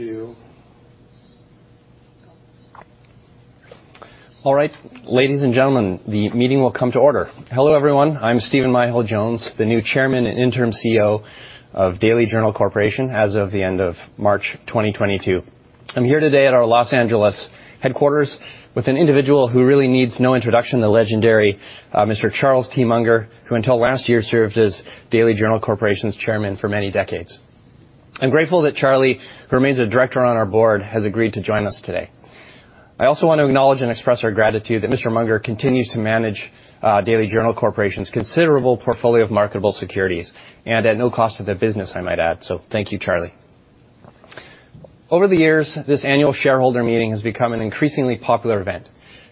Two. Right. Ladies and gentlemen, the meeting will come to order. Hello, everyone. I'm Steven Myhill-Jones, the new Chairman and Interim CEO of Daily Journal Corporation as of the end of March 2022. I'm here today at our Los Angeles headquarters with an individual who really needs no introduction, the legendary Mr. Charles T. Munger, who until last year served as Daily Journal Corporation's chairman for many decades. I'm grateful that Charlie, who remains a director on our board, has agreed to join us today. I also want to acknowledge and express our gratitude that Mr. Munger continues to manage Daily Journal Corporation's considerable portfolio of marketable securities and at no cost to the business, I might add. Thank you, Charlie. Over the years, this annual shareholder meeting has become an increasingly popular event,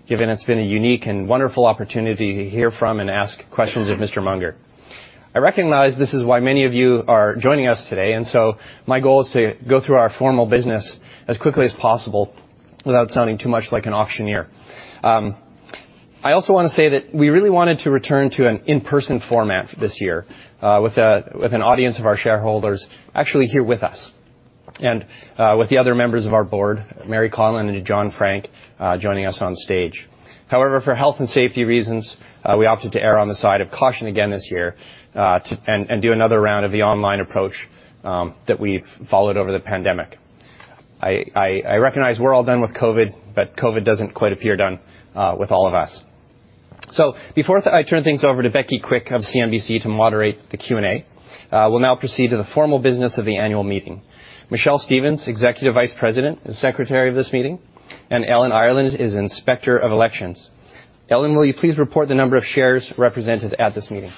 given it's been a unique and wonderful opportunity to hear from and ask questions of Mr. Munger. My goal is to go through our formal business as quickly as possible without sounding too much like an auctioneer. I also wanna say that we really wanted to return to an in-person format this year, with an audience of our shareholders actually here with us, and with the other members of our board, Mary Conlin and John Frank, joining us on stage. However, for health and safety reasons, we opted to err on the side of caution again this year, and do another round of the online approach that we've followed over the pandemic. I recognize we're all done with COVID, but COVID doesn't quite appear done with all of us. Before I turn things over to Becky Quick of CNBC to moderate the Q&A, we'll now proceed to the formal business of the annual meeting. Michelle Stephens, Executive Vice President and Secretary of this meeting, and Ellen Ireland is Inspector of Elections. Ellen, will you please report the number of shares represented at this meeting?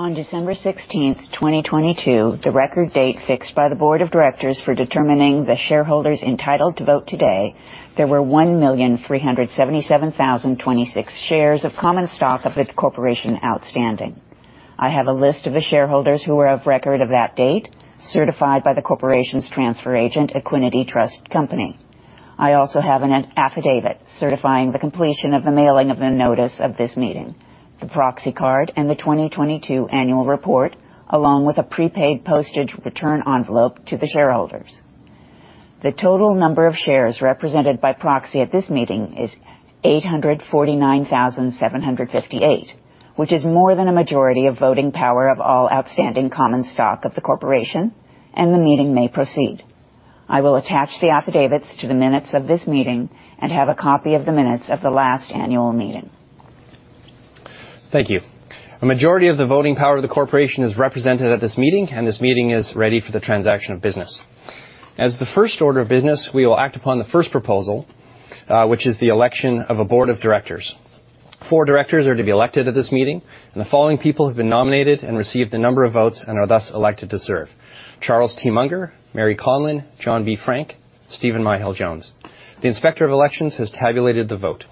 On December 16th, 2022, the record date fixed by the board of directors for determining the shareholders entitled to vote today, there were 1,377,026 shares of common stock of the corporation outstanding. I have a list of the shareholders who were of record of that date, certified by the corporation's transfer agent, Equiniti Trust Company. I also have an affidavit certifying the completion of the mailing of the notice of this meeting, the proxy card, and the 2022 annual report, along with a prepaid postage return envelope to the shareholders. The total number of shares represented by proxy at this meeting is 849,758, which is more than a majority of voting power of all outstanding common stock of the corporation. The meeting may proceed.. I will attach the affidavits to the minutes of this meeting and have a copy of the minutes of the last annual meeting. Thank you. A majority of the voting power of the corporation is represented at this meeting. This meeting is ready for the transaction of business. As the first order of business, we will act upon the first proposal, which is the election of a board of directors. Four directors are to be elected at this meeting. The following people have been nominated and received the number of votes and are thus elected to serve: Charles T. Munger, Mary Conlin, John V. Frank, Steven Myhill-Jones. The Inspector of Elections has tabulated the vote.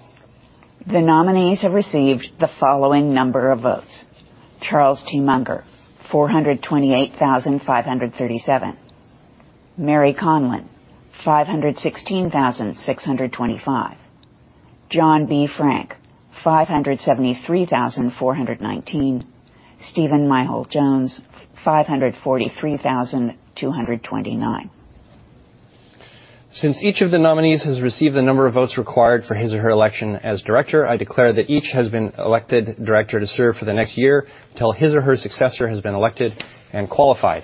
The nominees have received the following number of votes. Charles T. Munger, 428,537. Mary Conlin, 516,625. John V. Frank, 573,419. Steven Myhill-Jones, 543,229. Since each of the nominees has received the number of votes required for his or her election as director, I declare that each has been elected director to serve for the next year until his or her successor has been elected and qualified.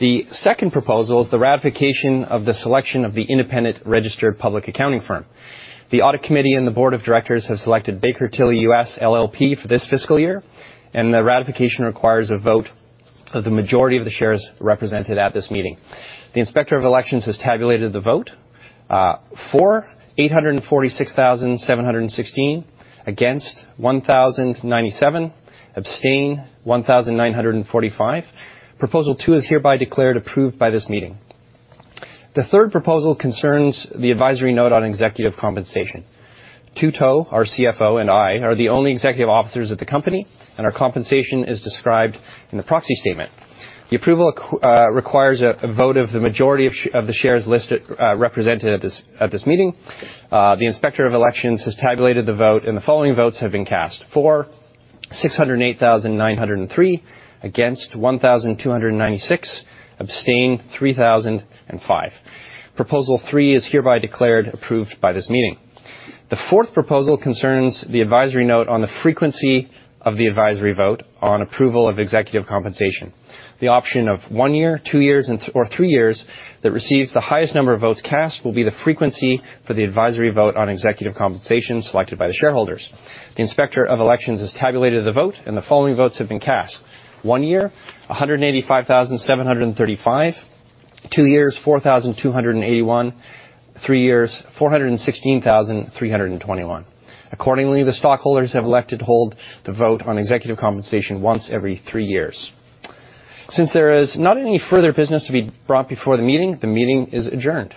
The second proposal is the ratification of the selection of the independent registered public accounting firm. The audit committee and the board of directors have selected Baker Tilly US LLP for this fiscal year, and the ratification requires a vote of the majority of the shares represented at this meeting. The Inspector of Elections has tabulated the vote. For, 846,716. Against, 1,097. Abstain, 1,945. Proposal two is hereby declared approved by this meeting. The third proposal concerns the advisory vote on executive compensation. Tu To, our CFO, and I are the only executive officers of the company, and our compensation is described in the proxy statement. The approval requires a vote of the majority of the shares represented at this meeting. The Inspector of Elections has tabulated the vote, and the following votes have been cast. For, 608,903. Against, 1,296. Abstain, 3,005. Proposal 3 is hereby declared approved by this meeting. The fourth proposal concerns the advisory vote on the frequency of the advisory vote on approval of executive compensation. The option of one year, two years, or three years that receives the highest number of votes cast will be the frequency for the advisory vote on executive compensation selected by the shareholders. The Inspector of Elections has tabulated the vote, and the following votes have been cast. One year, 185,735. Two years, 4,281. Three years, 416,321. Accordingly, the stockholders have elected to hold the vote on executive compensation once every three years. Since there is not any further business to be brought before the meeting, the meeting is adjourned.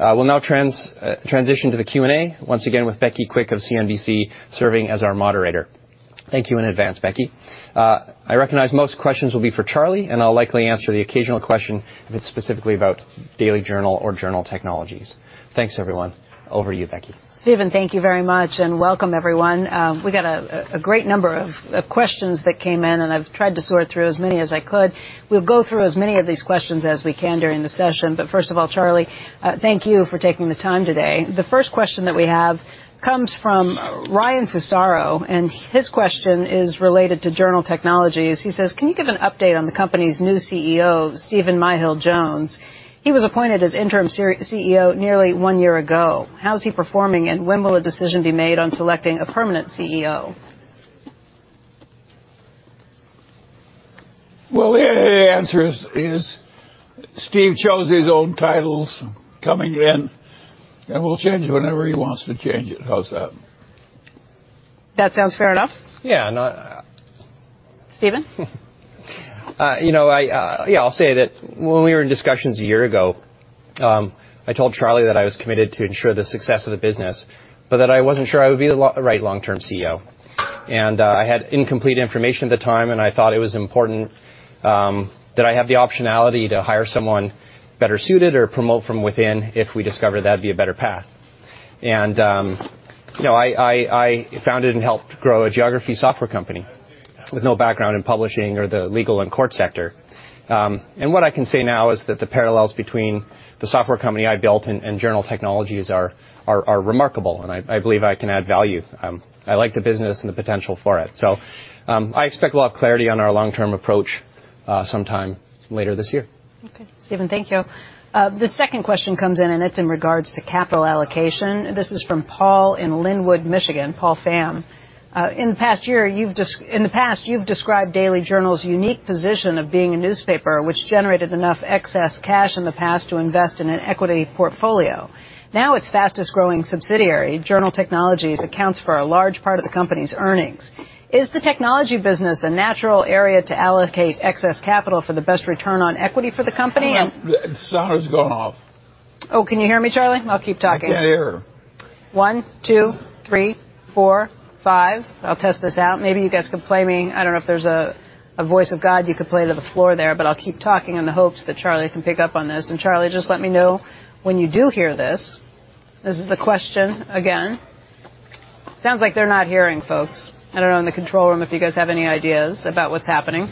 We'll now transition to the Q&A once again with Becky Quick of CNBC serving as our moderator. Thank you in advance, Becky. I recognize most questions will be for Charlie, and I'll likely answer the occasional question if it's specifically about Daily Journal or Journal Technologies. Thanks, everyone. Over to you, Becky. Steven, thank you very much. Welcome, everyone. We got a great number of questions that came in, and I've tried to sort through as many as I could. We'll go through as many of these questions as we can during the session. First of all, Charlie, thank you for taking the time today. The first question that we have comes from Ryan Fusaro, and his question is related to Journal Technologies. He says, "Can you give an update on the company's new CEO, Steven Myhill-Jones? He was appointed as interim CEO nearly 1 year ago. How is he performing, and when will a decision be made on selecting a permanent CEO? The answer is Steve chose his own titles coming in, and we'll change it whenever he wants to change it. How's that? That sounds fair enough. Yeah, no. Steven? You know, I, yeah, I'll say that when we were in discussions a year ago, I told Charlie that I was committed to ensure the success of the business but that I wasn't sure I would be the right long-term CEO. I had incomplete information at the time, and I thought it was important that I have the optionality to hire someone better suited or promote from within if we discover that'd be a better path. You know, I founded and helped grow a geography software company with no background in publishing or the legal and court sector. And what I can say now is that the parallels between the software company I built and Journal Technologies are remarkable, and I believe I can add value. I like the business and the potential for it. I expect we'll have clarity on our long-term approach sometime later this year. Okay. Steven, thank you. The second question comes in, and it's in regards to capital allocation. This is from Paul in Linwood, Michigan, Paul Pham. "In the past year, in the past, you've described Daily Journal's unique position of being a newspaper which generated enough excess cash in the past to invest in an equity portfolio. Now, its fastest-growing subsidiary, Journal Technologies, accounts for a large part of the company's earnings. Is the technology business a natural area to allocate excess capital for the best return on equity for the company? The sound has gone off. Oh, can you hear me, Charlie? I'll keep talking. I can't hear her. One, two, three, four, five. I'll test this out. Maybe you guys can play me... I don't know if there's a voice of God you could play to the floor there, but I'll keep talking in the hopes that Charlie can pick up on this. Charlie, just let me know when you do hear this. This is the question again. Sounds like they're not hearing, folks. I don't know in the control room if you guys have any ideas about what's happening.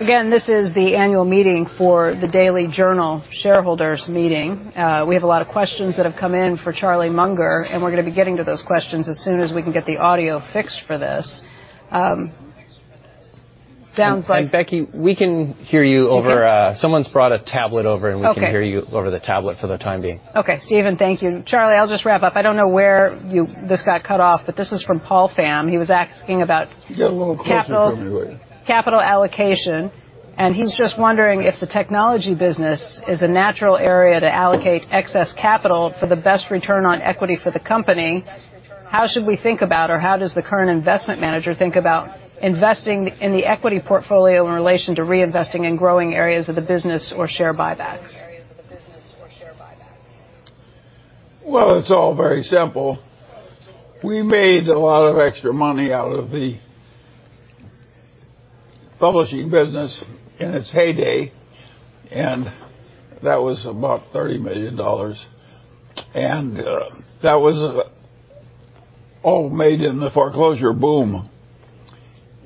Again, this is the annual meeting for the Daily Journal shareholders meeting. We have a lot of questions that have come in for Charlie Munger, and we're gonna be getting to those questions as soon as we can get the audio fixed for this. Becky, we can hear you over. Okay. Someone's brought a tablet over. Okay. We can hear you over the tablet for the time being. Okay. Steven, thank you. Charlie, I'll just wrap up. I don't know where this got cut off, but this is from Paul Pham. He was asking about... Get a little closer to me, will you? -capital, capital allocation, He's just wondering if the technology business is a natural area to allocate excess capital for the best return on equity for the company. How should we think about or how does the current investment manager think about investing in the equity portfolio in relation to reinvesting in growing areas of the business or share buybacks? Well, it's all very simple. We made a lot of extra money out of the publishing business in its heyday, and that was about $30 million. That was all made in the foreclosure boom.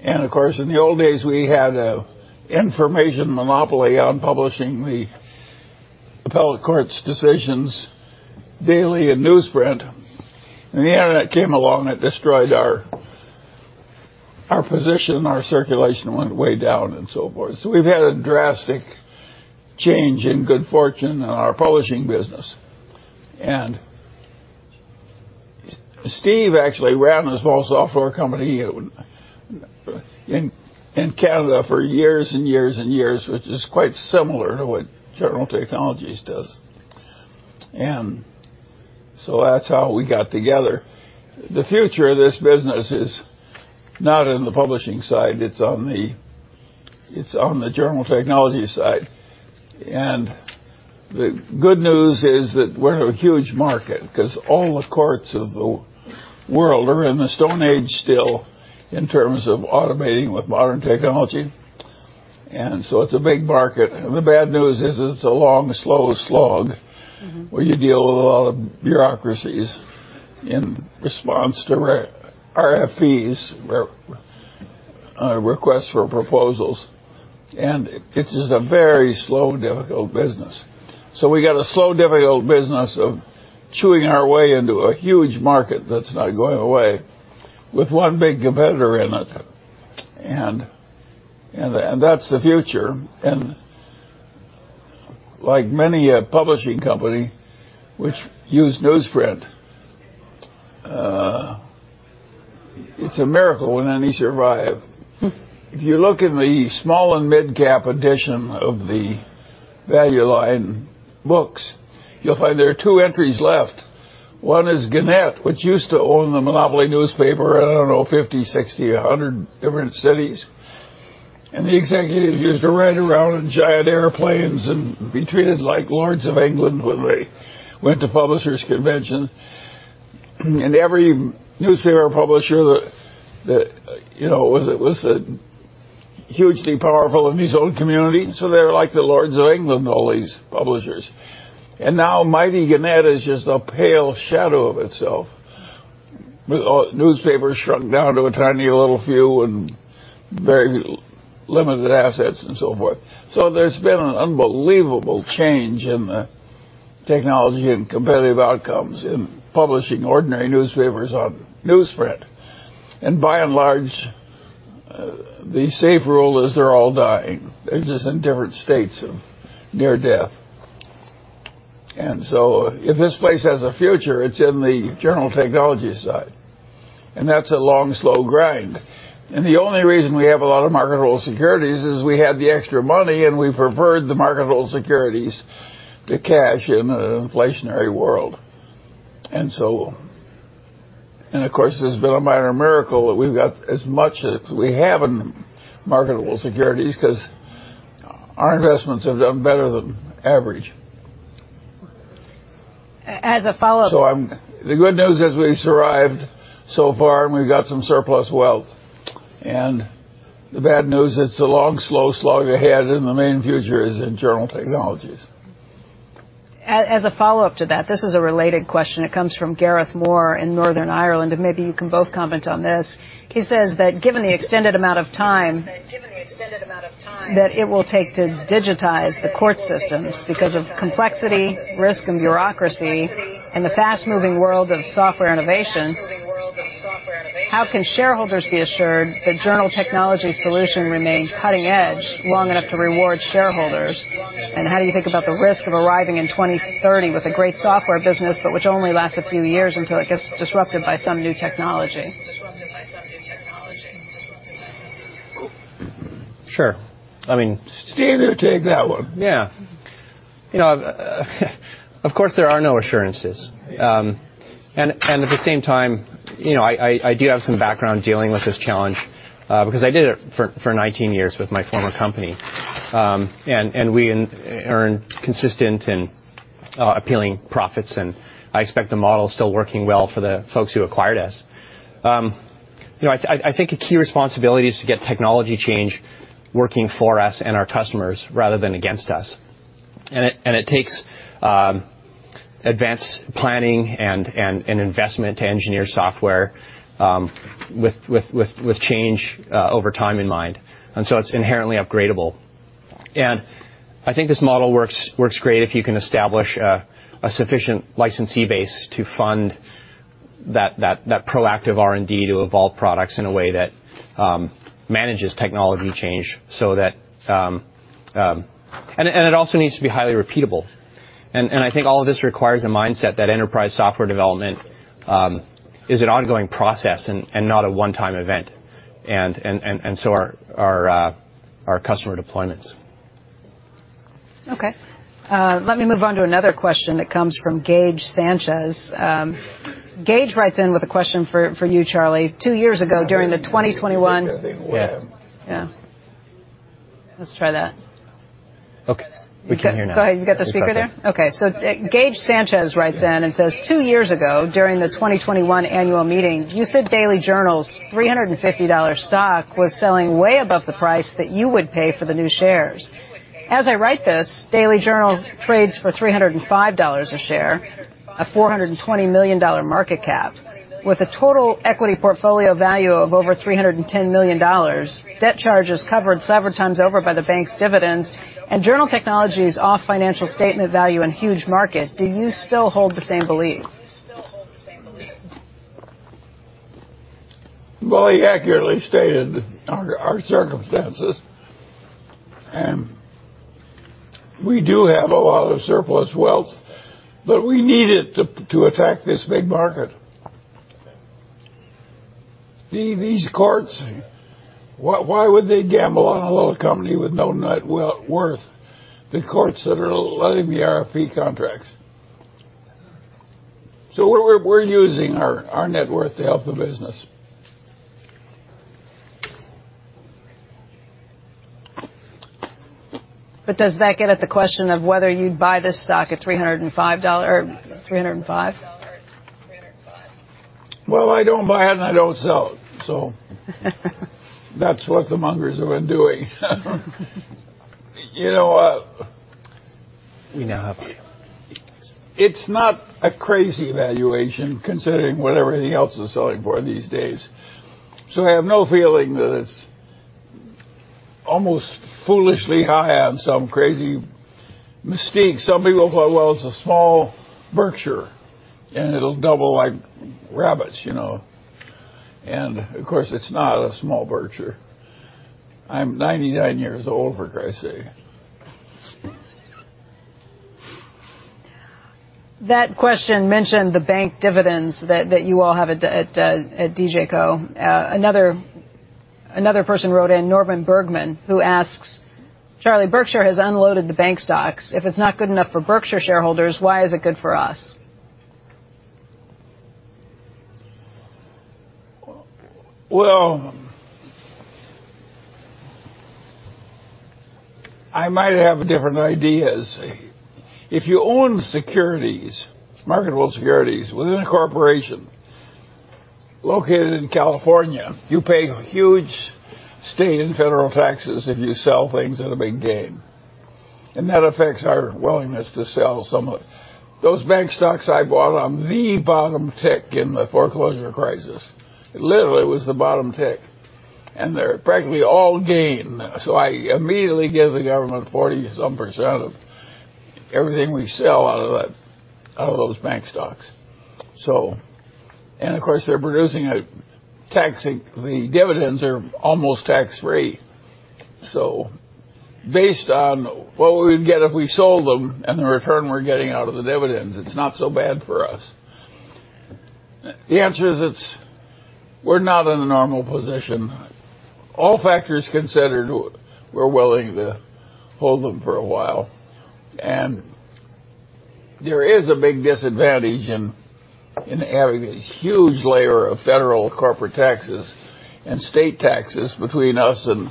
Of course, in the old days, we had a information monopoly on publishing the appellate court's decisions daily in newsprint. When the Internet came along, it destroyed our position. Our circulation went way down and so forth. We've had a drastic change in good fortune in our publishing business. Steve actually ran a small software company in Canada for years and years and years, which is quite similar to what Journal Technologies does. That's how we got together. The future of this business is not in the publishing side. It's on the Journal Technologies side. The good news is that we're in a huge market because all the courts of the world are in the Stone Age still in terms of automating with modern technology, and so it's a big market. The bad news is it's a long, slow slog. Mm-hmm. where you deal with a lot of bureaucracies in response to RFPs, requests for proposals. It's just a very slow, difficult business. We got a slow, difficult business of chewing our way into a huge market that's not going away with one big competitor in it. That's the future. Like many a publishing company which use newsprint, it's a miracle when any survive. If you look in the small and midcap edition of the Value Line books, you'll find there are two entries left. One is Gannett, which used to own the monopoly newspaper in, I don't know, 50, 60, 100 different cities. The executives used to ride around in giant airplanes and be treated like lords of England when they went to publishers convention. Every newspaper publisher that, you know, was hugely powerful in his own community, so they're like the lords of England, all these publishers. Now mighty Gannett is just a pale shadow of itself. With all newspapers shrunk down to a tiny little few and very limited assets and so forth. There's been an unbelievable change in the technology and competitive outcomes in publishing ordinary newspapers on newsprint. By and large, the safe rule is they're all dying. They're just in different states of near death. If this place has a future, it's in the Journal Technologies side. That's a long, slow grind. The only reason we have a lot of marketable securities is we had the extra money, and we preferred the marketable securities to cash in an inflationary world. Of course, there's been a minor miracle that we've got as much as we have in marketable securities because our investments have done better than average. As a follow-up The good news is we survived so far, and we got some surplus wealth. The bad news, it's a long, slow slog ahead, and the main future is in Journal Technologies. As a follow-up to that, this is a related question. It comes from Gareth Moore in Northern Ireland. Maybe you can both comment on this. He says that given the extended amount of time that it will take to digitize the court systems because of complexity, risk, and bureaucracy, and the fast-moving world of software innovation, how can shareholders be assured that Journal Technologies solution remains cutting edge long enough to reward shareholders? How do you think about the risk of arriving in 2030 with a great software business, but which only lasts a few years until it gets disrupted by some new technology? Sure. I mean... Steve, you take that one. Yeah. You know, of course, there are no assurances. At the same time, you know, I do have some background dealing with this challenge, because I did it for 19 years with my former company. We earned consistent and appealing profits, and I expect the model is still working well for the folks who acquired us. You know, I think a key responsibility is to get technology change working for us and our customers rather than against us. It takes advanced planning and an investment to engineer software with change over time in mind. It's inherently upgradable. I think this model works great if you can establish a sufficient licensee base to fund that proactive R&D to evolve products in a way that manages technology change so that. It also needs to be highly repeatable. I think all of this requires a mindset that enterprise software development is an ongoing process and not a one-time event. So are our customer deployments. Okay. let me move on to another question that comes from Gage Sanchez. Gage writes in with a question for you, Charlie. Two years ago, during the 2021- Yeah. Yeah. Let's try that. Okay. We can hear now. Go ahead. You got the speaker there? Okay. Gage Sanchez writes in and says, "Two years ago, during the 2021 annual meeting, you said Daily Journal's $350 stock was selling way above the price that you would pay for the new shares. As I write this, Daily Journal trades for $305 a share, a $420 million market cap with a total equity portfolio value of over $310 million. Debt charge is covered several times over by the bank's dividends and Journal Technologies' off financial statement value and huge market. Do you still hold the same belief? Well, he accurately stated our circumstances. We do have a lot of surplus wealth, but we need it to attack this big market. These courts, why would they gamble on a little company with no net worth? The courts that are letting the RFP contracts. We're using our net worth to help the business. Does that get at the question of whether you'd buy this stock at $305? Well, I don't buy it, and I don't sell it. That's what the Mungers have been doing. You know. We now have audio.... it's not a crazy valuation considering what everything else is selling for these days. I have no feeling that it's almost foolishly high on some crazy mystique. Some people go, "Well, it's a small Berkshire, and it'll double like rabbits," you know. Of course, it's not a small Berkshire. I'm 99 years old, for Christ's sake. That question mentioned the bank dividends that you all have at DJCO. Another person wrote in, Norman Bergman, who asks, "Charlie, Berkshire has unloaded the bank stocks. If it's not good enough for Berkshire shareholders, why is it good for us? I might have different ideas. If you own securities, marketable securities within a corporation located in California, you pay huge state and federal taxes if you sell things at a big gain, that affects our willingness to sell Those bank stocks I bought on the bottom tick in the foreclosure crisis. Literally, it was the bottom tick, they're practically all gain. I immediately give the government 40 some % of everything we sell out of that, out of those bank stocks. Of course, The dividends are almost tax-free. Based on what we would get if we sold them and the return we're getting out of the dividends, it's not so bad for us. The answer is we're not in a normal position. All factors considered, we're willing to hold them for a while. There is a big disadvantage in having this huge layer of federal corporate taxes and state taxes between us and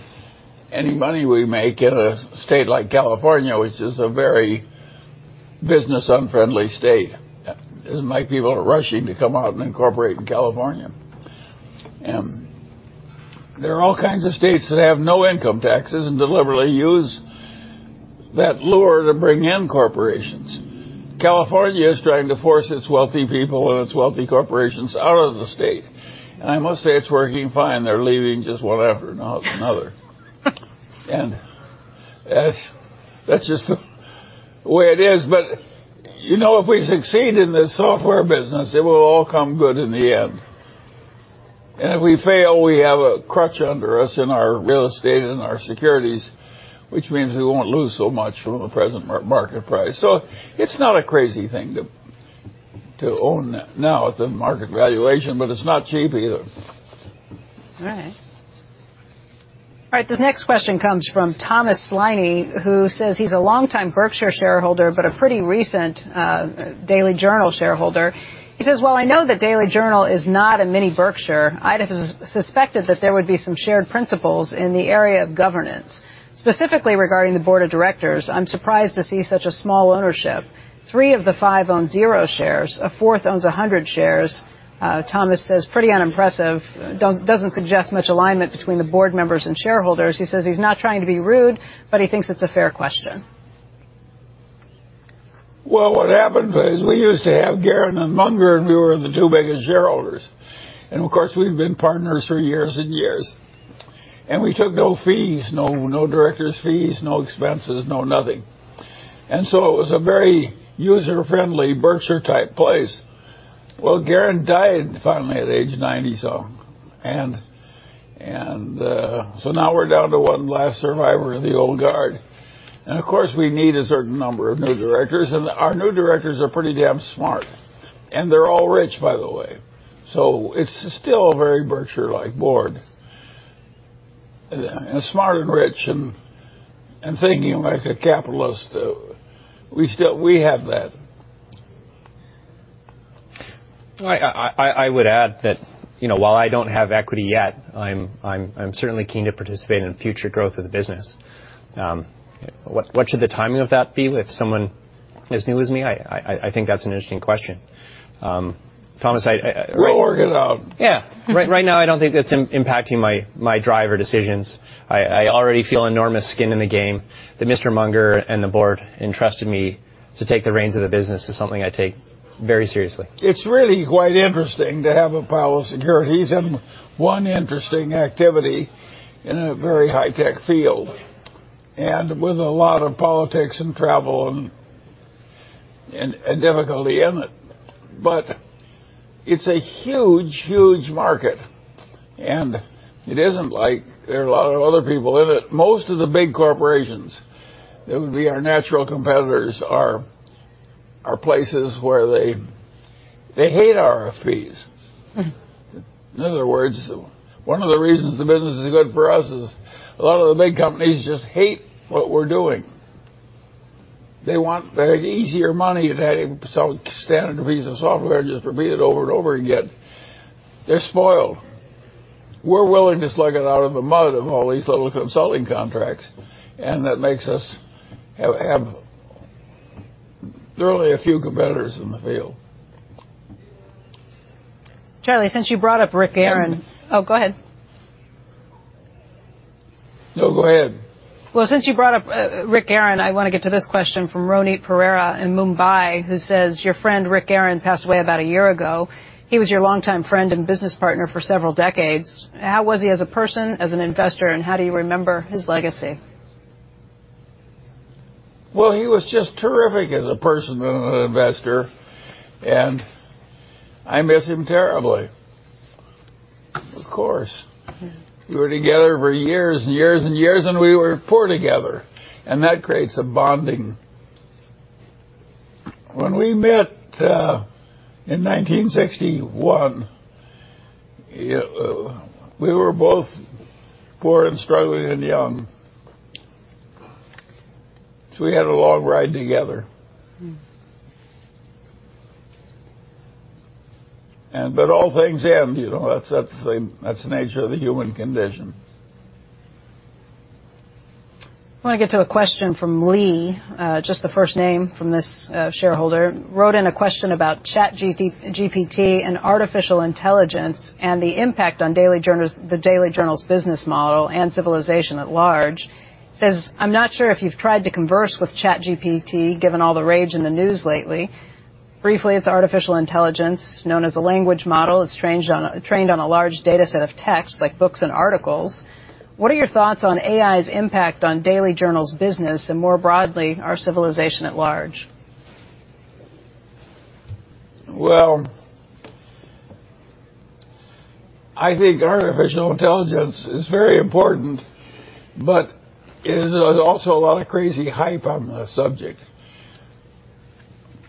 any money we make in a state like California, which is a very business-unfriendly state. It isn't like people are rushing to come out and incorporate in California. There are all kinds of states that have no income taxes and deliberately use that lure to bring in corporations. California is trying to force its wealthy people and its wealthy corporations out of the state. I must say it's working fine. They're leaving just one after another. That's just the way it is. You know, if we succeed in this software business, it will all come good in the end. If we fail, we have a crutch under us in our real estate and our securities, which means we won't lose so much from the present market price. It's not a crazy thing to own now at the market valuation, but it's not cheap either. All right. All right, this next question comes from Thomas Sliney, who says he's a longtime Berkshire shareholder, but a pretty recent Daily Journal shareholder. He says, "While I know that Daily Journal is not a mini Berkshire, I'd have suspected that there would be some shared principles in the area of governance. Specifically regarding the board of directors, I'm surprised to see such a small ownership. Three of the five own zero shares. A fourth owns 100 shares." Thomas says, "Pretty unimpressive. Doesn't suggest much alignment between the board members and shareholders." He says he's not trying to be rude, but he thinks it's a fair question. What happened is we used to have Guerin and Munger, and we were the 2 biggest shareholders. Of course, we've been partners for years and years. We took no fees, no directors' fees, no expenses, no nothing. It was a very user-friendly Berkshire-type place. Guerin died finally at age 90 some. Now we're down to one last survivor of the old guard. Of course, we need a certain number of new directors, and our new directors are pretty damn smart. They're all rich, by the way. It's still a very Berkshire-like board. Smart and rich and thinking like a capitalist. We have that. I would add that, you know, while I don't have equity yet, I'm certainly keen to participate in future growth of the business. What should the timing of that be with someone as new as me? I think that's an interesting question. Thomas. We'll work it out. Yeah. Right now I don't think that's impacting my drive or decisions. I already feel enormous skin in the game that Mr. Munger and the board entrusted me to take the reins of the business is something I take very seriously. It's really quite interesting to have a pile of securities and one interesting activity in a very high-tech field, and with a lot of politics and travel and difficulty in it. It's a huge, huge market, and it isn't like there are a lot of other people in it. Most of the big corporations that would be our natural competitors are places where they hate RFPs. In other words, one of the reasons the business is good for us is a lot of the big companies just hate what we're doing. They want the easier money of adding some standard piece of software and just repeat it over and over again. They're spoiled. We're willing to slug it out of the mud of all these little consulting contracts, and that makes us have really a few competitors in the field. Charlie, since you brought up Rick Guerin. Oh, go ahead. No, go ahead. Well, since you brought up Rick Guerin, I want to get to this question from Ronit Pereira in Mumbai, who says, "Your friend Rick Guerin passed away about a year ago. He was your longtime friend and business partner for several decades. How was he as a person, as an investor, and how do you remember his legacy? Well, he was just terrific as a person and an investor, and I miss him terribly. Of course. Yeah. We were together for years and years and years. We were poor together. That creates a bonding. When we met in 1961, we were both poor and struggling and young. We had a long ride together. Mm. All things end, you know. That's the nature of the human condition. I wanna get to a question from Lee, just the first name from this shareholder. Wrote in a question about ChatGPT and artificial intelligence and the impact on the Daily Journal's business model and civilization at large. Says, "I'm not sure if you've tried to converse with ChatGPT given all the rage in the news lately. Briefly, it's artificial intelligence known as a language model. It's trained on a large dataset of texts like books and articles. What are your thoughts on AI's impact on Daily Journal's business and more broadly, our civilization at large? I think artificial intelligence is very important, but it is also a lot of crazy hype on the subject.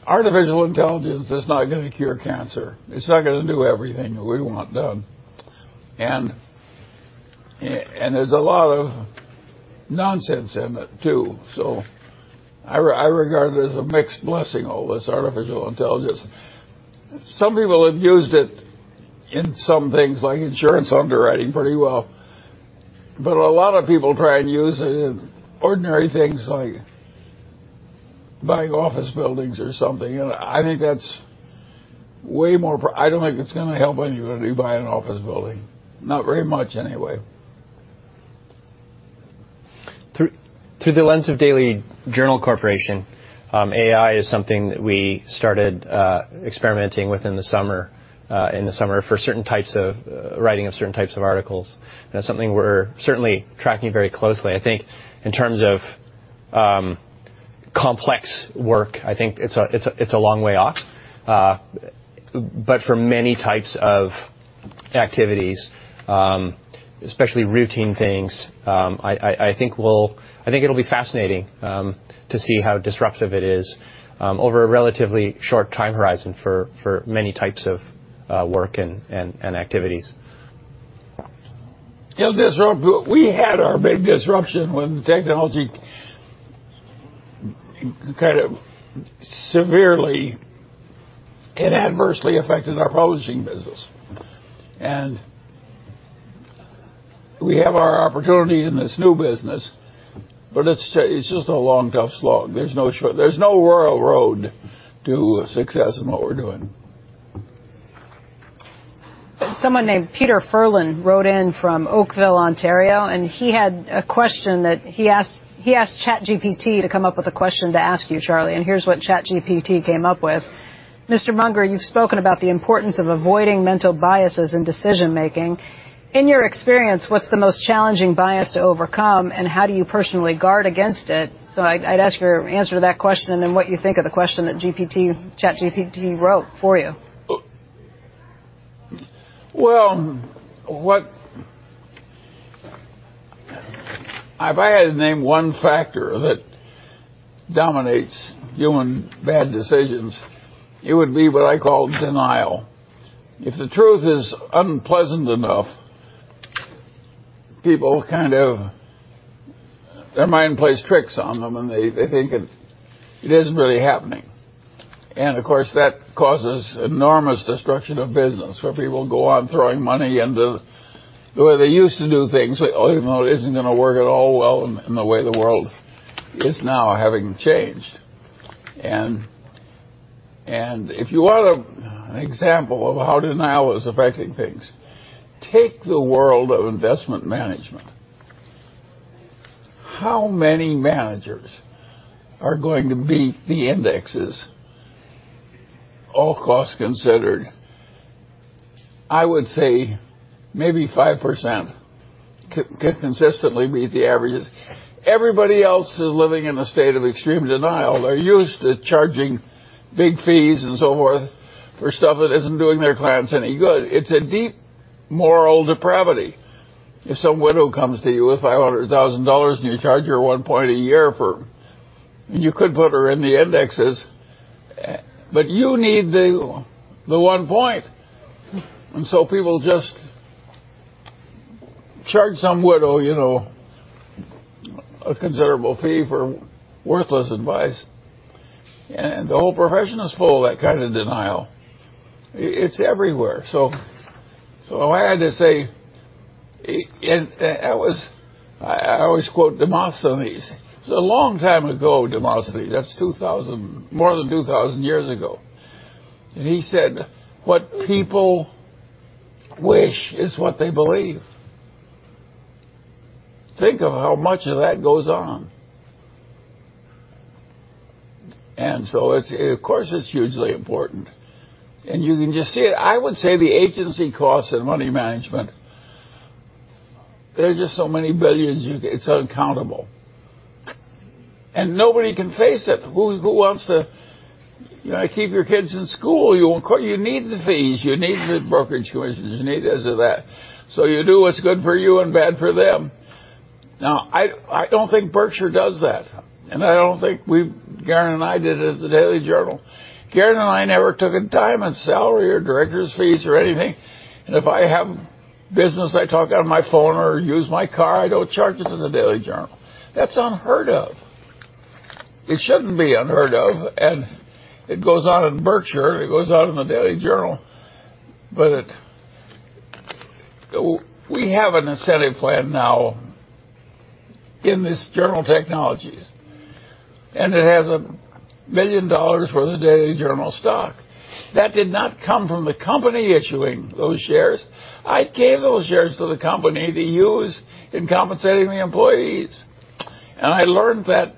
Artificial intelligence is not gonna cure cancer. It's not gonna do everything we want done. There's a lot of nonsense in it too. I regard it as a mixed blessing, all this artificial intelligence. Some people have used it in some things like insurance underwriting pretty well. A lot of people try and use it in ordinary things like buying office buildings or something, and I think that's way more I don't think it's gonna help anybody buy an office building. Not very much anyway. Through the lens of Daily Journal Corporation, AI is something that we started experimenting with in the summer for certain types of writing of certain types of articles. That's something we're certainly tracking very closely. I think in terms of complex work, I think it's a long way off. For many types of activities, especially routine things, I think it'll be fascinating to see how disruptive it is over a relatively short time horizon for many types of work and activities. It'll disrupt... We had our big disruption when technology kind of severely and adversely affected our publishing business. We have our opportunity in this new business. It's just a long, tough slog. There's no royal road to success in what we're doing. Someone named Peter Furlan wrote in from Oakville, Ontario, and he had a question that he asked ChatGPT to come up with a question to ask you, Charlie, and here's what ChatGPT came up with: "Mr. Munger, you've spoken about the importance of avoiding mental biases in decision-making. In your experience, what's the most challenging bias to overcome, and how do you personally guard against it?" I'd ask for your answer to that question and then what you think of the question that ChatGPT wrote for you. Well, what If I had to name one factor that dominates human bad decisions, it would be what I call denial. If the truth is unpleasant enough, people kind of... Their mind plays tricks on them, and they think it isn't really happening. Of course, that causes enormous destruction of business where people go on throwing money into the way they used to do things, even though it isn't gonna work at all well in the way the world is now having changed. If you want an example of how denial is affecting things, take the world of investment management. How many managers are going to beat the indexes? All costs considered, I would say maybe 5% can consistently beat the averages. Everybody else is living in a state of extreme denial. They're used to charging big fees and so forth for stuff that isn't doing their clients any good. It's a deep moral depravity if some widow comes to you with $500,000 and you charge her 1 point a year for. You could put her in the indexes, but you need the 1 point. People just charge some widow, you know, a considerable fee for worthless advice, and the whole profession is full of that kind of denial. It's everywhere. So I had to say, and it was, I always quote Demosthenes. It was a long time ago, Demosthenes. That's more than 2,000 years ago. And he said, "What people wish is what they believe." Think of how much of that goes on. It's, of course it's hugely important. You can just see it. I would say the agency costs in money management, they're just so many billions, it's uncountable. Nobody can face it. Who wants to... You know, keep your kids in school. You need the fees. You need the brokerage commissions. You need this or that. You do what's good for you and bad for them. I don't think Berkshire does that, and I don't think we, Guerin and I did it at the Daily Journal. Guerin and I never took a dime in salary or director's fees or anything. If I have-Business, I talk on my phone or use my car, I don't charge it to The Daily Journal. That's unheard of. It shouldn't be unheard of, and it goes on in Berkshire, and it goes on in The Daily Journal. We have an incentive plan now in this Journal Technologies, it has $1 million worth of Daily Journal stock. That did not come from the company issuing those shares. I gave those shares to the company to use in compensating the employees. I learned that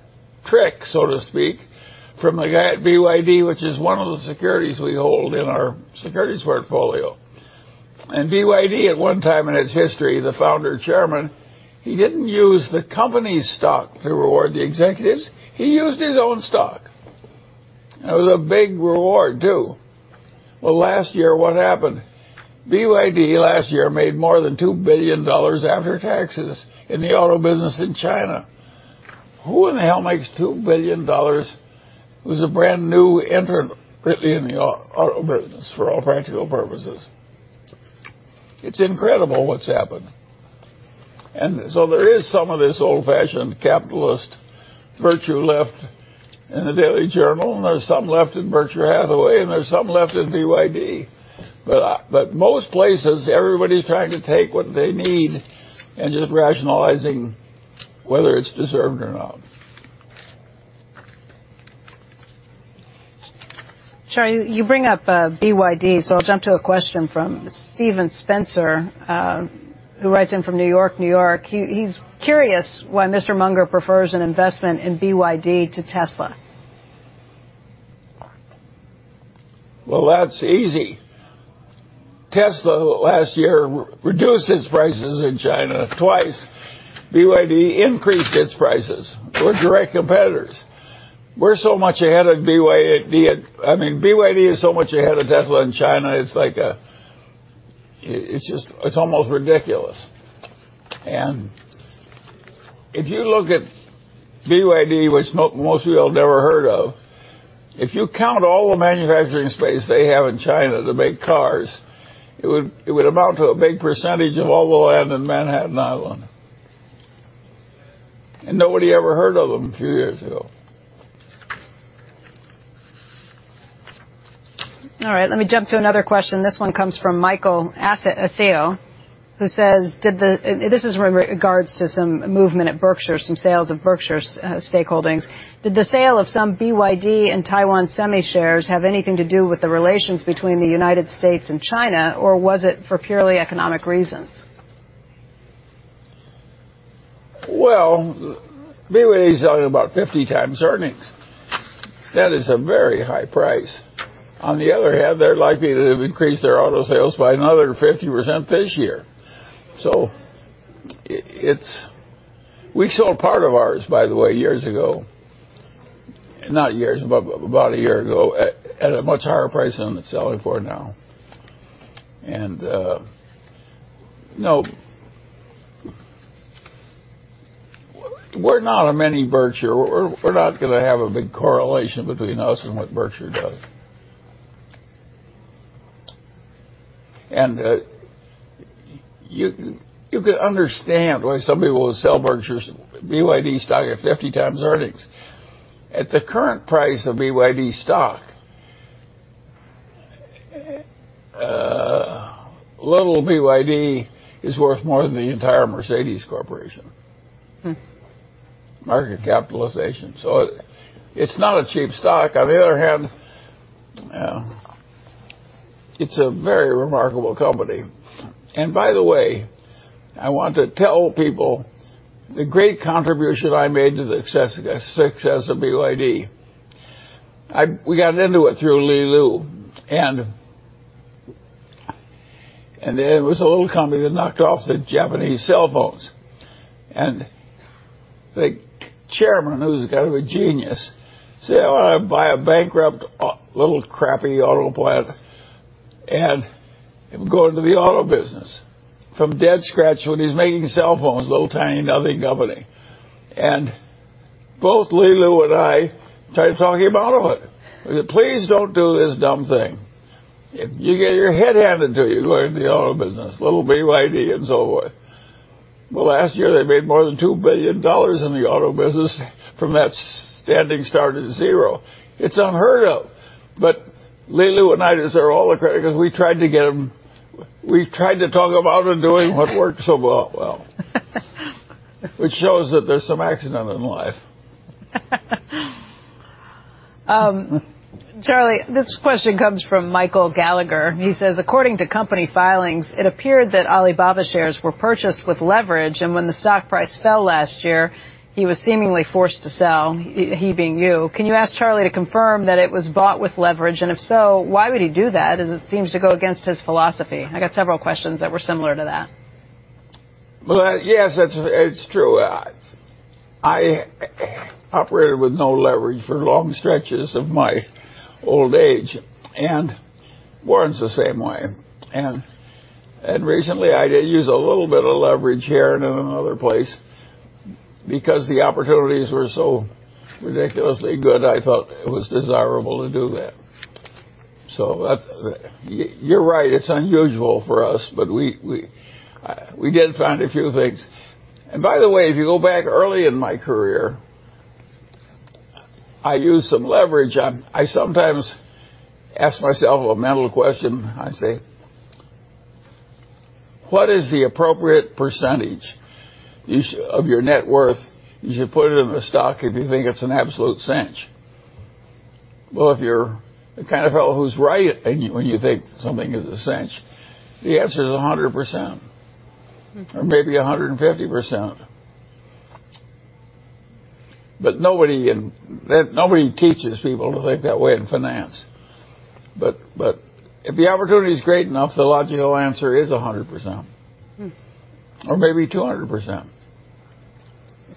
trick, so to speak, from a guy at BYD, which is one of the securities we hold in our securities portfolio. BYD at one time in its history, the founder, chairman, he didn't use the company's stock to reward the executives. He used his own stock. It was a big reward, too. Well, last year, what happened? BYD last year made more than $2 billion after taxes in the auto business in China. Who in the hell makes $2 billion who's a brand new entrant, really, in the auto business for all practical purposes? It's incredible what's happened. There is some of this old-fashioned capitalist virtue left in The Daily Journal, and there's some left in Berkshire Hathaway, and there's some left in BYD. Most places, everybody's trying to take what they need and just rationalizing whether it's deserved or not. Charlie, you bring up BYD. I'll jump to a question from Steven Spencer, who writes in from New York, New York. He's curious why Mr. Munger prefers an investment in BYD to Tesla. Well, that's easy. Tesla last year reduced its prices in China twice. BYD increased its prices. We're direct competitors. We're so much ahead of BYD. I mean, BYD is so much ahead of Tesla in China, it's like. It's just, it's almost ridiculous. If you look at BYD, which most people have never heard of, if you count all the manufacturing space they have in China to make cars, it would amount to a big percentage of all the land in Manhattan Island. Nobody ever heard of them a few years ago. All right, let me jump to another question. This one comes from Michael Ase-Aseo, who says, "Did the..." This is in regards to some movement at Berkshire, some sales of Berkshire stakeholdings. "Did the sale of some BYD and Taiwan Semi shares have anything to do with the relations between the United States and China, or was it for purely economic reasons? Well, BYD is selling about 50x earnings. That is a very high price. On the other hand, they're likely to increase their auto sales by another 50% this year. It's We sold part of ours, by the way, years ago. Not years, but about a year ago, at a much higher price than they're selling for now. You know, We're not a mini Berkshire. We're not gonna have a big correlation between us and what Berkshire does. You can understand why somebody will sell BYD stock at 50x earnings. At the current price of BYD stock, a little BYD is worth more than the entire Mercedes Corporation. Hmm. Market capitalization. It's not a cheap stock. On the other hand, it's a very remarkable company. By the way, I want to tell people the great contribution I made to the success of BYD. We got into it through Li Lu, and it was a little company that knocked off the Japanese cell phones. The chairman, who's kind of a genius, said, "Oh, I buy a bankrupt, little crappy auto plant, and go into the auto business from dead scratch when he's making cell phones, little, tiny, nothing company." Both Li Lu and I tried to talk him out of it. We said, "Please don't do this dumb thing. You get your head handed to you going into the auto business, little BYD and so forth." Last year, they made more than $2 billion in the auto business from that standing start at zero. It's unheard of. Li Lu and I deserve all the credit because we tried to talk him out of doing what worked so well. Which shows that there's some accident in life. Charlie, this question comes from Michael Gallagher. He says, "According to company filings, it appeared that Alibaba shares were purchased with leverage, and when the stock price fell last year, he was seemingly forced to sell," he being you. "Can you ask Charlie to confirm that it was bought with leverage, and if so, why would he do that as it seems to go against his philosophy?" I got several questions that were similar to that. Well, yes, it's true. I operated with no leverage for long stretches of my old age, and Warren's the same way. Recently I did use a little bit of leverage here and in another place because the opportunities were so ridiculously good, I thought it was desirable to do that. That's, you're right, it's unusual for us, but we did find a few things. By the way, if you go back early in my career, I used some leverage. I sometimes ask myself a mental question. I say, "What is the appropriate percentage of your net worth you should put into a stock if you think it's an absolute cinch?" Well, if you're the kind of fellow who's right and when you think something is a cinch, the answer is 100%. Mm-hmm. Maybe 150%. Nobody teaches people to think that way in finance. If the opportunity is great enough, the logical answer is 100%. Mm. maybe 200%.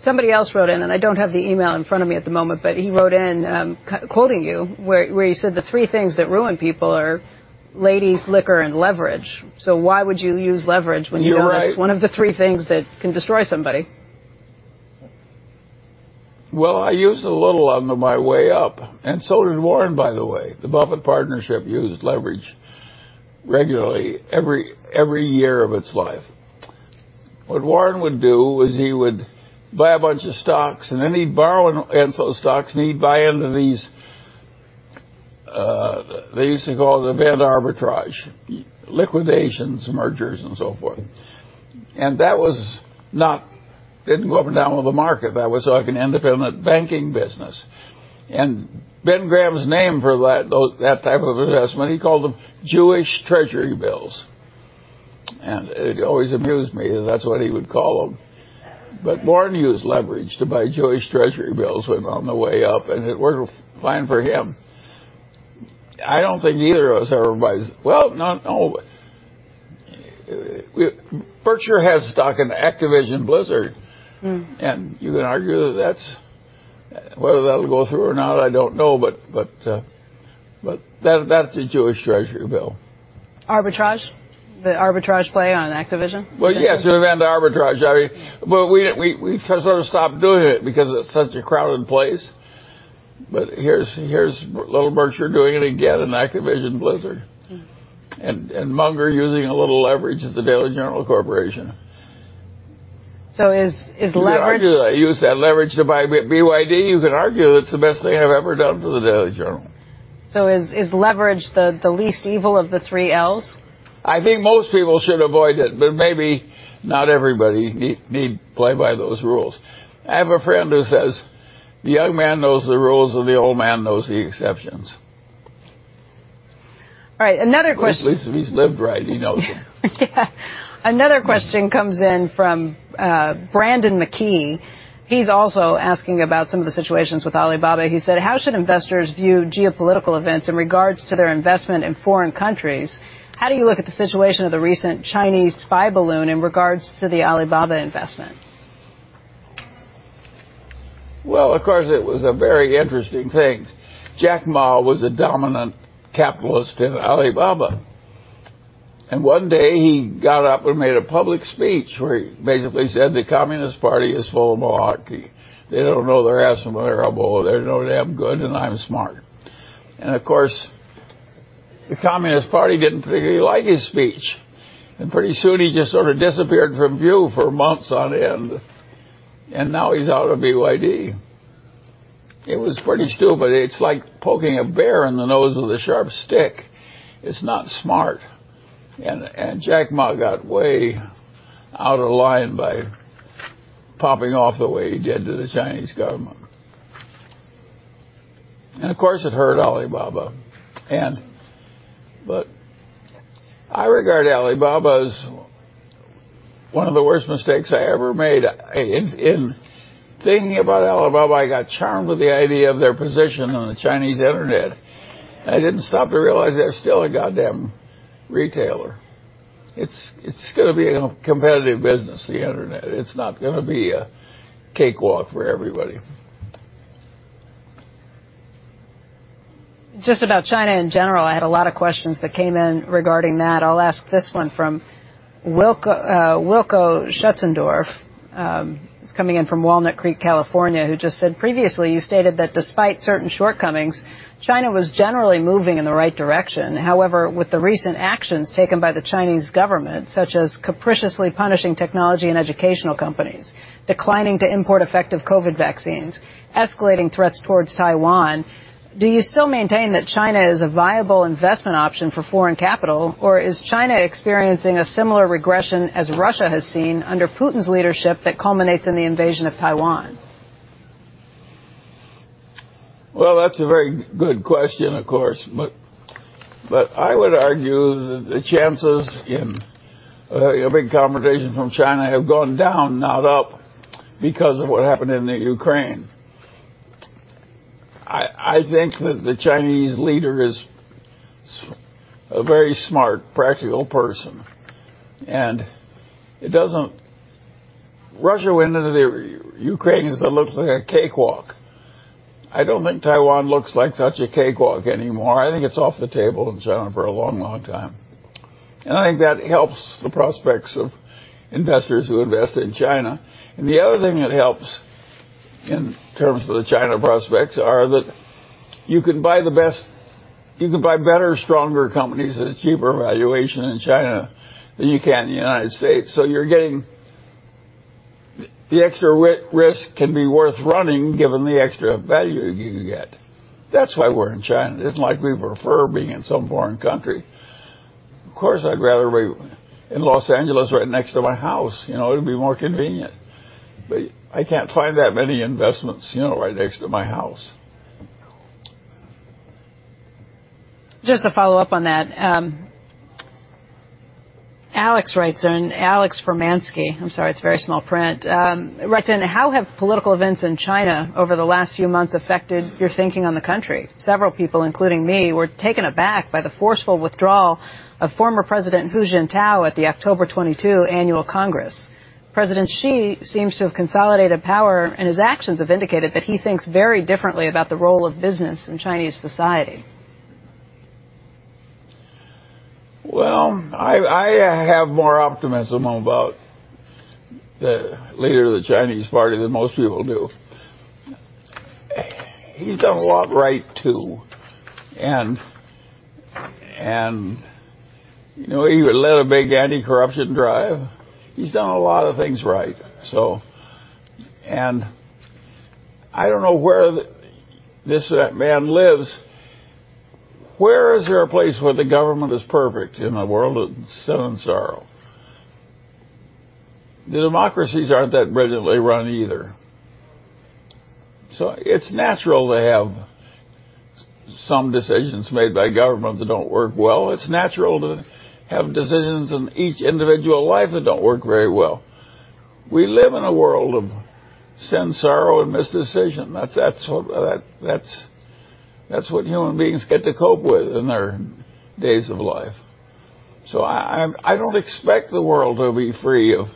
Somebody else wrote in, and I don't have the email in front of me at the moment, but he wrote in, quoting you where you said the three things that ruin people are ladies, liquor, and leverage. Why would you use leverage when? You're right.... it's one of the three things that can destroy somebody? Well, I used a little on my way up, and so did Warren, by the way. The Buffett Partnership used leverage regularly every year of its life. What Warren would do is he would buy a bunch of stocks, and then he'd borrow on some stocks, and he'd buy into these, they used to call it event arbitrage, liquidations, mergers, and so forth. That was not didn't go up and down with the market. That was like an independent banking business. Ben Graham's name for that type of investment, he called them Jewish treasury bills. It always amused me that that's what he would call them. Warren used leverage to buy Jewish treasury bills when on the way up, and it worked fine for him. I don't think neither of us ever buys. Well, no. Berkshire has stock in Activision Blizzard. Mm. You can argue that that's. Whether that'll go through or not, I don't know. But that's a Jewish treasury bill. Arbitrage? The arbitrage play on Activision? Well, yes, event arbitrage. I mean. We sort of stopped doing it because it's such a crowded place. Here's little Berkshire doing it again in Activision Blizzard. Mm. Munger using a little leverage at the Daily Journal Corporation. is leverage... You can argue that I used that leverage to buy BYD. You can argue that it's the best thing I've ever done for the Daily Journal. Is leverage the least evil of the 3 Ls? I think most people should avoid it, but maybe not everybody need play by those rules. I have a friend who says, "The young man knows the rules, and the old man knows the exceptions. All right, another question. At least if he's lived right, he knows them. Yeah. Another question comes in from Brandon McKee. He's also asking about some of the situations with Alibaba. He said, "How should investors view geopolitical events in regards to their investment in foreign countries? How do you look at the situation of the recent Chinese spy balloon in regards to the Alibaba investment? Well, of course, it was a very interesting thing. Jack Ma was a dominant capitalist in Alibaba. One day he got up and made a public speech where he basically said, "The Communist Party is full of malarkey. They don't know their ass from their elbow. They're no damn good, and I'm smart." Of course, the Communist Party didn't particularly like his speech. Pretty soon he just sort of disappeared from view for months on end. Now he's out of BYD. It was pretty stupid. It's like poking a bear in the nose with a sharp stick. It's not smart. Jack Ma got way out of line by popping off the way he did to the Chinese government. Of course, it hurt Alibaba. But I regard Alibaba as one of the worst mistakes I ever made. In thinking about Alibaba, I got charmed with the idea of their position on the Chinese internet, and I didn't stop to realize they're still a goddamn retailer. It's gonna be a competitive business, the internet. It's not gonna be a cakewalk for everybody. Just about China in general, I had a lot of questions that came in regarding that. I'll ask this one from Wilko Schutzendorf, who's coming in from Walnut Creek, California, who just said, "Previously, you stated that despite certain shortcomings, China was generally moving in the right direction. However, with the recent actions taken by the Chinese government, such as capriciously punishing technology and educational companies, declining to import effective COVID vaccines, escalating threats towards Taiwan, do you still maintain that China is a viable investment option for foreign capital? Or is China experiencing a similar regression as Russia has seen under Putin's leadership that culminates in the invasion of Taiwan? That's a very good question, of course. I would argue that the chances in a big confrontation from China have gone down, not up, because of what happened in Ukraine. I think that the Chinese leader is a very smart, practical person. Russia went into Ukraine as what looked like a cakewalk. I don't think Taiwan looks like such a cakewalk anymore. I think it's off the table in China for a long, long time. I think that helps the prospects of investors who invest in China. The other thing that helps in terms of the China prospects are that you can buy better, stronger companies at a cheaper valuation in China than you can in the United States. You're getting the extra risk can be worth running given the extra value you get. That's why we're in China. It's not like we prefer being in some foreign country. Of course, I'd rather be in Los Angeles right next to my house. You know, it'd be more convenient. I can't find that many investments, you know, right next to my house. Just to follow up on that, Alex writes in. Alex Formanski, I'm sorry, it's very small print, writes in, "How have political events in China over the last few months affected your thinking on the country? Several people, including me, were taken aback by the forceful withdrawal of former President Hu Jintao at the October 22 annual Congress. President Xi seems to have consolidated power, and his actions have indicated that he thinks very differently about the role of business in Chinese society. I have more optimism about the leader of the Chinese party than most people do. He's done a lot right, too. you know, he led a big anti-corruption drive. He's done a lot of things right. I don't know where this man lives. Where is there a place where the government is perfect in a world of sin and sorrow? The democracies aren't that brilliantly run either. it's natural to have some decisions made by government that don't work well. It's natural to have decisions in each individual life that don't work very well. We live in a world of sin, sorrow, and misdecision. That's what human beings get to cope with in their days of life. I don't expect the world to be free of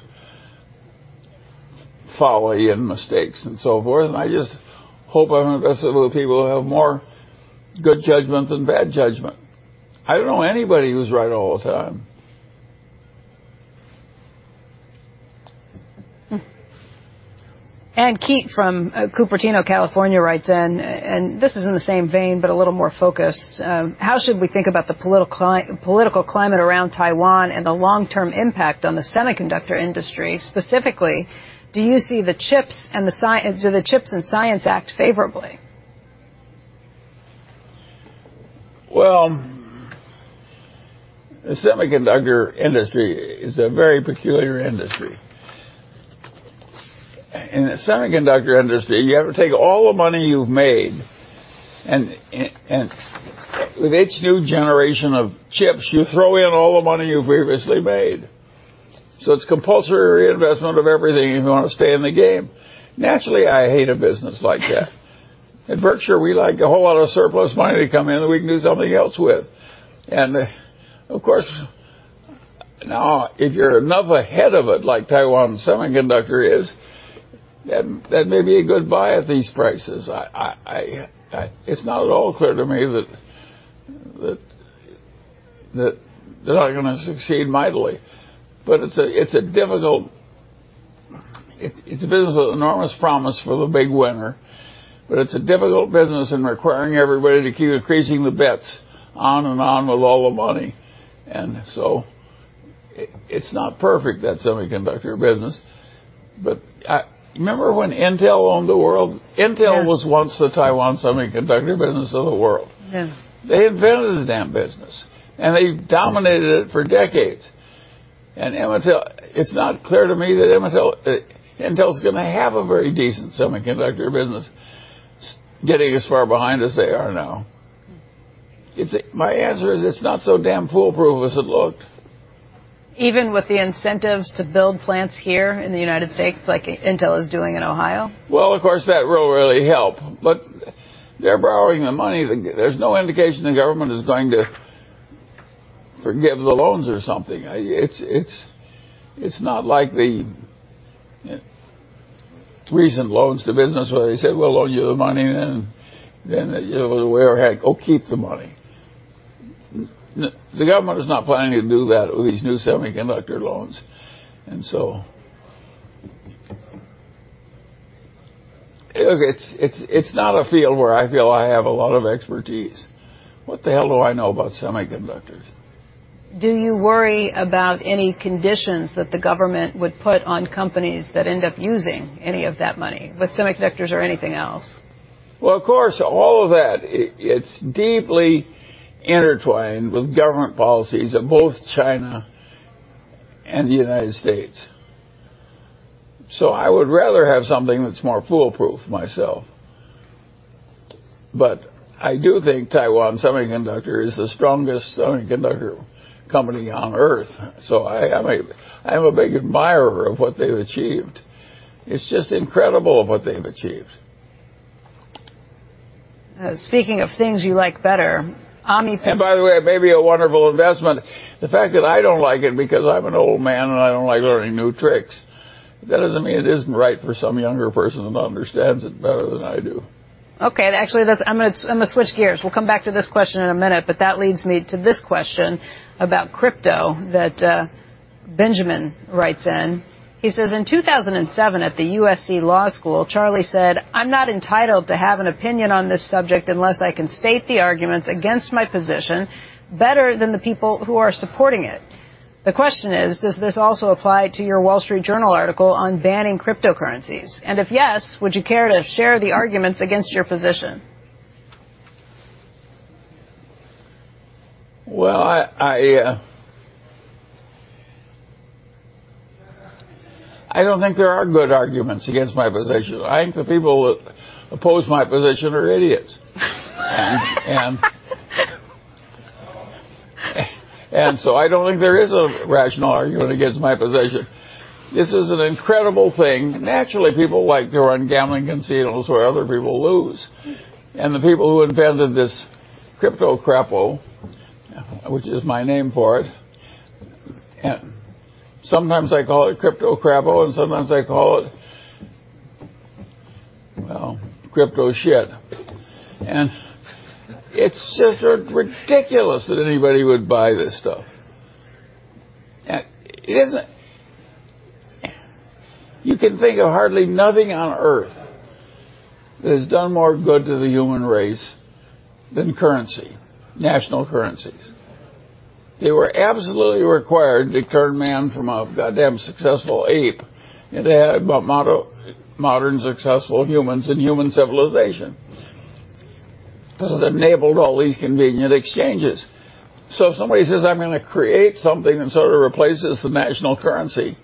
folly and mistakes and so forth, and I just hope I'm investing with people who have more good judgment than bad judgment. I don't know anybody who's right all the time. Anne Keate from Cupertino, California writes in, this is in the same vein but a little more focused. "How should we think about the political climate around Taiwan and the long-term impact on the semiconductor industry? Specifically, do you see the CHIPS and Science Act favorably? Well, the semiconductor industry is a very peculiar industry. In the semiconductor industry, you have to take all the money you've made and with each new generation of chips, you throw in all the money you've previously made. It's compulsory investment of everything if you wanna stay in the game. Naturally, I hate a business like that. At Berkshire, we like a whole lot of surplus money to come in that we can do something else with. Of course, now, if you're enough ahead of it, like Taiwan Semiconductor is, then that may be a good buy at these prices. I It's not at all clear to me that they're not gonna succeed mightily. It's a difficult. It's a business with enormous promise for the big winner, it's a difficult business in requiring everybody to keep increasing the bets on and on with all the money. It's not perfect, that semiconductor business. Remember when Intel owned the world? Yeah. Intel was once the Taiwan Semiconductor business of the world. Yeah. They invented the damn business, they dominated it for decades. Intel, it's not clear to me that Intel's gonna have a very decent semiconductor business getting as far behind as they are now. My answer is it's not so damn foolproof as it looked. Even with the incentives to build plants here in the United States, like Intel is doing in Ohio? Well, of course, that will really help. There's no indication the government is going to forgive the loans or something. It's not like the recent loans to business where they said, "We'll loan you the money and then, you know, we'll go ahead. Go keep the money." The government is not planning to do that with these new semiconductor loans. Look, it's not a field where I feel I have a lot of expertise. What the hell do I know about semiconductors? Do you worry about any conditions that the government would put on companies that end up using any of that money, with semiconductors or anything else? Well, of course, all of that, it's deeply intertwined with government policies of both China and the United States. I would rather have something that's more foolproof myself. I do think Taiwan Semiconductor is the strongest semiconductor company on Earth. I'm a big admirer of what they've achieved. It's just incredible what they've achieved. Speaking of things you like better, Omniplex- By the way, it may be a wonderful investment. The fact that I don't like it because I'm an old man and I don't like learning new tricks, that doesn't mean it isn't right for some younger person that understands it better than I do. Okay. Actually, that's I'm gonna switch gears. We'll come back to this question in a minute, but that leads me to this question about crypto that Benjamin writes in. He says, "In 2007 at the USC Gould School of Law, Charlie said, 'I'm not entitled to have an opinion on this subject unless I can state the arguments against my position better than the people who are supporting it.' The question is, does this also apply to your The Wall Street Journal article on banning cryptocurrencies? If yes, would you care to share the arguments against your position? I don't think there are good arguments against my position. I think the people who oppose my position are idiots. I don't think there is a rational argument against my position. This is an incredible thing. Naturally, people like to run gambling casinos where other people lose. Mm-hmm. The people who invented this crypto crappo, which is my name for it, and sometimes I call it crypto crappo, and sometimes I call it, well, crypto crap. It's just ridiculous that anybody would buy this stuff. You can think of hardly nothing on Earth that has done more good to the human race than currency, national currencies. They were absolutely required to turn man from a goddamn successful ape into a modern, successful humans and human civilization 'cause it enabled all these convenient exchanges. If somebody says, "I'm gonna create something that sort of replaces the national currency,"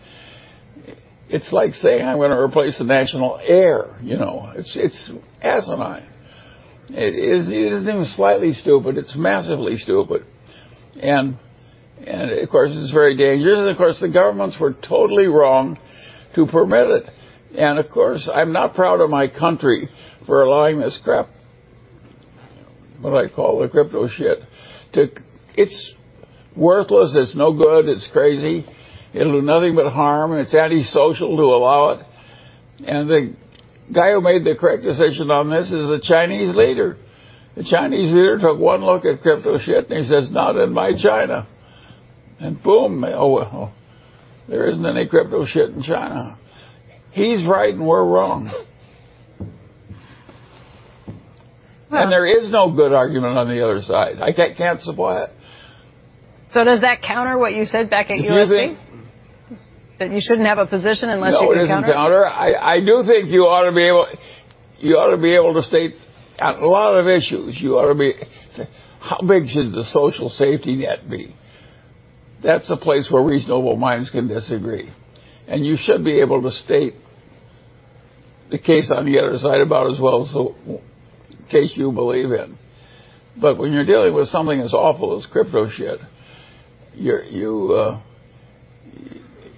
it's like saying, "I'm gonna replace the national air." You know? It's asinine. It isn't even slightly stupid, it's massively stupid. Of course it's very dangerous, and of course the governments were totally wrong to permit it. Of course, I'm not proud of my country for allowing this crap, what I call the crypto crap. It's worthless, it's no good, it's crazy. It'll do nothing but harm, and it's antisocial to allow it. The guy who made the correct decision on this is the Chinese leader. The Chinese leader took one look at crypto crap, and he says, "Not in my China." Boom, oh, well, there isn't any crypto crap in China. He's right, and we're wrong. Well- There is no good argument on the other side. I can't support it. Does that counter what you said back at USC? Do you think. You shouldn't have a position unless you can counter it? No, it doesn't counter. I do think you ought to be able to state at a lot of issues, you ought to be. How big should the social safety net be? That's a place where reasonable minds can disagree. You should be able to state the case on the other side about as well as the case you believe in. When you're dealing with something as awful as crypto crap,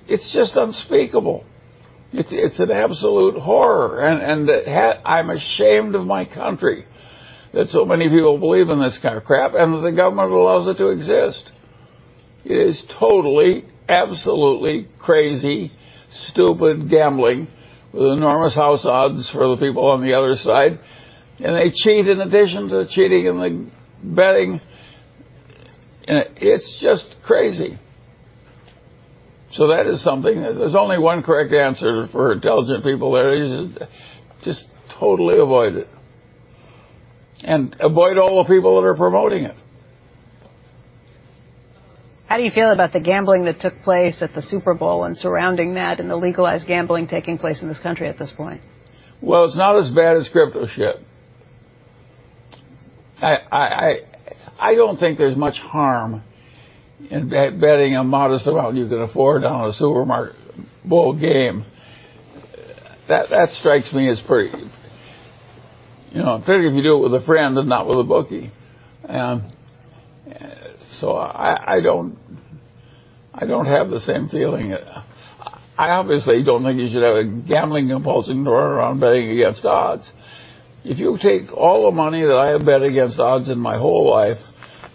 it's just unspeakable. It's an absolute horror. I'm ashamed of my country that so many people believe in this kind of crap, and the government allows it to exist. It is totally, absolutely crazy, stupid gambling with enormous house odds for the people on the other side. They cheat in addition to the cheating and the betting, and it's just crazy. That is something that there's only one correct answer for intelligent people there is just totally avoid it. Avoid all the people that are promoting it. How do you feel about the gambling that took place at the Super Bowl and surrounding that and the legalized gambling taking place in this country at this point? It's not as bad as crypto stuff. I don't think there's much harm in betting a modest amount you can afford on a Super Bowl game. That strikes me as pretty, you know, particularly if you do it with a friend and not with a bookie. I don't have the same feeling. I obviously don't think you should have a gambling compulsion to run around betting against odds. If you take all the money that I have bet against odds in my whole life,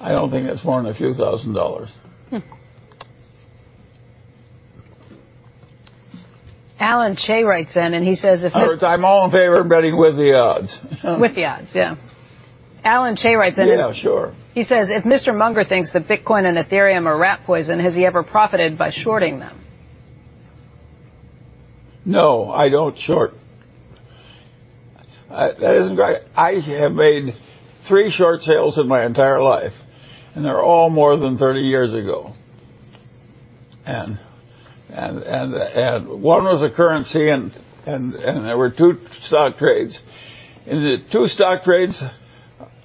I don't think it's more than a few thousand dollars. Alan Shea writes in, and he says. I'm all in favor of betting with the odds. With the odds, yeah. Alan Shea writes in- Yeah, sure.... he says, "If Mr. Munger thinks that Bitcoin and Ethereum are rat poison, has he ever profited by shorting them? No, I don't short. I have made three short sales in my entire life, they're all more than 30 years ago. One was a currency and there were two stock trades. In the two stock trades,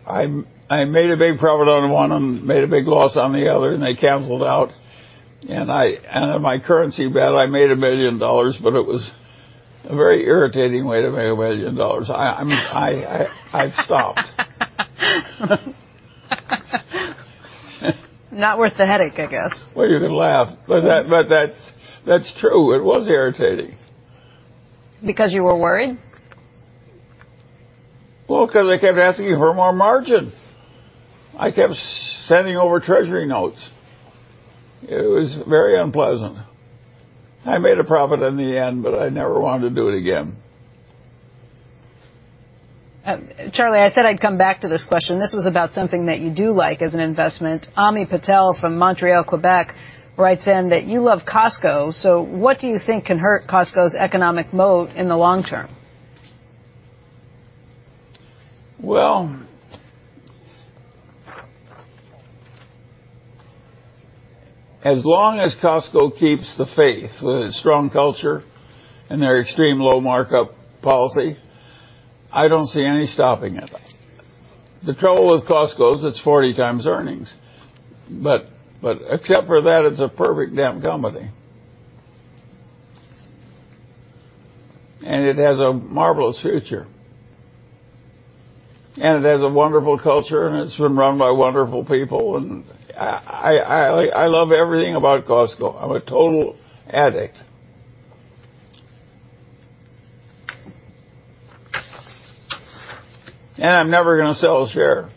I made a big profit on one of them, made a big loss on the other, and they canceled out. In my currency bet, I made $1 million, but it was a very irritating way to make $1 million. I've stopped. Not worth the headache, I guess. You can laugh, but that's true. It was irritating. Because you were worried? Well, because they kept asking for more margin. I kept sending over treasury notes. It was very unpleasant. I made a profit in the end, I never wanted to do it again. Charlie, I said I'd come back to this question. This was about something that you do like as an investment. Ami Patel from Montreal, Quebec, writes in that you love Costco. What do you think can hurt Costco's economic moat in the long term? Well, as long as Costco keeps the faith with its strong culture and their extreme low markup policy, I don't see any stopping it. The trouble with Costco is it's 40 times earnings. Except for that, it's a perfect damn company. It has a marvelous future. It has a wonderful culture, and it's been run by wonderful people, and I love everything about Costco. I'm a total addict. I'm never gonna sell a share.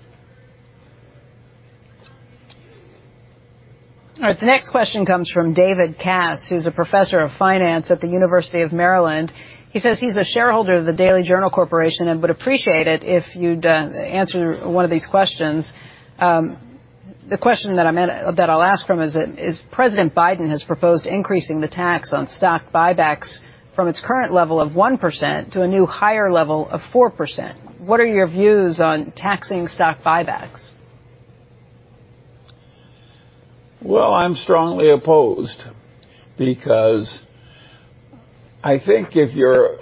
All right, the next question comes from David Kass, who's a professor of finance at the University of Maryland. He says he's a shareholder of the Daily Journal Corporation and would appreciate it if you'd answer one of these questions. The question that I'll ask from is, President Biden has proposed increasing the tax on stock buybacks from its current level of 1% to a new higher level of 4%. What are your views on taxing stock buybacks? I'm strongly opposed because I think if you're.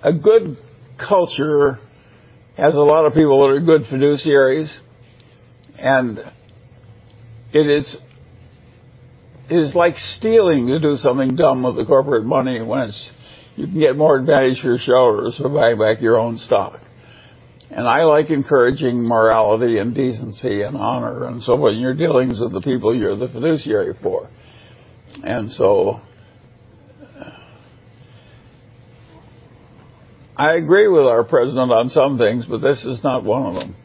A good culture has a lot of people that are good fiduciaries, and it is like stealing to do something dumb with the corporate money once you can get more advantage for your shareholders for buying back your own stock. I like encouraging morality and decency and honor and so forth in your dealings with the people you're the fiduciary for. I agree with our president on some things, but this is not one of them.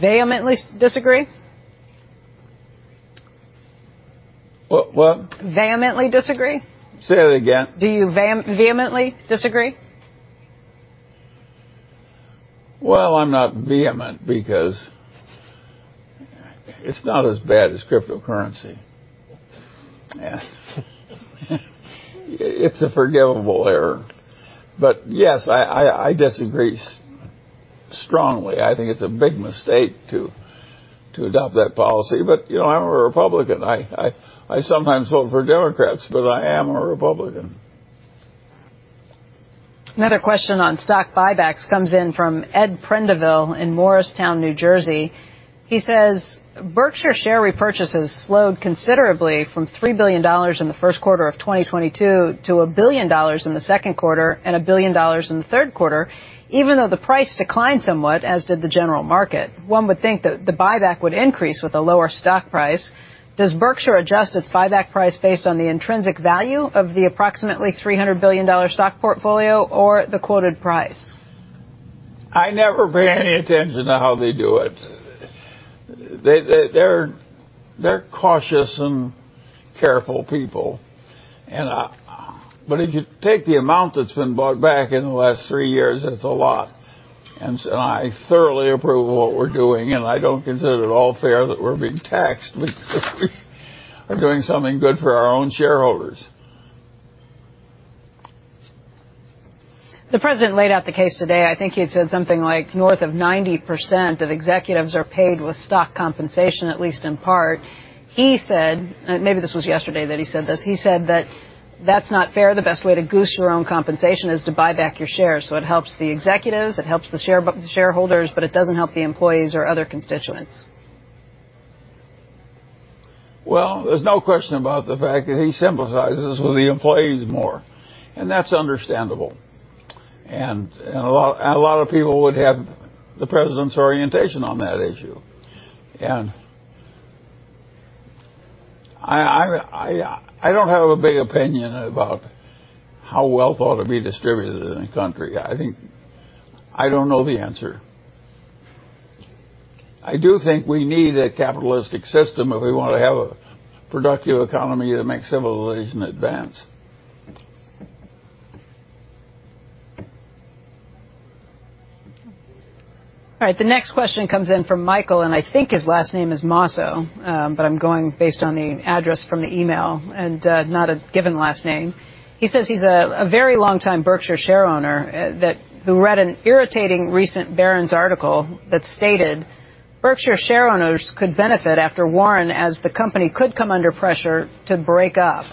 Vehemently disagree? What? Vehemently disagree? Say that again. Do you vehemently disagree? Well, I'm not vehement because it's not as bad as cryptocurrency. It's a forgivable error. Yes, I disagree strongly. I think it's a big mistake to adopt that policy. You know, I'm a Republican. I sometimes vote for Democrats, but I am a Republican. Another question on stock buybacks comes in from Ed Prendeville in Morristown, New Jersey. He says, "Berkshire share repurchases slowed considerably from $3 billion in the first quarter of 2022 to $1 billion in the second quarter and $1 billion in the third quarter, even though the price declined somewhat, as did the general market. One would think the buyback would increase with a lower stock price. Does Berkshire adjust its buyback price based on the intrinsic value of the approximately $300 billion stock portfolio or the quoted price? I never pay any attention to how they do it. They're cautious and careful people. If you take the amount that's been bought back in the last three years, it's a lot. I thoroughly approve of what we're doing, and I don't consider it at all fair that we're being taxed because we are doing something good for our own shareholders. The President laid out the case today. I think he had said something like north of 90% of executives are paid with stock compensation, at least in part. He said, maybe this was yesterday that he said this. He said that that's not fair. The best way to goose your own compensation is to buy back your shares, so it helps the executives, it helps the shareholders, but it doesn't help the employees or other constituents. Well, there's no question about the fact that he sympathizes with the employees more, and that's understandable. A lot of people would have the President's orientation on that issue. I don't have a big opinion about how wealth ought to be distributed in the country. I don't know the answer. I do think we need a capitalistic system if we want to have a productive economy that makes civilization advance. All right. The next question comes in from Michael, and I think his last name is Moussa, but I'm going based on the address from the email and not a given last name. He says he's a very longtime Berkshire shareowner who read an irritating recent Barron's article that stated, "Berkshire shareowners could benefit after Warren as the company could come under pressure to break up."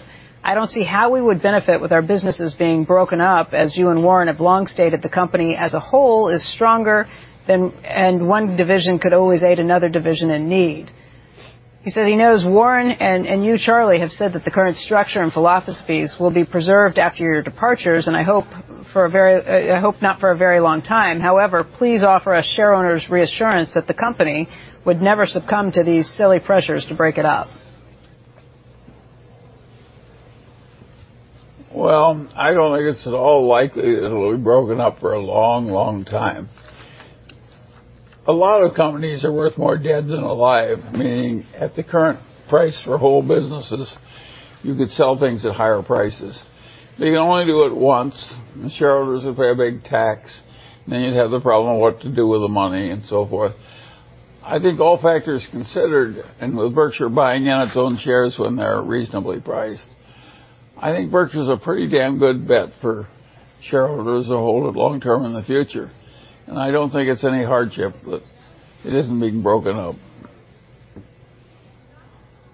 I don't see how we would benefit with our businesses being broken up, as you and Warren have long stated the company as a whole is stronger and one division could always aid another division in need. He said he knows Warren and you, Charlie, have said that the current structure and philosophy will be preserved after your departures, and I hope for a very, I hope not for a very long time. Please offer us shareowners reassurance that the company would never succumb to these silly pressures to break it up. I don't think it's at all likely it'll be broken up for a long, long time. A lot of companies are worth more dead than alive, meaning at the current price for whole businesses, you could sell things at higher prices. You can only do it once. The shareholders would pay a big tax. You'd have the problem of what to do with the money and so forth. I think all factors considered, and with Berkshire buying out its own shares when they're reasonably priced, I think Berkshire's a pretty damn good bet for shareholders to hold it long term in the future, and I don't think it's any hardship that it isn't being broken up.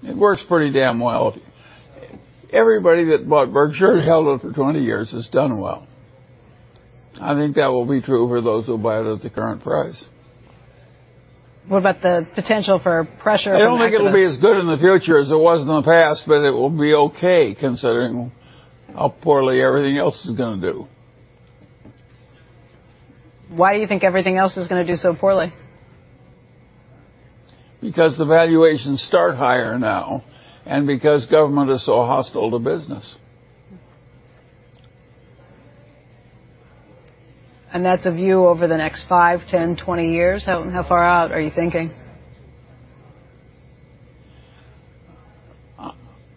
It works pretty damn well. Everybody that bought Berkshire and held it for 20 years has done well. I think that will be true for those who buy it at the current price. What about the potential for pressure by activists? I don't think it'll be as good in the future as it was in the past, but it will be okay considering how poorly everything else is gonna do. Why do you think everything else is gonna do so poorly? Because the valuations start higher now, and because government is so hostile to business. That's a view over the next 5, 10, 20 years? How far out are you thinking?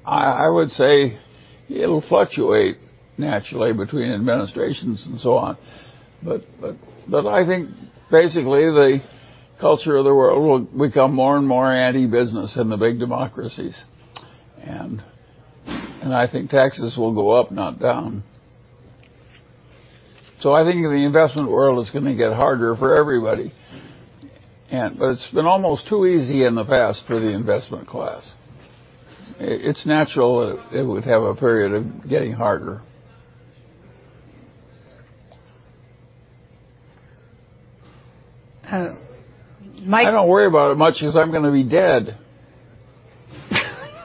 I would say it'll fluctuate naturally between administrations and so on. I think basically the culture of the world will become more and more anti-business in the big democracies. I think taxes will go up, not down. I think the investment world is going to get harder for everybody. It's been almost too easy in the past for the investment class. It's natural it would have a period of getting harder. Uh, Mi- I don't worry about it much since I'm gonna be dead.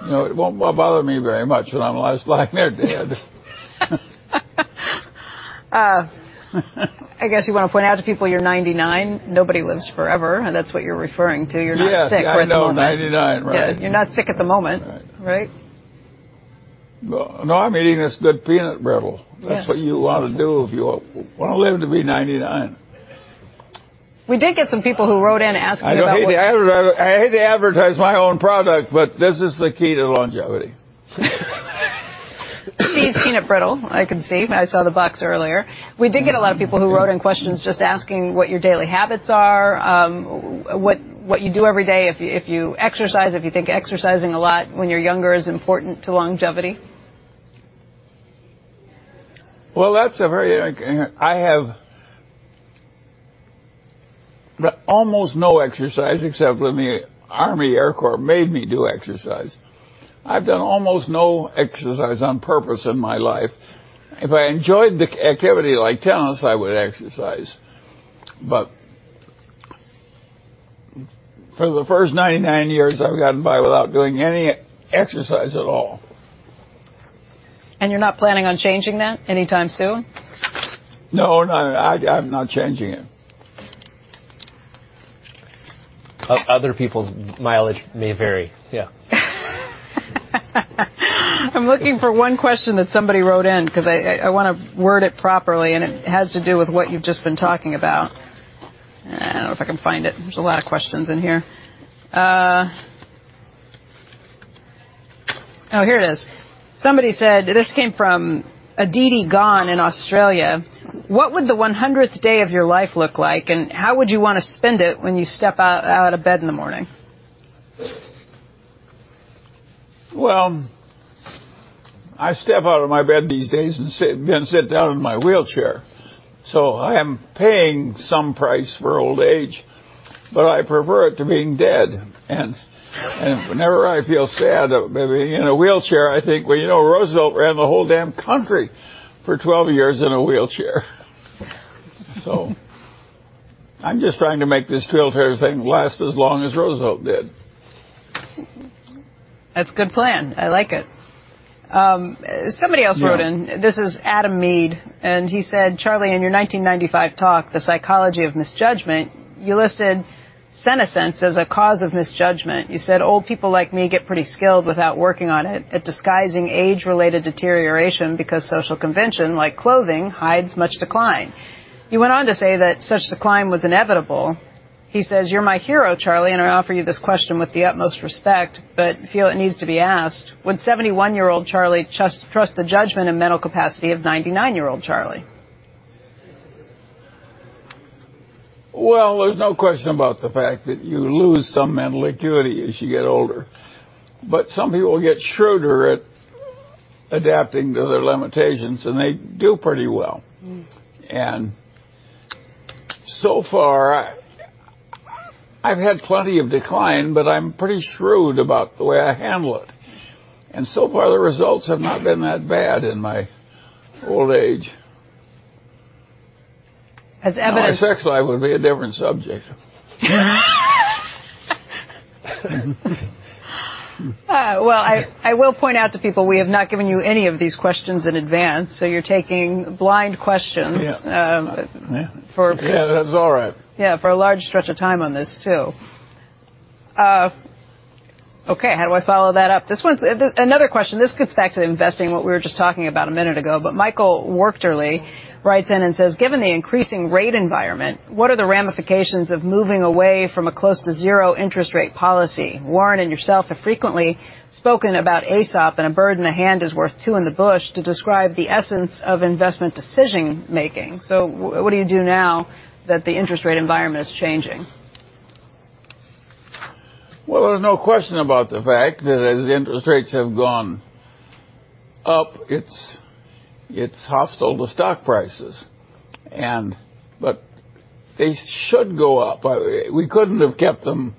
You know, it won't bother me very much when I'm lying there dead. I guess you want to point out to people you're 99. Nobody lives forever. That's what you're referring to. You're not sick at the moment. Yes. I know, 99, right. Yeah. You're not sick at the moment. Right. Right? Well, no, I'm eating this good peanut brittle. Yes. That's what you ought to do if you want to live to be 99. We did get some people who wrote in asking about. I hate to advertise my own product, but this is the key to longevity. See's peanut brittle, I can see. I saw the box earlier. We did get a lot of people who wrote in questions just asking what your daily habits are, what you do every day, if you exercise, if you think exercising a lot when you're younger is important to longevity. I have almost no exercise except when the Army, Air Corps made me do exercise. I've done almost no exercise on purpose in my life. If I enjoyed the activity, like tennis, I would exercise. For the first 99 years, I've gotten by without doing any exercise at all. You're not planning on changing that anytime soon? No, not at all. I'm not changing it. Other people's mileage may vary. Yeah. I'm looking for one question that somebody wrote in because I wanna word it properly, and it has to do with what you've just been talking about. I don't know if I can find it. There's a lot of questions in here. Oh, here it is. Somebody said, this came from Aditi Ganti in Australia. "What would the 100th day of your life look like, and how would you want to spend it when you step out of bed in the morning? Well, I step out of my bed these days and sit, then sit down in my wheelchair, so I am paying some price for old age, but I prefer it to being dead. Whenever I feel sad being in a wheelchair, I think, "Well, you know, Roosevelt ran the whole damn country for 12 years in a wheelchair." I'm just trying to make this wheelchair thing last as long as Roosevelt did. That's a good plan. I like it. Somebody else wrote in- Yeah. This is Adam Mead, and he said, "Charlie, in your 1995 talk, The Psychology of Human Misjudgment, you listed senescence as a cause of misjudgment. You said, 'Old people like me get pretty skilled without working on it at disguising age-related deterioration because social convention, like clothing, hides much decline.' You went on to say that such decline was inevitable." He says, "You're my hero, Charlie, and I offer you this question with the utmost respect but feel it needs to be asked. Would 71-year-old Charlie trust the judgment and mental capacity of 99-year-old Charlie? There's no question about the fact that you lose some mental acuity as you get older, but some people get shrewder at adapting to their limitations, and they do pretty well. Mm. So far I've had plenty of decline, but I'm pretty shrewd about the way I handle it, and so far the results have not been that bad in my old age. Has evidence- My sex life would be a different subject. Well, I will point out to people we have not given you any of these questions in advance, you're taking blind questions. Yeah... um, for- Yeah, that's all right. Yeah, for a large stretch of time on this too. Okay, how do I follow that up? This one's another question. This gets back to investing, what we were just talking about a minute ago, but Michael Wourderly writes in and says, "Given the increasing rate environment, what are the ramifications of moving away from a close-to-zero interest rate policy? Warren and yourself have frequently spoken about Aesop and a bird in a hand is worth two in the bush to describe the essence of investment decision-making. What do you do now that the interest rate environment is changing? Well, there's no question about the fact that as interest rates have gone up, it's hostile to stock prices but they should go up. We couldn't have kept them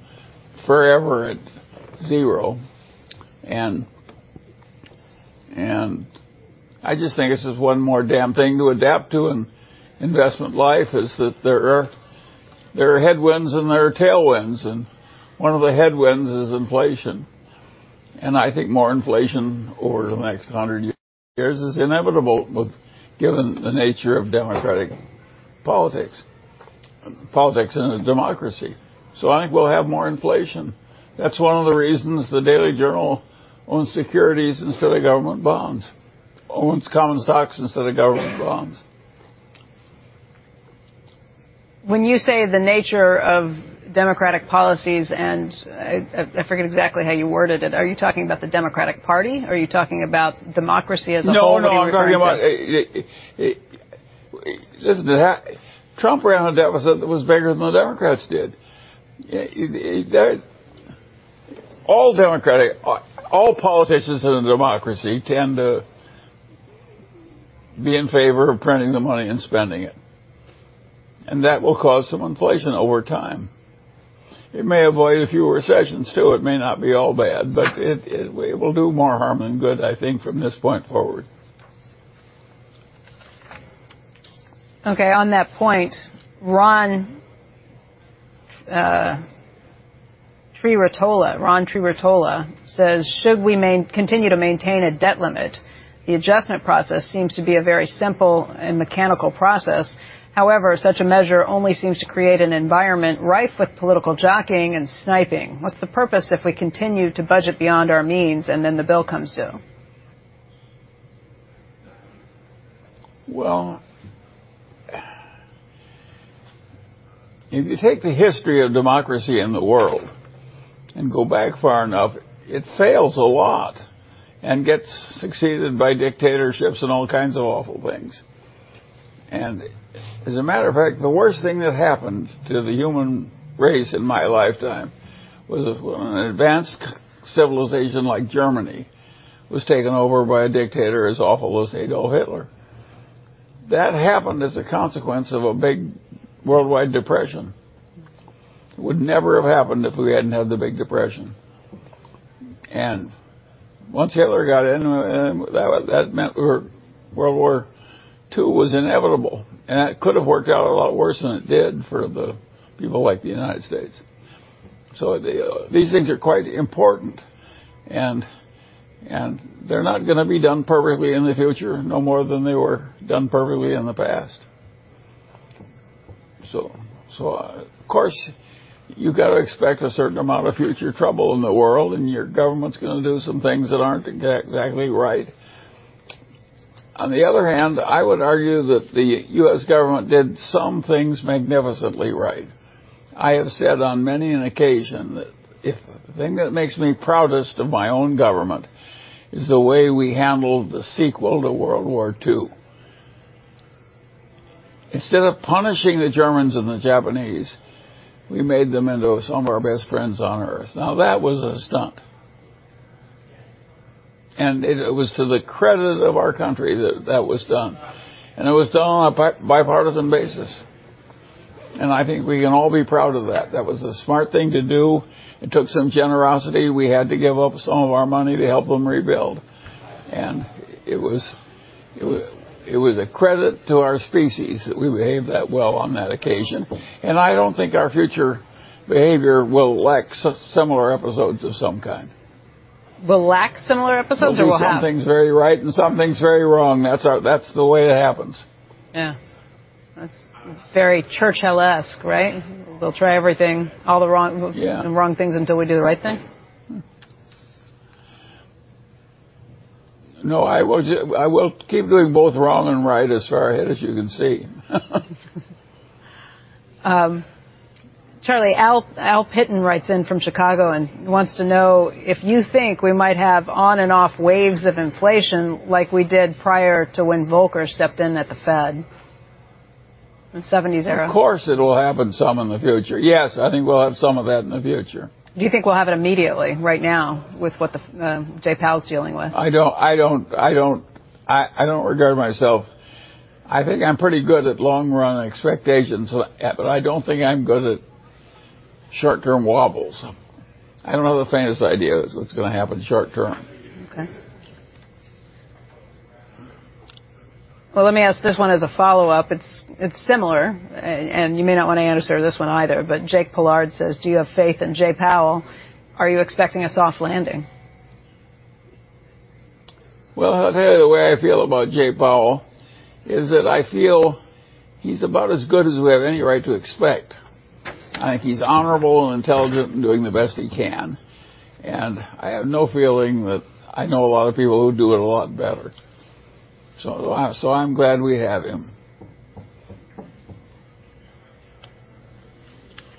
forever at 0 and I just think it's just one more damn thing to adapt to in investment life is that there are headwinds and there are tailwinds, and one of the headwinds is inflation. I think more inflation over the next 100 years is inevitable given the nature of democratic politics in a democracy. I think we'll have more inflation. That's one of the reasons The Daily Journal owns securities instead of government bonds, owns common stocks instead of government bonds. When you say the nature of democratic policies and I forget exactly how you worded it, are you talking about the Democratic Party? Are you talking about democracy as a whole or the American party? No, no, I'm talking about. Listen to that. Trump ran a deficit that was bigger than the Democrats did. All politicians in a democracy tend to be in favor of printing the money and spending it, and that will cause some inflation over time. It may avoid a few recessions too. It may not be all bad, but it will do more harm than good, I think, from this point forward. Okay. On that point, Ron Truriotola, Ron Truriotola says, "Should we continue to maintain a debt limit? The adjustment process seems to be a very simple and mechanical process. However, such a measure only seems to create an environment rife with political jockeying and sniping. What's the purpose if we continue to budget beyond our means and then the bill comes due? Well, if you take the history of democracy in the world and go back far enough, it fails a lot and gets succeeded by dictatorships and all kinds of awful things. As a matter of fact, the worst thing that happened to the human race in my lifetime was when an advanced civilization like Germany was taken over by a dictator as awful as Adolf Hitler. That happened as a consequence of a big worldwide depression. Would never have happened if we hadn't had the Great Depression. Once Hitler got in, that meant World War II was inevitable, and it could have worked out a lot worse than it did for the people like the United States. The, these things are quite important, and they're not gonna be done perfectly in the future, no more than they were done perfectly in the past. Of course you gotta expect a certain amount of future trouble in the world, and your government's gonna do some things that aren't exactly right. On the other hand, I would argue that the U.S. government did some things magnificently right. I have said on many an occasion that the thing that makes me proudest of my own government is the way we handled the sequel to World War II. Instead of punishing the Germans and the Japanese, we made them into some of our best friends on Earth. That was a stunt. It was to the credit of our country that that was done, and it was done on a bipartisan basis, and I think we can all be proud of that. That was a smart thing to do. It took some generosity. We had to give up some of our money to help them rebuild. It was a credit to our species that we behaved that well on that occasion, and I don't think our future behavior will lack similar episodes of some kind. Will lack similar episodes or will have? We'll do some things very right and some things very wrong. That's the way it happens. That's very Churchill-esque, right? We'll try everything, all the wrong. Yeah... the wrong things until we do the right thing. No, I will keep doing both wrong and right as far ahead as you can see. Charlie, Al Pitton writes in from Chicago and wants to know if you think we might have on-and-off waves of inflation like we did prior to when Volcker stepped in at the Fed, the seventies era. Of course, it will happen some in the future. Yes, I think we'll have some of that in the future. Do you think we'll have it immediately, right now, with what Jay Powell is dealing with? I don't regard myself. I think I'm pretty good at long-run expectations, but I don't think I'm good at short-term wobbles. I don't have the faintest idea of what's gonna happen short-term. Okay. Well, let me ask this one as a follow-up. It's, it's similar, and you may not wanna answer this one either, but Jake Pollard says, "Do you have faith in Jay Powell? Are you expecting a soft landing? Well, I'll tell you the way I feel about Jay Powell is that I feel he's about as good as we have any right to expect. I think he's honorable and intelligent and doing the best he can, and I have no feeling that I know a lot of people who would do it a lot better. I'm glad we have him.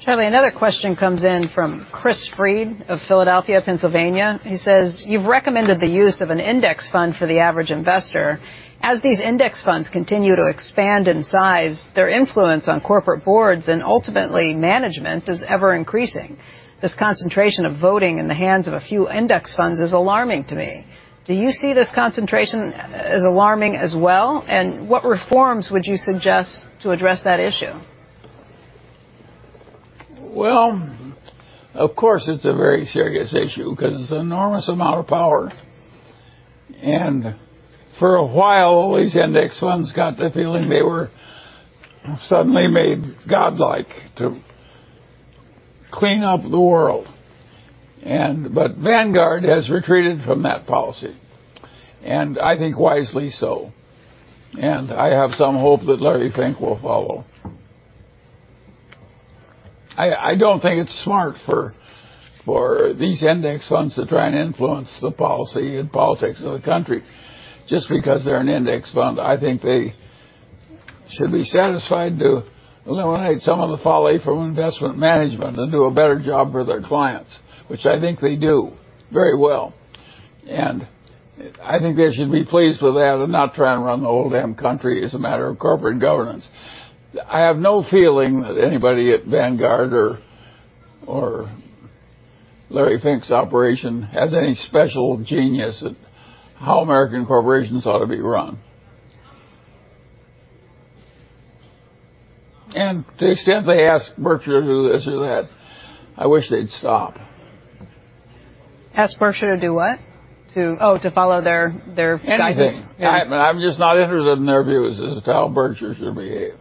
Charlie, another question comes in from Chris Freed of Philadelphia, Pennsylvania. He says, "You've recommended the use of an index fund for the average investor. As these index funds continue to expand in size, their influence on corporate boards and ultimately management is ever-increasing. This concentration of voting in the hands of a few index funds is alarming to me. Do you see this concentration as alarming as well? What reforms would you suggest to address that issue? Well, of course it's a very serious issue because it's an enormous amount of power. For a while, all these index funds got the feeling they were suddenly made godlike to clean up the world, but Vanguard has retreated from that policy, I think wisely so, and I have some hope that Larry Fink will follow. I don't think it's smart for these index funds to try and influence the policy and politics of the country just because they're an index fund. I think they should be satisfied to eliminate some of the folly from investment management and do a better job for their clients, which I think they do very well. I think they should be pleased with that and not try and run the whole damn country as a matter of corporate governance. I have no feeling that anybody at Vanguard or Larry Fink's operation has any special genius at how American corporations ought to be run. To the extent they ask Berkshire to do this or that, I wish they'd stop. Ask Berkshire to do what? Oh, to follow their guidance. Anything. I'm just not interested in their views as to how Berkshire should behave.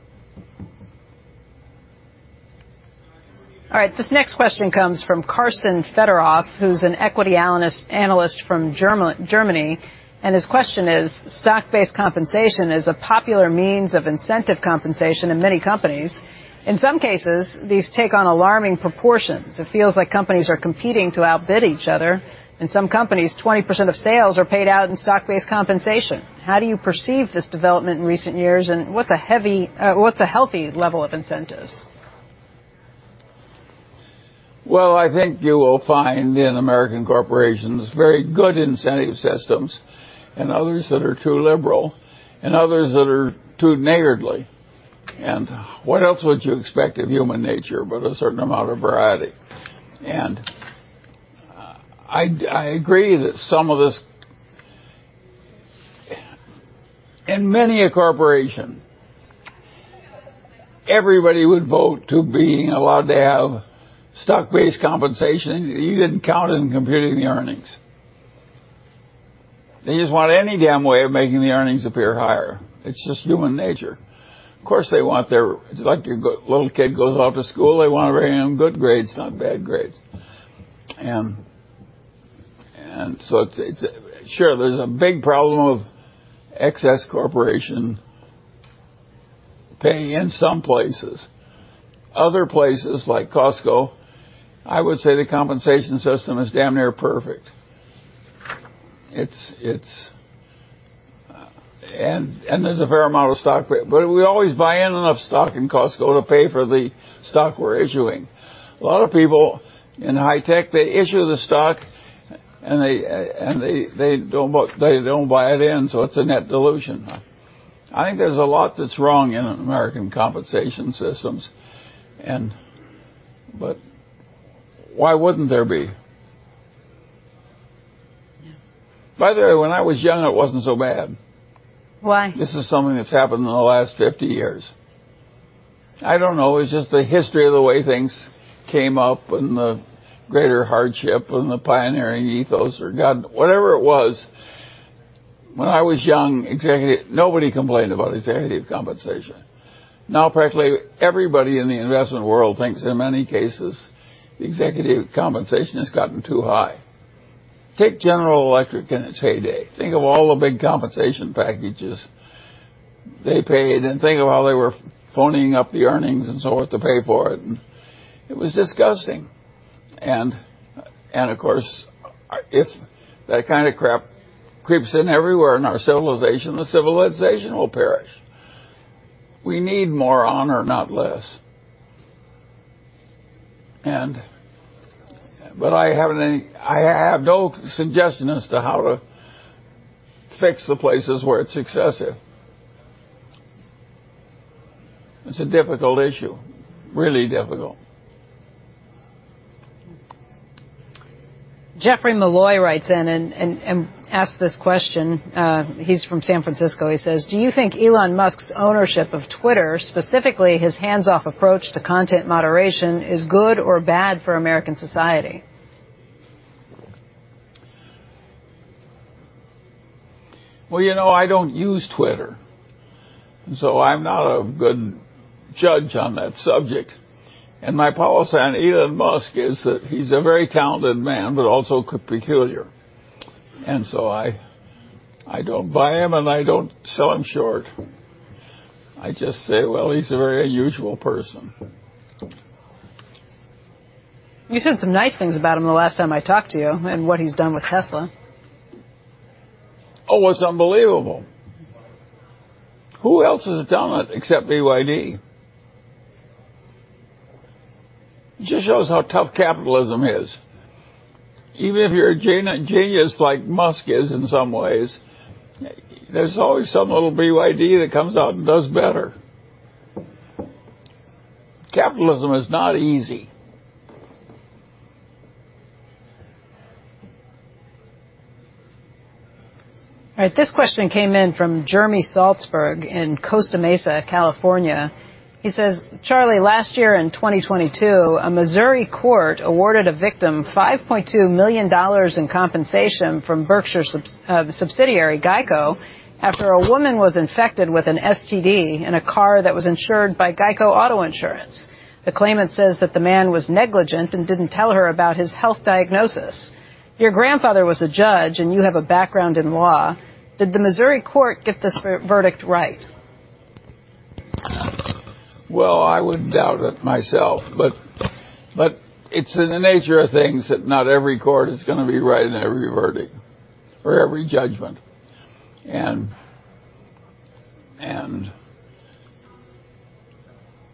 All right. This next question comes from Carson Fedoroff, who's an equity analyst from Germany, and his question is: Stock-based compensation is a popular means of incentive compensation in many companies. In some cases, these take on alarming proportions. It feels like companies are competing to outbid each other. In some companies, 20% of sales are paid out in stock-based compensation. How do you perceive this development in recent years, and what's a healthy level of incentives? Well, I think you will find in American corporations very good incentive systems and others that are too liberal and others that are too niggardly. What else would you expect of human nature but a certain amount of variety? I agree that some of this. In many a corporation, everybody would vote to being allowed to have stock-based compensation you didn't count in computing the earnings. They just want any damn way of making the earnings appear higher. It's just human nature. Of course, they want their. It's like your little kid goes off to school, they want to bring home good grades, not bad grades. So it's a. Sure, there's a big problem of excess corporation paying in some places. Other places, like Costco, I would say the compensation system is damn near perfect. It's. There's a fair amount of stock, but we always buy in enough stock in Costco to pay for the stock we're issuing. A lot of people in high tech, they issue the stock, and they don't buy it in, so it's a net dilution. I think there's a lot that's wrong in American compensation systems. Why wouldn't there be? Yeah. By the way, when I was young, it wasn't so bad. Why? This is something that's happened in the last 50 years. I don't know. It's just the history of the way things came up and the greater hardship and the pioneering ethos or God, whatever it was. When I was young, nobody complained about executive compensation. Now practically everybody in the investment world thinks in many cases the executive compensation has gotten too high. Take General Electric in its heyday. Think of all the big compensation packages they paid, and think of how they were phoning up the earnings and so forth to pay for it. It was disgusting. Of course, if that kind of crap creeps in everywhere in our civilization, the civilization will perish. We need more honor, not less. I have no suggestion as to how to fix the places where it's excessive. It's a difficult issue, really difficult. Geoffrey Malloy writes in and asks this question. He's from San Francisco. He says, "Do you think Elon Musk's ownership of Twitter, specifically his hands-off approach to content moderation, is good or bad for American society? Well, you know, I don't use Twitter, so I'm not a good judge on that subject. My policy on Elon Musk is that he's a very talented man, but also peculiar. I don't buy him, and I don't sell him short. I just say, well, he's a very unusual person. You said some nice things about him the last time I talked to you and what he's done with Tesla. It's unbelievable. Who else has done it except BYD? It just shows how tough capitalism is. Even if you're a gen-genius like Musk is in some ways, there's always some little BYD that comes out and does better. Capitalism is not easy. All right, this question came in from Jeremy Salzberg in Costa Mesa, California. He says, "Charlie, last year in 2022, a Missouri court awarded a victim $5.2 million in compensation from Berkshire subsidiary GEICO after a woman was infected with an STD in a car that was insured by GEICO Auto Insurance. The claimant says that the man was negligent and didn't tell her about his health diagnosis. Your grandfather was a judge, and you have a background in law. Did the Missouri court get this verdict right? Well, I would doubt it myself, but it's in the nature of things that not every court is gonna be right in every verdict or every judgment.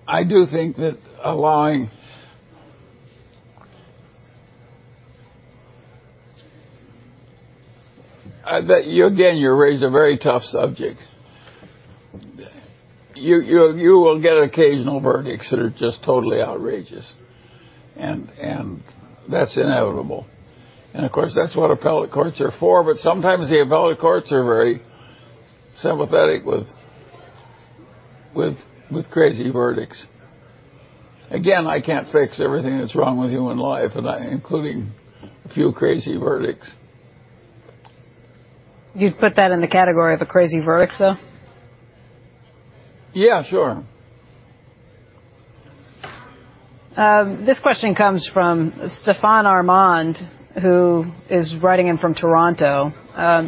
I do think that. Again, you raise a very tough subject. You will get occasional verdicts that are just totally outrageous, and that's inevitable. Of course, that's what appellate courts are for. Sometimes the appellate courts are very sympathetic with crazy verdicts. Again, I can't fix everything that's wrong with human life, including a few crazy verdicts. You'd put that in the category of a crazy verdict, though? Yeah, sure. This question comes from Stefan Armand, who is writing in from Toronto.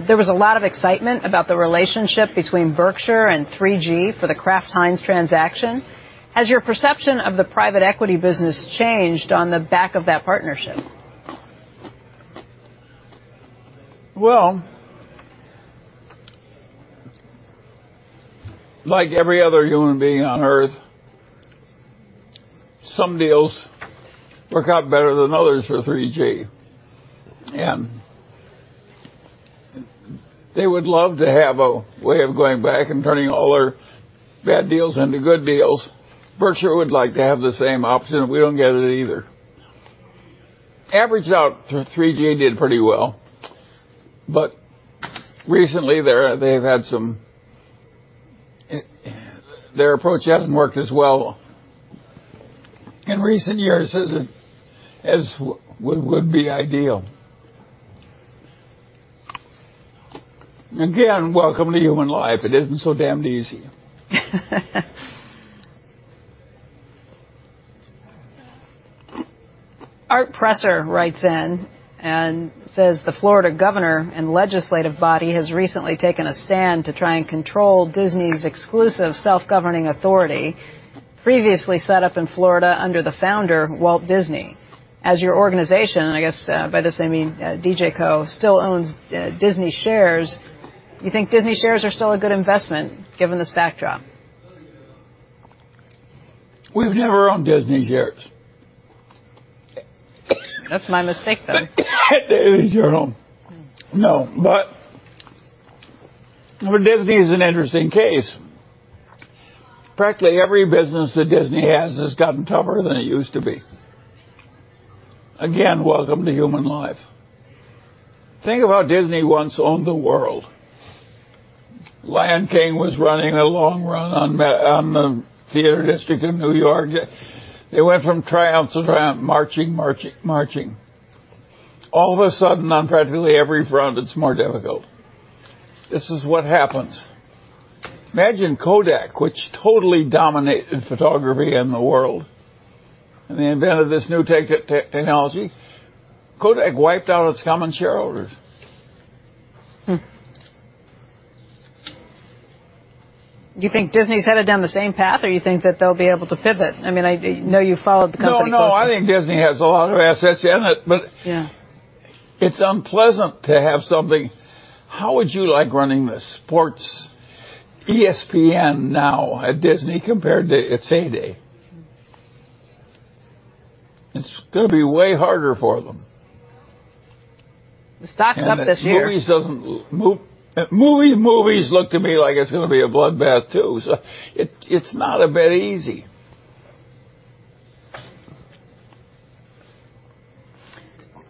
"There was a lot of excitement about the relationship between Berkshire and 3G for the Kraft Heinz transaction. Has your perception of the private equity business changed on the back of that partnership? Well, like every other human being on earth, some deals work out better than others for 3G. They would love to have a way of going back and turning all their bad deals into good deals. Berkshire would like to have the same option. We don't get it either. Averaged out, 3G did pretty well. Recently they've had some... Their approach hasn't worked as well in recent years as would be ideal. Again, welcome to human life. It isn't so damned easy. Art Presser writes in and says, "The Florida governor and legislative body has recently taken a stand to try and control Disney's exclusive self-governing authority previously set up in Florida under the founder, Walt Disney. As your organization," I guess, by this they mean DJ Co., "still owns, Disney shares, you think Disney shares are still a good investment given this backdrop? We've never owned Disney shares. That's my mistake then. It is your own. No, but Disney is an interesting case. Practically every business that Disney has has gotten tougher than it used to be. Again, welcome to human life. Think about Disney once owned the world. The Lion King was running a long run on the, on the theater district in New York. They went from triumph to triumph, marching, marching. All of a sudden, on practically every front, it's more difficult. This is what happens. Imagine Kodak, which totally dominated photography in the world, and they invented this new technology. Kodak wiped out its common shareholders. You think Disney's headed down the same path, or you think that they'll be able to pivot? I mean, I know you followed the company closely. No, no. I think Disney has a lot of assets in it, but- Yeah. It's unpleasant to have something... How would you like running the sports ESPN now at Disney compared to its heyday? It's gonna be way harder for them. The stock's up this year. The Movies look to me like it's gonna be a bloodbath, too. It's not a bit easy.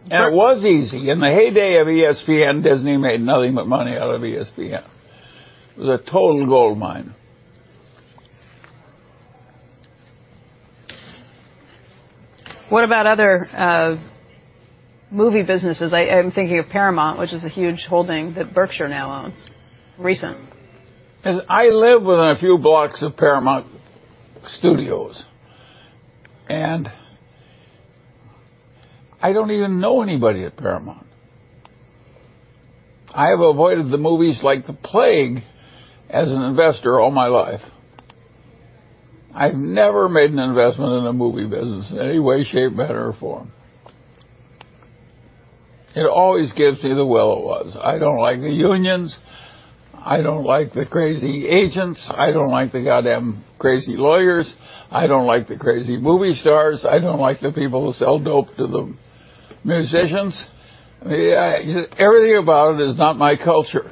It was easy. In the heyday of ESPN, Disney made nothing but money out of ESPN. It was a total goldmine. What about other movie businesses? I'm thinking of Paramount, which is a huge holding that Berkshire now owns recent. I live within a few blocks of Paramount Studios. I don't even know anybody at Paramount. I have avoided the movies like the plague as an investor all my life. I've never made an investment in a movie business in any way, shape, manner, or form. It always gives me the willies. I don't like the unions. I don't like the crazy agents. I don't like the goddamn crazy lawyers. I don't like the crazy movie stars. I don't like the people who sell dope to the musicians. Yeah, everything about it is not my culture.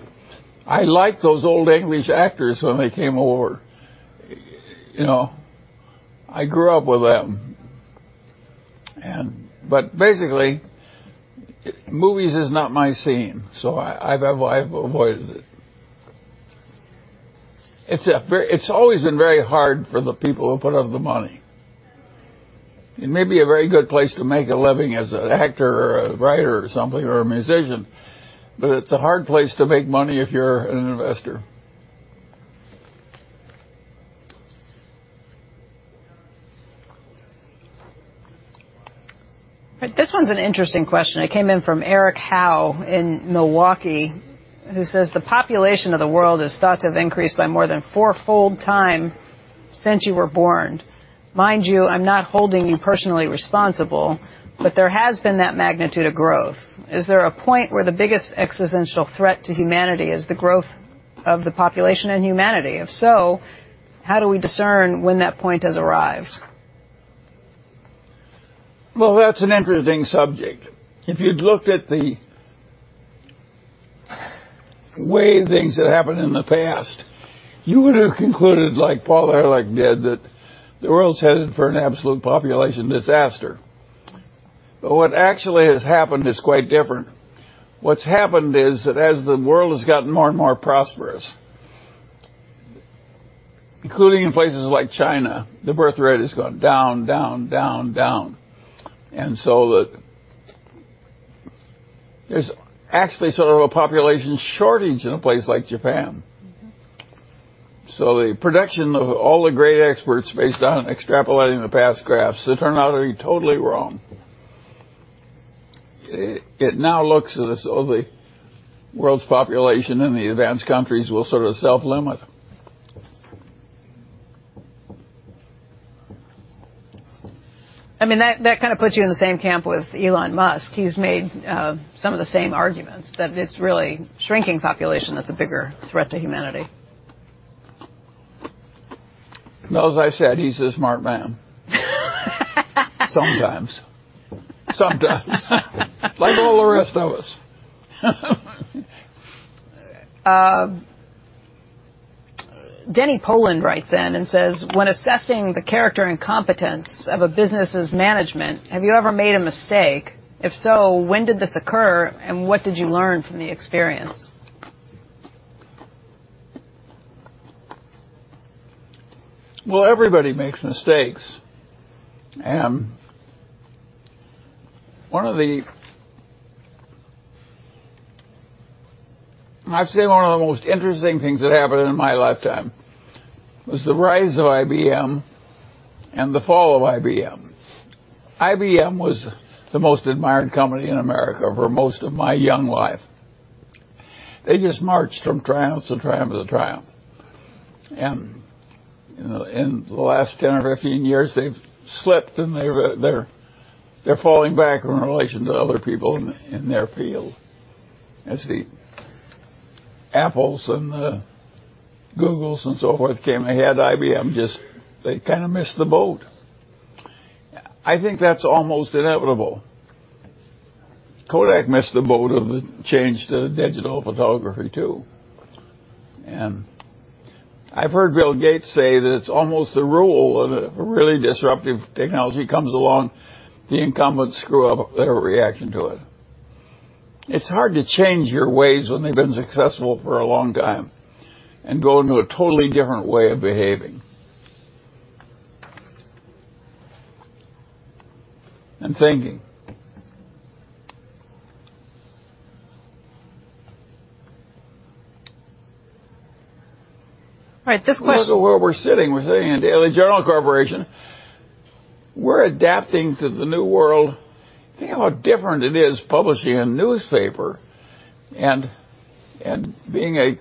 I liked those old English actors when they came over. You know, I grew up with them. Basically, movies is not my scene. I've avoided it. It's always been very hard for the people who put up the money. It may be a very good place to make a living as an actor or a writer or something or a musician, but it's a hard place to make money if you're an investor. This one's an interesting question. It came in from Erik Howe in Milwaukee, who says, "The population of the world is thought to have increased by more than fourfold time since you were born. Mind you, I'm not holding you personally responsible, but there has been that magnitude of growth. Is there a point where the biggest existential threat to humanity is the growth of the population and humanity? If so, how do we discern when that point has arrived? Well, that's an interesting subject. If you'd looked at the way things have happened in the past, you would have concluded, like Paul Ehrlich did, that the world's headed for an absolute population disaster. What actually has happened is quite different. What's happened is that as the world has gotten more and more prosperous, including in places like China, the birth rate has gone down, down. There's actually sort of a population shortage in a place like Japan. Mm-hmm. The prediction of all the great experts based on extrapolating the past graphs, they turn out to be totally wrong. It now looks as though the world's population in the advanced countries will sort of self-limit. I mean, that kind of puts you in the same camp with Elon Musk. He's made some of the same arguments, that it's really shrinking population that's a bigger threat to humanity. Well, as I said, he's a smart man. Sometimes. Sometimes. Like all the rest of us. Danny Poland writes in and says, "When assessing the character and competence of a business's management, have you ever made a mistake? If so, when did this occur, and what did you learn from the experience? Well, everybody makes mistakes. I'd say one of the most interesting things that happened in my lifetime was the rise of IBM and the fall of IBM. IBM was the most admired company in America for most of my young life. They just marched from triumph to triumph to triumph. You know, in the last 10 or 15 years, they've slipped, and they're falling back in relation to other people in their field. As the Apples and the Googles and so forth came ahead, IBM just kinda missed the boat. I think that's almost inevitable. Kodak missed the boat of the change to digital photography, too. I've heard Bill Gates say that it's almost a rule of if a really disruptive technology comes along, the incumbents screw up their reaction to it. It's hard to change your ways when they've been successful for a long time and go into a totally different way of behaving and thinking. Right. This. Look at where we're sitting. We're sitting in Daily Journal Corporation. We're adapting to the new world. Think how different it is publishing a newspaper and being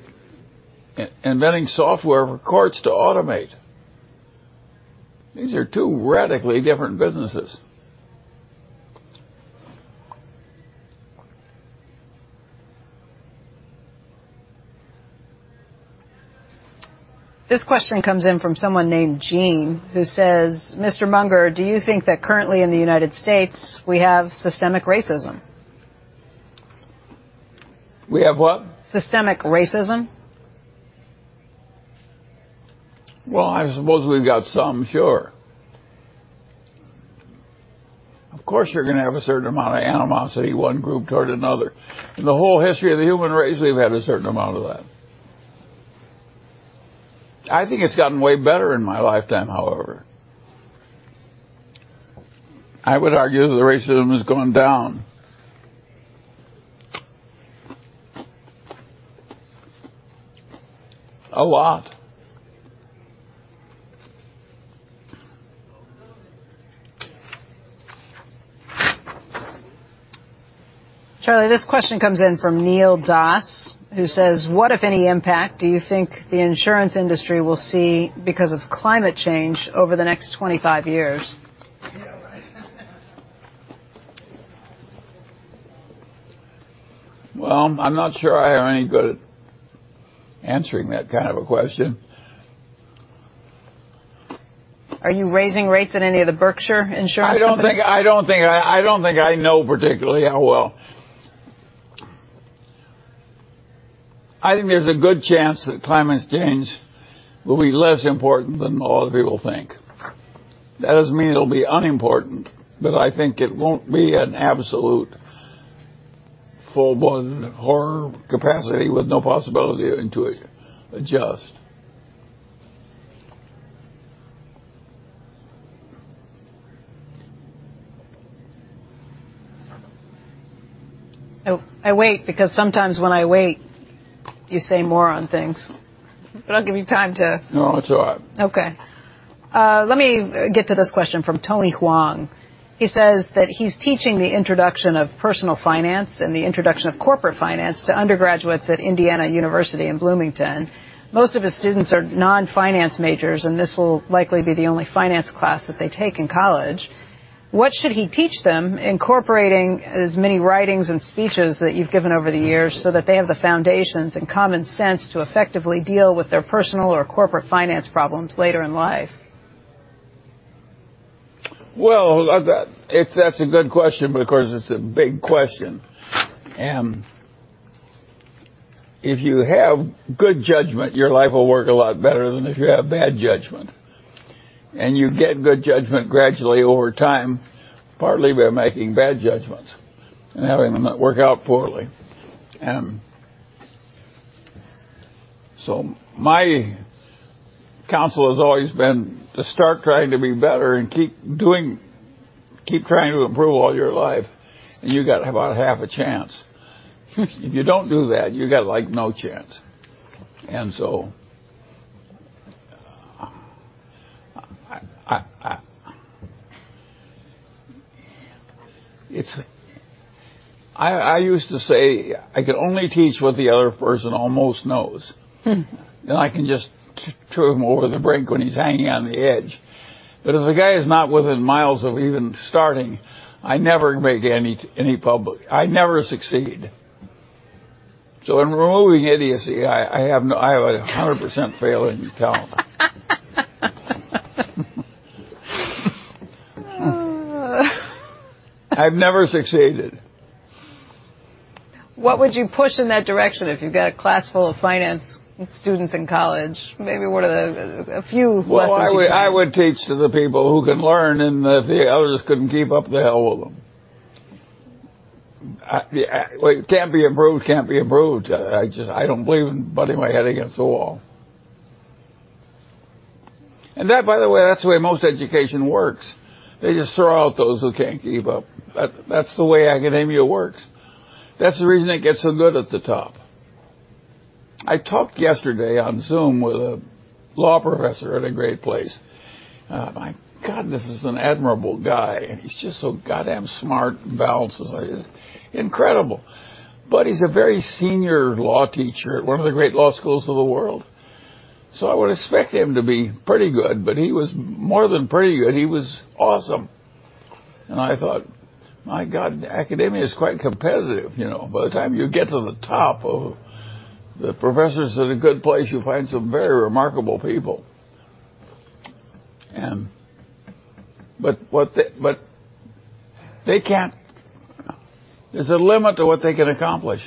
inventing software for courts to automate. These are two radically different businesses. This question comes in from someone named Jean who says, "Mr. Munger, do you think that currently in the United States we have systemic racism? We have what? Systemic racism. Well, I suppose we've got some, sure. Of course, you're gonna have a certain amount of animosity, one group toward another. In the whole history of the human race, we've had a certain amount of that. I think it's gotten way better in my lifetime, however. I would argue that the racism has gone down a lot. Charlie, this question comes in from Neil Doss, who says, "What, if any, impact do you think the insurance industry will see because of climate change over the next 25 years? Yeah, right. Well, I'm not sure I have any good at answering that kind of a question. Are you raising rates at any of the Berkshire insurance companies? I don't think I know particularly how well. I think there's a good chance that climate change will be less important than a lot of people think. That doesn't mean it'll be unimportant, but I think it won't be an absolute full-blown horror capacity with no possibility to adjust. Oh, I wait because sometimes when I wait, you say more on things. I'll give you time to... No, it's all right. Okay. Let me get to this question from Donny Huang. He says that he's teaching the introduction of personal finance and the introduction of corporate finance to undergraduates at Indiana University in Bloomington. Most of his students are non-finance majors, and this will likely be the only finance class that they take in college. What should he teach them, incorporating as many writings and speeches that you've given over the years so that they have the foundations and common sense to effectively deal with their personal or corporate finance problems later in life? Well, that-- if that's a good question, but of course it's a big question. If you have good judgment, your life will work a lot better than if you have bad judgment. You get good judgment gradually over time, partly by making bad judgments and having them not work out poorly. My counsel has always been to start trying to be better and keep trying to improve all your life, and you got about half a chance. If you don't do that, you got, like, no chance. I... It's... I used to say I can only teach what the other person almost knows. I can just tool him over the brink when he's hanging on the edge. If the guy is not within miles of even starting, I never make any public. I never succeed. In removing idiocy, I have 100% failure talent. I've never succeeded. What would you push in that direction if you got a class full of finance students in college? Maybe one of the, a few lessons. Well, I would teach to the people who can learn, and if the others couldn't keep up, the hell with them. I, well, you can't be improved. I just don't believe in butting my head against the wall. That, by the way, that's the way most education works. They just throw out those who can't keep up. That's the way academia works. That's the reason it gets so good at the top. I talked yesterday on Zoom with a law professor at a great place. My God, this is an admirable guy, and he's just so goddamn smart and balanced. He's like incredible. He's a very senior law teacher at one of the great law schools of the world. I would expect him to be pretty good, but he was more than pretty good. He was awesome. I thought, "My God, academia is quite competitive, you know. By the time you get to the top of the professors at a good place, you find some very remarkable people." What they can't. There's a limit to what they can accomplish.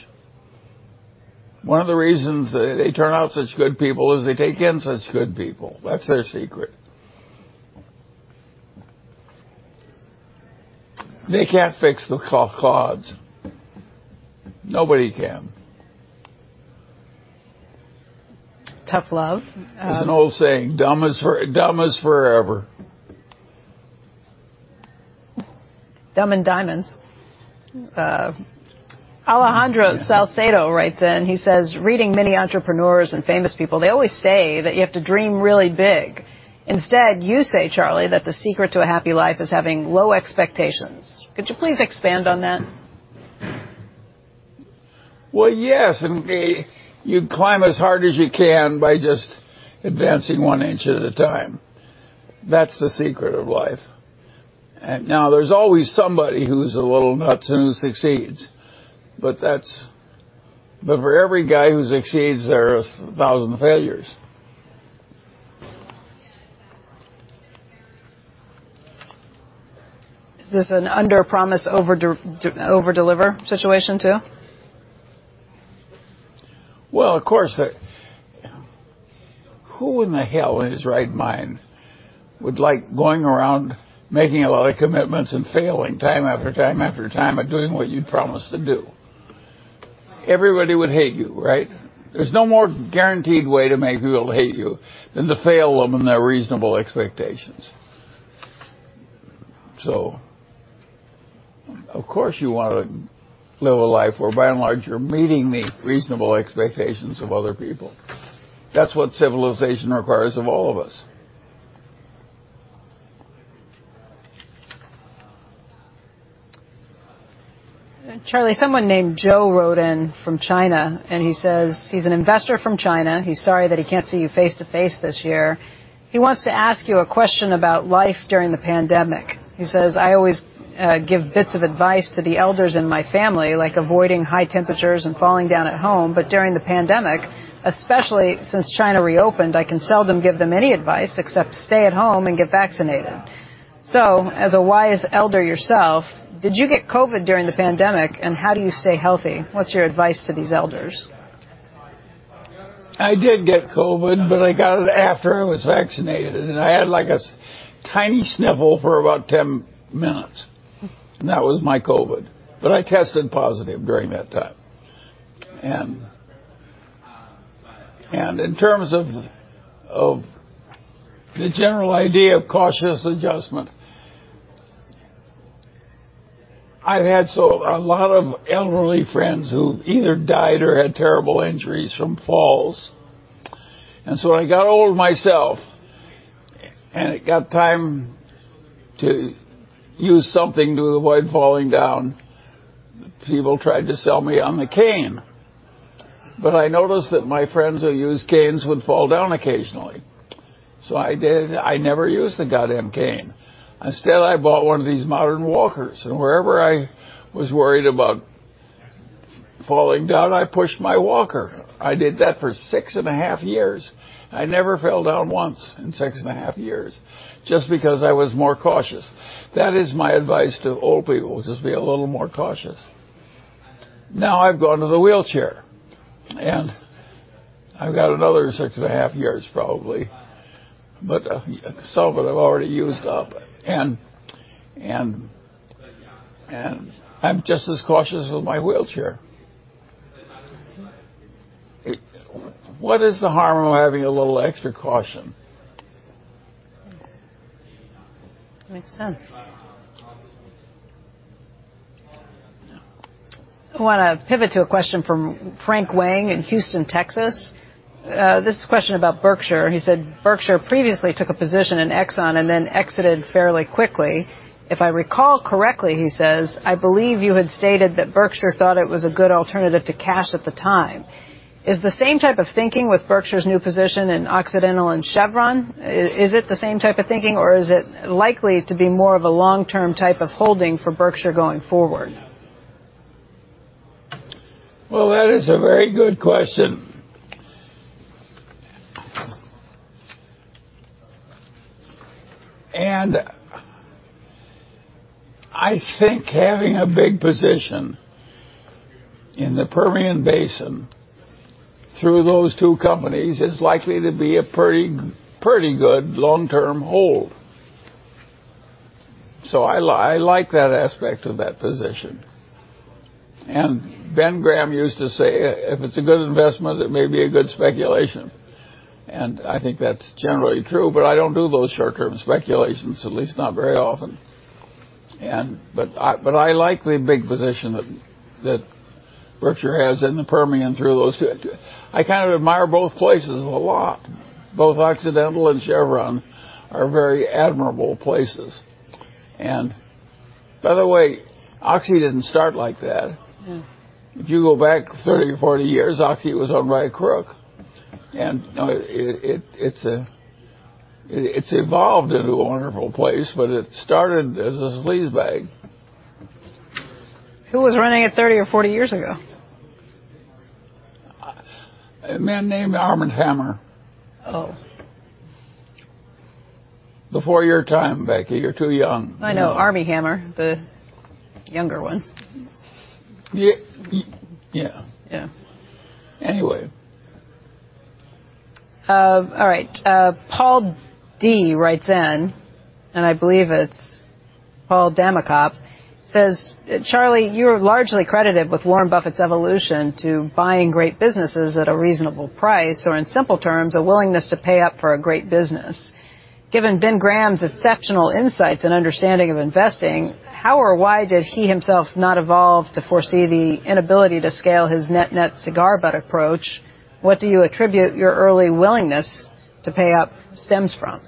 One of the reasons they turn out such good people is they take in such good people. That's their secret. They can't fix the clods. Nobody can. Tough love. There's an old saying, "Dumb is forever. Dumb and diamonds. Alejandro Salcedo writes in, he says, "Reading many entrepreneurs and famous people, they always say that you have to dream really big. Instead, you say, Charlie, that the secret to a happy life is having low expectations. Could you please expand on that? Well, yes, you climb as hard as you can by just advancing one inch at a time. That's the secret of life. Now there's always somebody who's a little nuts and who succeeds, but for every guy who succeeds, there are 1,000 failures. Is this an underpromise, overdeliver situation too? Well, of course Who in the hell in his right mind would like going around making a lot of commitments and failing time after time after time at doing what you'd promised to do? Everybody would hate you, right? There's no more guaranteed way to make people hate you than to fail them in their reasonable expectations. Of course, you wanna live a life where by and large, you're meeting the reasonable expectations of other people. That's what civilization requires of all of us. Charlie, someone named Joe wrote in from China. He says he's an investor from China. He's sorry that he can't see you face-to-face this year. He wants to ask you a question about life during the pandemic. He says, "I always give bits of advice to the elders in my family, like avoiding high temperatures and falling down at home. During the pandemic, especially since China reopened, I can seldom give them any advice except stay at home and get vaccinated. As a wise elder yourself, did you get COVID during the pandemic, and how do you stay healthy? What's your advice to these elders? I did get COVID, I got it after I was vaccinated, and I had like a tiny sniffle for about 10 minutes. That was my COVID. I tested positive during that time. In terms of the general idea of cautious adjustment, I've had a lot of elderly friends who either died or had terrible injuries from falls. When I got old myself, and it got time to use something to avoid falling down, people tried to sell me on the cane. I noticed that my friends who used canes would fall down occasionally. I never used the goddamn cane. Instead, I bought one of these modern walkers, and wherever I was worried about falling down, I pushed my walker. I did that for six and a half years. I never fell down once in six and a half years just because I was more cautious. That is my advice to old people, just be a little more cautious. Now I've gone to the wheelchair, and I've got another six and a half years probably, but some of it I've already used up. I'm just as cautious with my wheelchair. What is the harm in having a little extra caution? Makes sense. I wanna pivot to a question from Frank Wang in Houston, Texas. This is a question about Berkshire. He said, "Berkshire previously took a position in Exxon and then exited fairly quickly. If I recall correctly," he says, "I believe you had stated that Berkshire thought it was a good alternative to cash at the time. Is the same type of thinking with Berkshire's new position in Occidental and Chevron? Is it the same type of thinking, or is it likely to be more of a long-term type of holding for Berkshire going forward? That is a very good question. I think having a big position in the Permian Basin through those two companies is likely to be a pretty good long-term hold. I like that aspect of that position. Ben Graham used to say, "If it's a good investment, it may be a good speculation." I think that's generally true, but I don't do those short-term speculations, at least not very often. But I like the big position that Berkshire has in the Permian through those two. I kind of admire both places a lot. Both Occidental and Chevron are very admirable places. By the way, Oxy didn't start like that. Yeah. If you go back 30 or 40 years, Oxy was run by a crook. You know, it's evolved into a wonderful place, but it started as a sleazebag. Who was running it 30 or 40 years ago? A man named Armand Hammer. Oh. Before your time, Becky. You're too young. I know Armie Hammer, the younger one. Yeah. Yeah. Yeah. Anyway. All right. Paul D. writes in, I believe it's Paul Davacoff, says, "Charlie, you're largely credited with Warren Buffett's evolution to buying great businesses at a reasonable price or, in simple terms, a willingness to pay up for a great business. Given Ben Graham's exceptional insights and understanding of investing, how or why did he himself not evolve to foresee the inability to scale his net-net cigar butt approach? What do you attribute your early willingness to pay up stems from?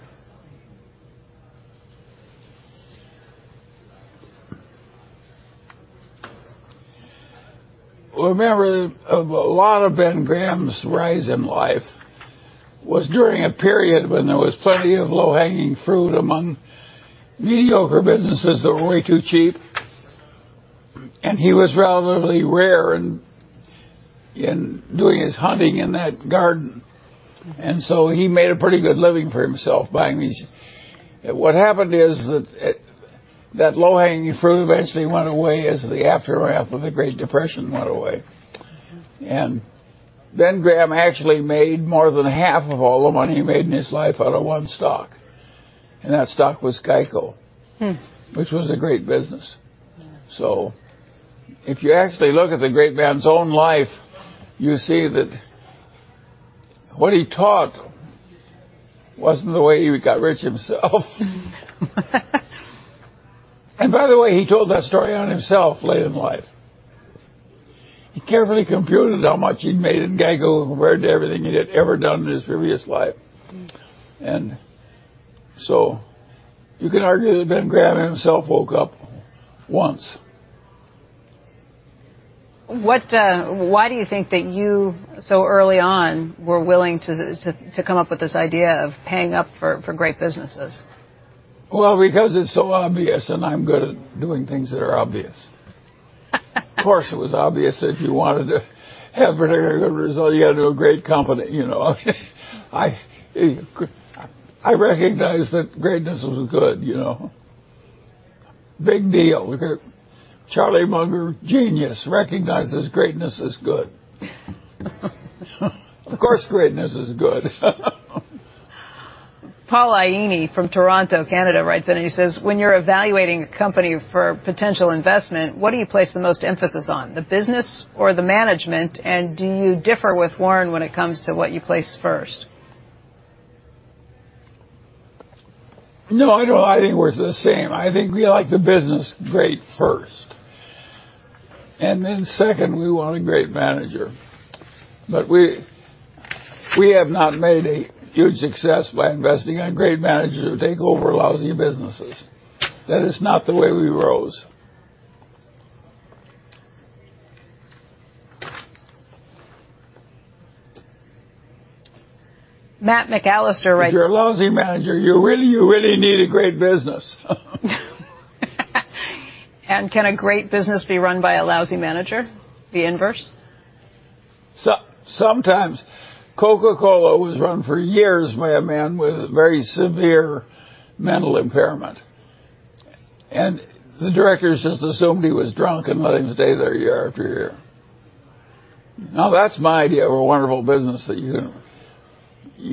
Well, remember, a lot of Ben Graham's rise in life was during a period when there was plenty of low-hanging fruit among mediocre businesses that were way too cheap, and he was relatively rare in doing his hunting in that garden. He made a pretty good living for himself buying these. What happened is that, That low-hanging fruit eventually went away as the aftermath of the Great Depression went away. Mm-hmm. Ben Graham actually made more than half of all the money he made in his life out of one stock, and that stock was GEICO. Hmm which was a great business. Yeah. If you actually look at the great man's own life, you see that what he taught wasn't the way he got rich himself. By the way, he told that story on himself late in life. He carefully computed how much he'd made at GEICO compared to everything he had ever done in his previous life. Mm. You can argue that Ben Graham himself woke up once. What, why do you think that you, so early on, were willing to come up with this idea of paying up for great businesses? Well, because it's so obvious, and I'm good at doing things that are obvious. Of course it was obvious if you wanted to have a particularly good result, you got to have a great company, you know? I recognized that greatness was good, you know? Big deal. Charlie Munger, genius, recognizes greatness is good. Of course, greatness is good. Paul Lountzis from Toronto, Canada writes in. He says, "When you're evaluating a company for potential investment, what do you place the most emphasis on, the business or the management? Do you differ with Warren when it comes to what you place first? No, I don't. I think we're the same. I think we like the business great first, and then second, we want a great manager. We have not made a huge success by investing on great managers who take over lousy businesses. That is not the way we rose. Matt McAllister writes. If you're a lousy manager, you really, you really need a great business. Can a great business be run by a lousy manager, the inverse? Sometimes. Coca-Cola was run for years by a man with very severe mental impairment, and the directors just assumed he was drunk and let him stay there year after year. That's my idea of a wonderful business that you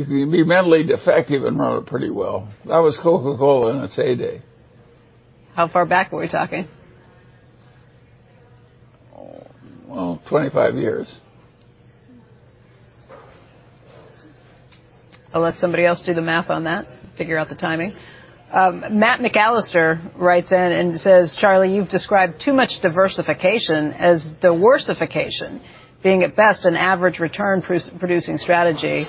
can be mentally defective and run it pretty well. That was Coca-Cola in its heyday. How far back are we talking? Oh, well, 25 years. I'll let somebody else do the math on that, figure out the timing. Matt McAllister writes in and says, "Charlie, you've described too much diversification as divorcification, being at best an average return pro-producing strategy.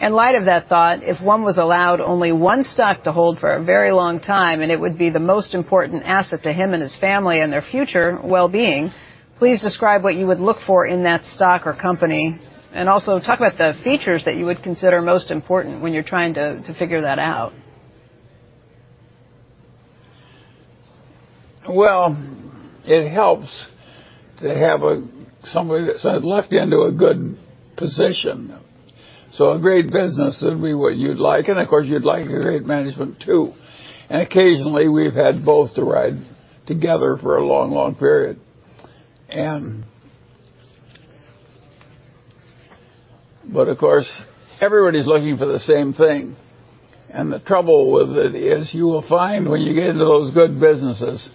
In light of that thought, if one was allowed only one stock to hold for a very long time, and it would be the most important asset to him and his family and their future well-being, please describe what you would look for in that stock or company, and also talk about the features that you would consider most important when you're trying to figure that out. It helps to have a, somebody that's lucked into a good position. A great business would be what you'd like, and of course you'd like a great management too. Occasionally we've had both to ride together for a long, long period. Of course, everybody's looking for the same thing, and the trouble with it is you will find when you get into those good businesses,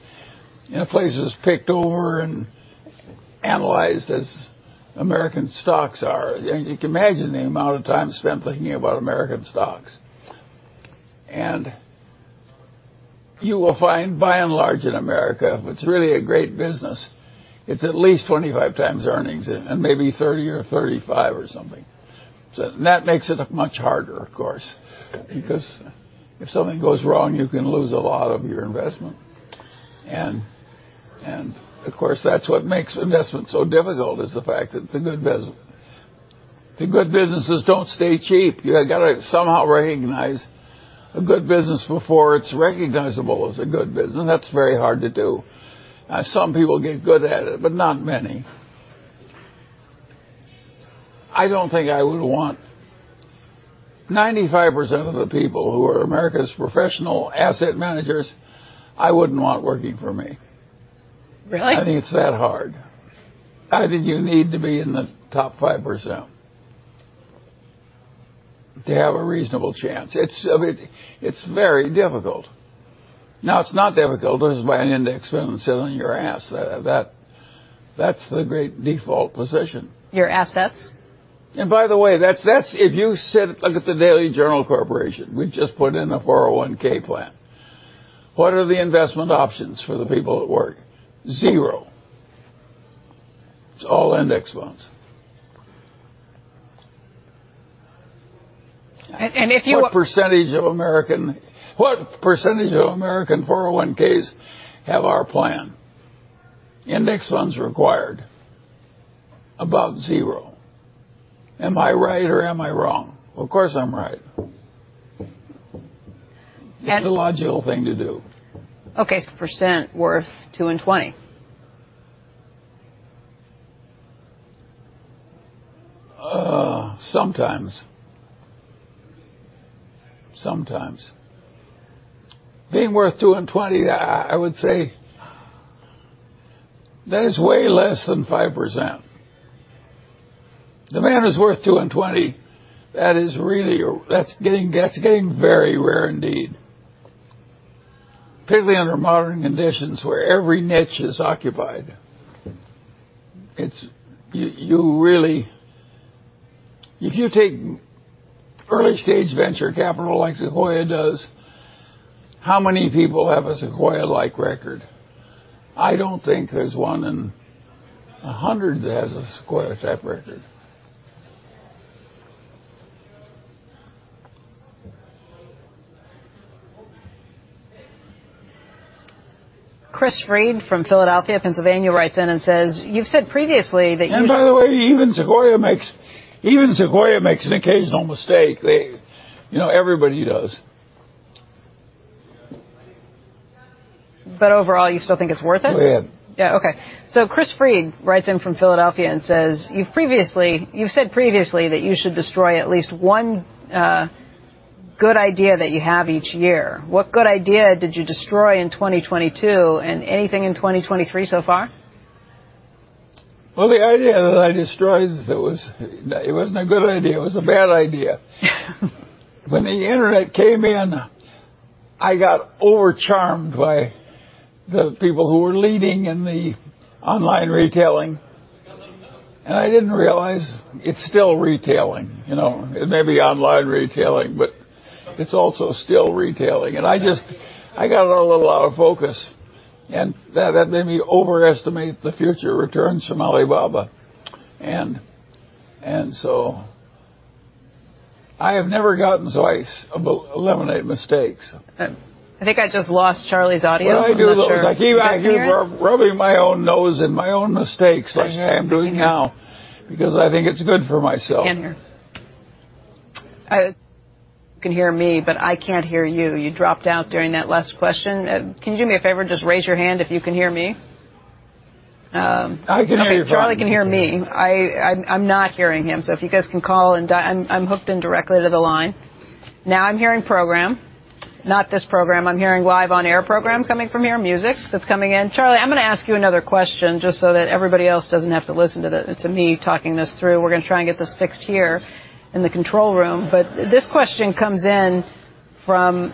in a place that's picked over and analyzed as American stocks are, and you can imagine the amount of time spent thinking about American stocks. You will find, by and large in America, if it's really a great business, it's at least 25 times earnings and maybe 30 or 35 or something. That makes it much harder, of course, because if something goes wrong, you can lose a lot of your investment. Of course that's what makes investment so difficult is the fact that the good businesses don't stay cheap. You gotta somehow recognize a good business before it's recognizable as a good business. That's very hard to do. Some people get good at it, but not many. I don't think I would want 95% of the people who are America's professional asset managers, I wouldn't want working for me. Really? I mean, it's that hard. I think you need to be in the top 5% to have a reasonable chance. It's, I mean, it's very difficult. Now, it's not difficult just to buy an index fund and sit on your ass. That's the great default position. Your assets? By the way, look at the Daily Journal Corporation. We just put in a 401 plan. What are the investment options for the people that work? Zero. It's all index funds. And, and if you- What percentage of American 401(k)s have our plan? Index funds required. About 0%. Am I right or am I wrong? Of course I'm right. And- It's the logical thing to do. Okay. worth 2.20%. Sometimes. Sometimes. Being worth 2 and 20, I would say that is way less than 5%. The man who's worth 2 and 20, that is really that's getting very rare indeed, particularly under modern conditions where every niche is occupied. Okay. You really. If you take early-stage venture capital like Sequoia does, how many people have a Sequoia-like record? I don't think there's 1 in 100 that has a Sequoia-type record. Chris Freed from Philadelphia, Pennsylvania, writes in and says, "You've said previously that you- By the way, even Sequoia makes an occasional mistake. You know, everybody does. Overall, you still think it's worth it? Go ahead. Yeah, okay. Chris Freed writes in from Philadelphia and says, "You've said previously that you should destroy at least one good idea that you have each year. What good idea did you destroy in 2022, and anything in 2023 so far? The idea that I destroyed it wasn't a good idea. It was a bad idea. When the internet came in, I got overcharmed by the people who were leading in the online retailing, and I didn't realize it's still retailing, you know. It may be online retailing, but it's also still retailing. I just, I got a little out of focus, and that made me overestimate the future returns from Alibaba. I have never gotten twice about eliminate mistakes. I think I just lost Charlie's audio. I'm not sure. What I do, though, is I. Can you guys hear? I keep rubbing my own nose in my own mistakes. I can. I can hear. like I am doing now because I think it's good for myself. I can hear. You can hear me, but I can't hear you. You dropped out during that last question. Can you do me a favor and just raise your hand if you can hear me? I can hear you fine. Okay. Charlie can hear me. I'm not hearing him, so if you guys can call. I'm hooked in directly to the line. Now I'm hearing program. Not this program. I'm hearing live on air program coming from here, music that's coming in. Charlie, I'm gonna ask you another question just so that everybody else doesn't have to listen to me talking this through. We're gonna try and get this fixed here in the control room. This question comes in from...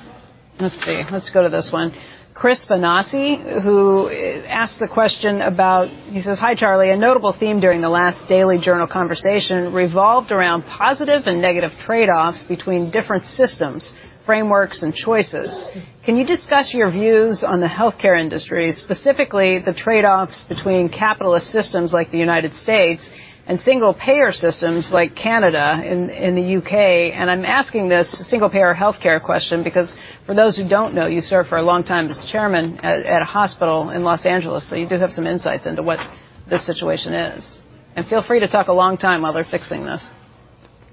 Let's see. Let's go to this one. Chris Fanassi, who asks the question about. He says, "Hi, Charlie. A notable theme during the last Daily Journal conversation revolved around positive and negative trade-offs between different systems, frameworks, and choices. Can you discuss your views on the healthcare industry, specifically the trade-offs between capitalist systems like the United States and single-payer systems like Canada and the U.K.?" I'm asking this single-payer healthcare question because, for those who don't know, you served for a long time as chairman at a hospital in Los Angeles, so you do have some insights into what the situation is. Feel free to talk a long time while they're fixing this.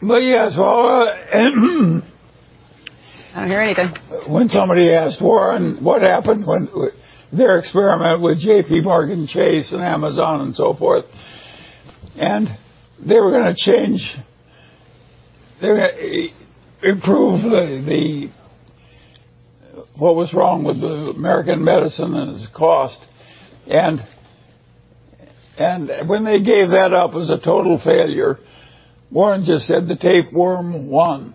Well, yes. Well, I don't hear anything. When somebody asked Warren what happened when their experiment with JPMorgan Chase and Amazon and so forth, and they were gonna improve the, what was wrong with the American medicine and its cost. When they gave that up as a total failure, Warren just said, "The tapeworm won."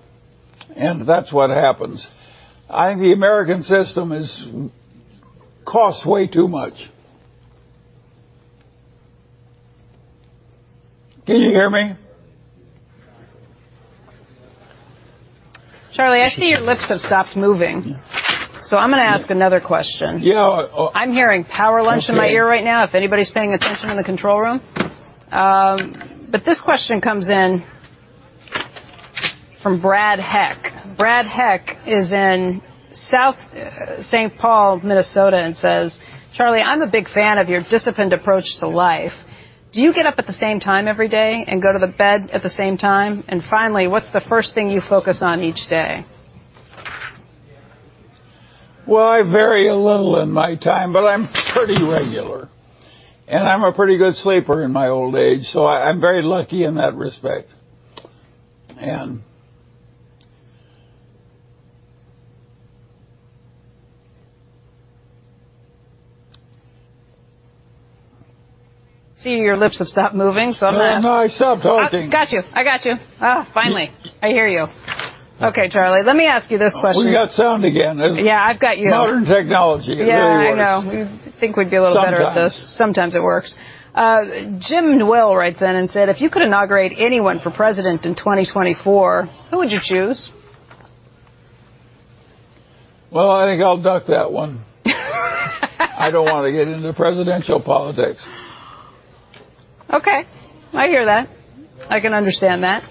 That's what happens. I think the American system costs way too much. Can you hear me? Charlie, I see your lips have stopped moving, so I'm gonna ask another question. Yeah. Oh. I'm hearing Power Lunch in my ear right now, if anybody's paying attention in the control room. This question comes in from Brad Heck. Brad Heck is in South St. Paul, Minnesota, and says, "Charlie, I'm a big fan of your disciplined approach to life. Do you get up at the same time every day and go to the bed at the same time? Finally, what's the first thing you focus on each day? Well, I vary a little in my time, but I'm pretty regular. I'm a pretty good sleeper in my old age, so I'm very lucky in that respect. Seeing your lips have stopped moving, so I'm gonna ask- No, I stopped talking. Got you. I got you. Finally. I hear you. Okay, Charlie, let me ask you this question. We got sound again. Yeah, I've got you now. Modern technology. It really works. Yeah, I know. You'd think we'd be a little better at this. Sometimes. Sometimes it works. Jim Noel writes in and said, "If you could inaugurate anyone for president in 2024, who would you choose? Well, I think I'll duck that one. I don't want to get into presidential politics. Okay. I hear that. I can understand that.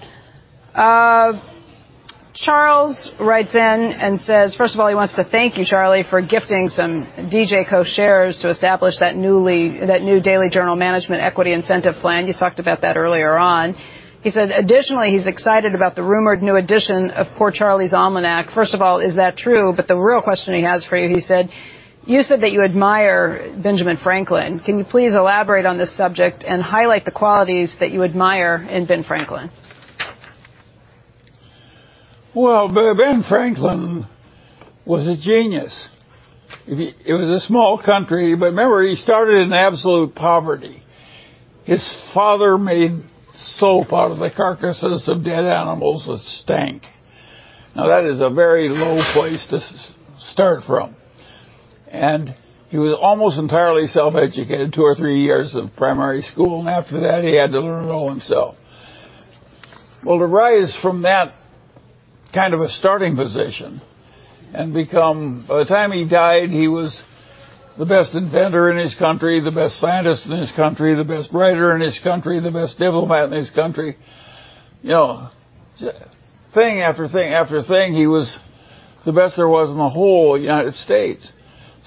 Charles writes in and says-- First of all, he wants to thank you, Charlie, for gifting some DJCO shares to establish that new Daily Journal management equity incentive plan. You talked about that earlier on. He said, additionally, he's excited about the rumored new edition of Poor Charlie's Almanack. First of all, is that true? The real question he has for you, he said, You said that you admire Benjamin Franklin. Can you please elaborate on this subject and highlight the qualities that you admire in Ben Franklin? Well, Ben Franklin was a genius. It was a small country, but remember, he started in absolute poverty. His father made soap out of the carcasses of dead animals that stank. Now, that is a very low place to start from. He was almost entirely self-educated. Two or three years of primary school, and after that, he had to learn it all himself. Well, to rise from that kind of a starting position and become... By the time he died, he was the best inventor in his country, the best scientist in his country, the best writer in his country, the best diplomat in his country. You know, thing after thing after thing, he was the best there was in the whole United States.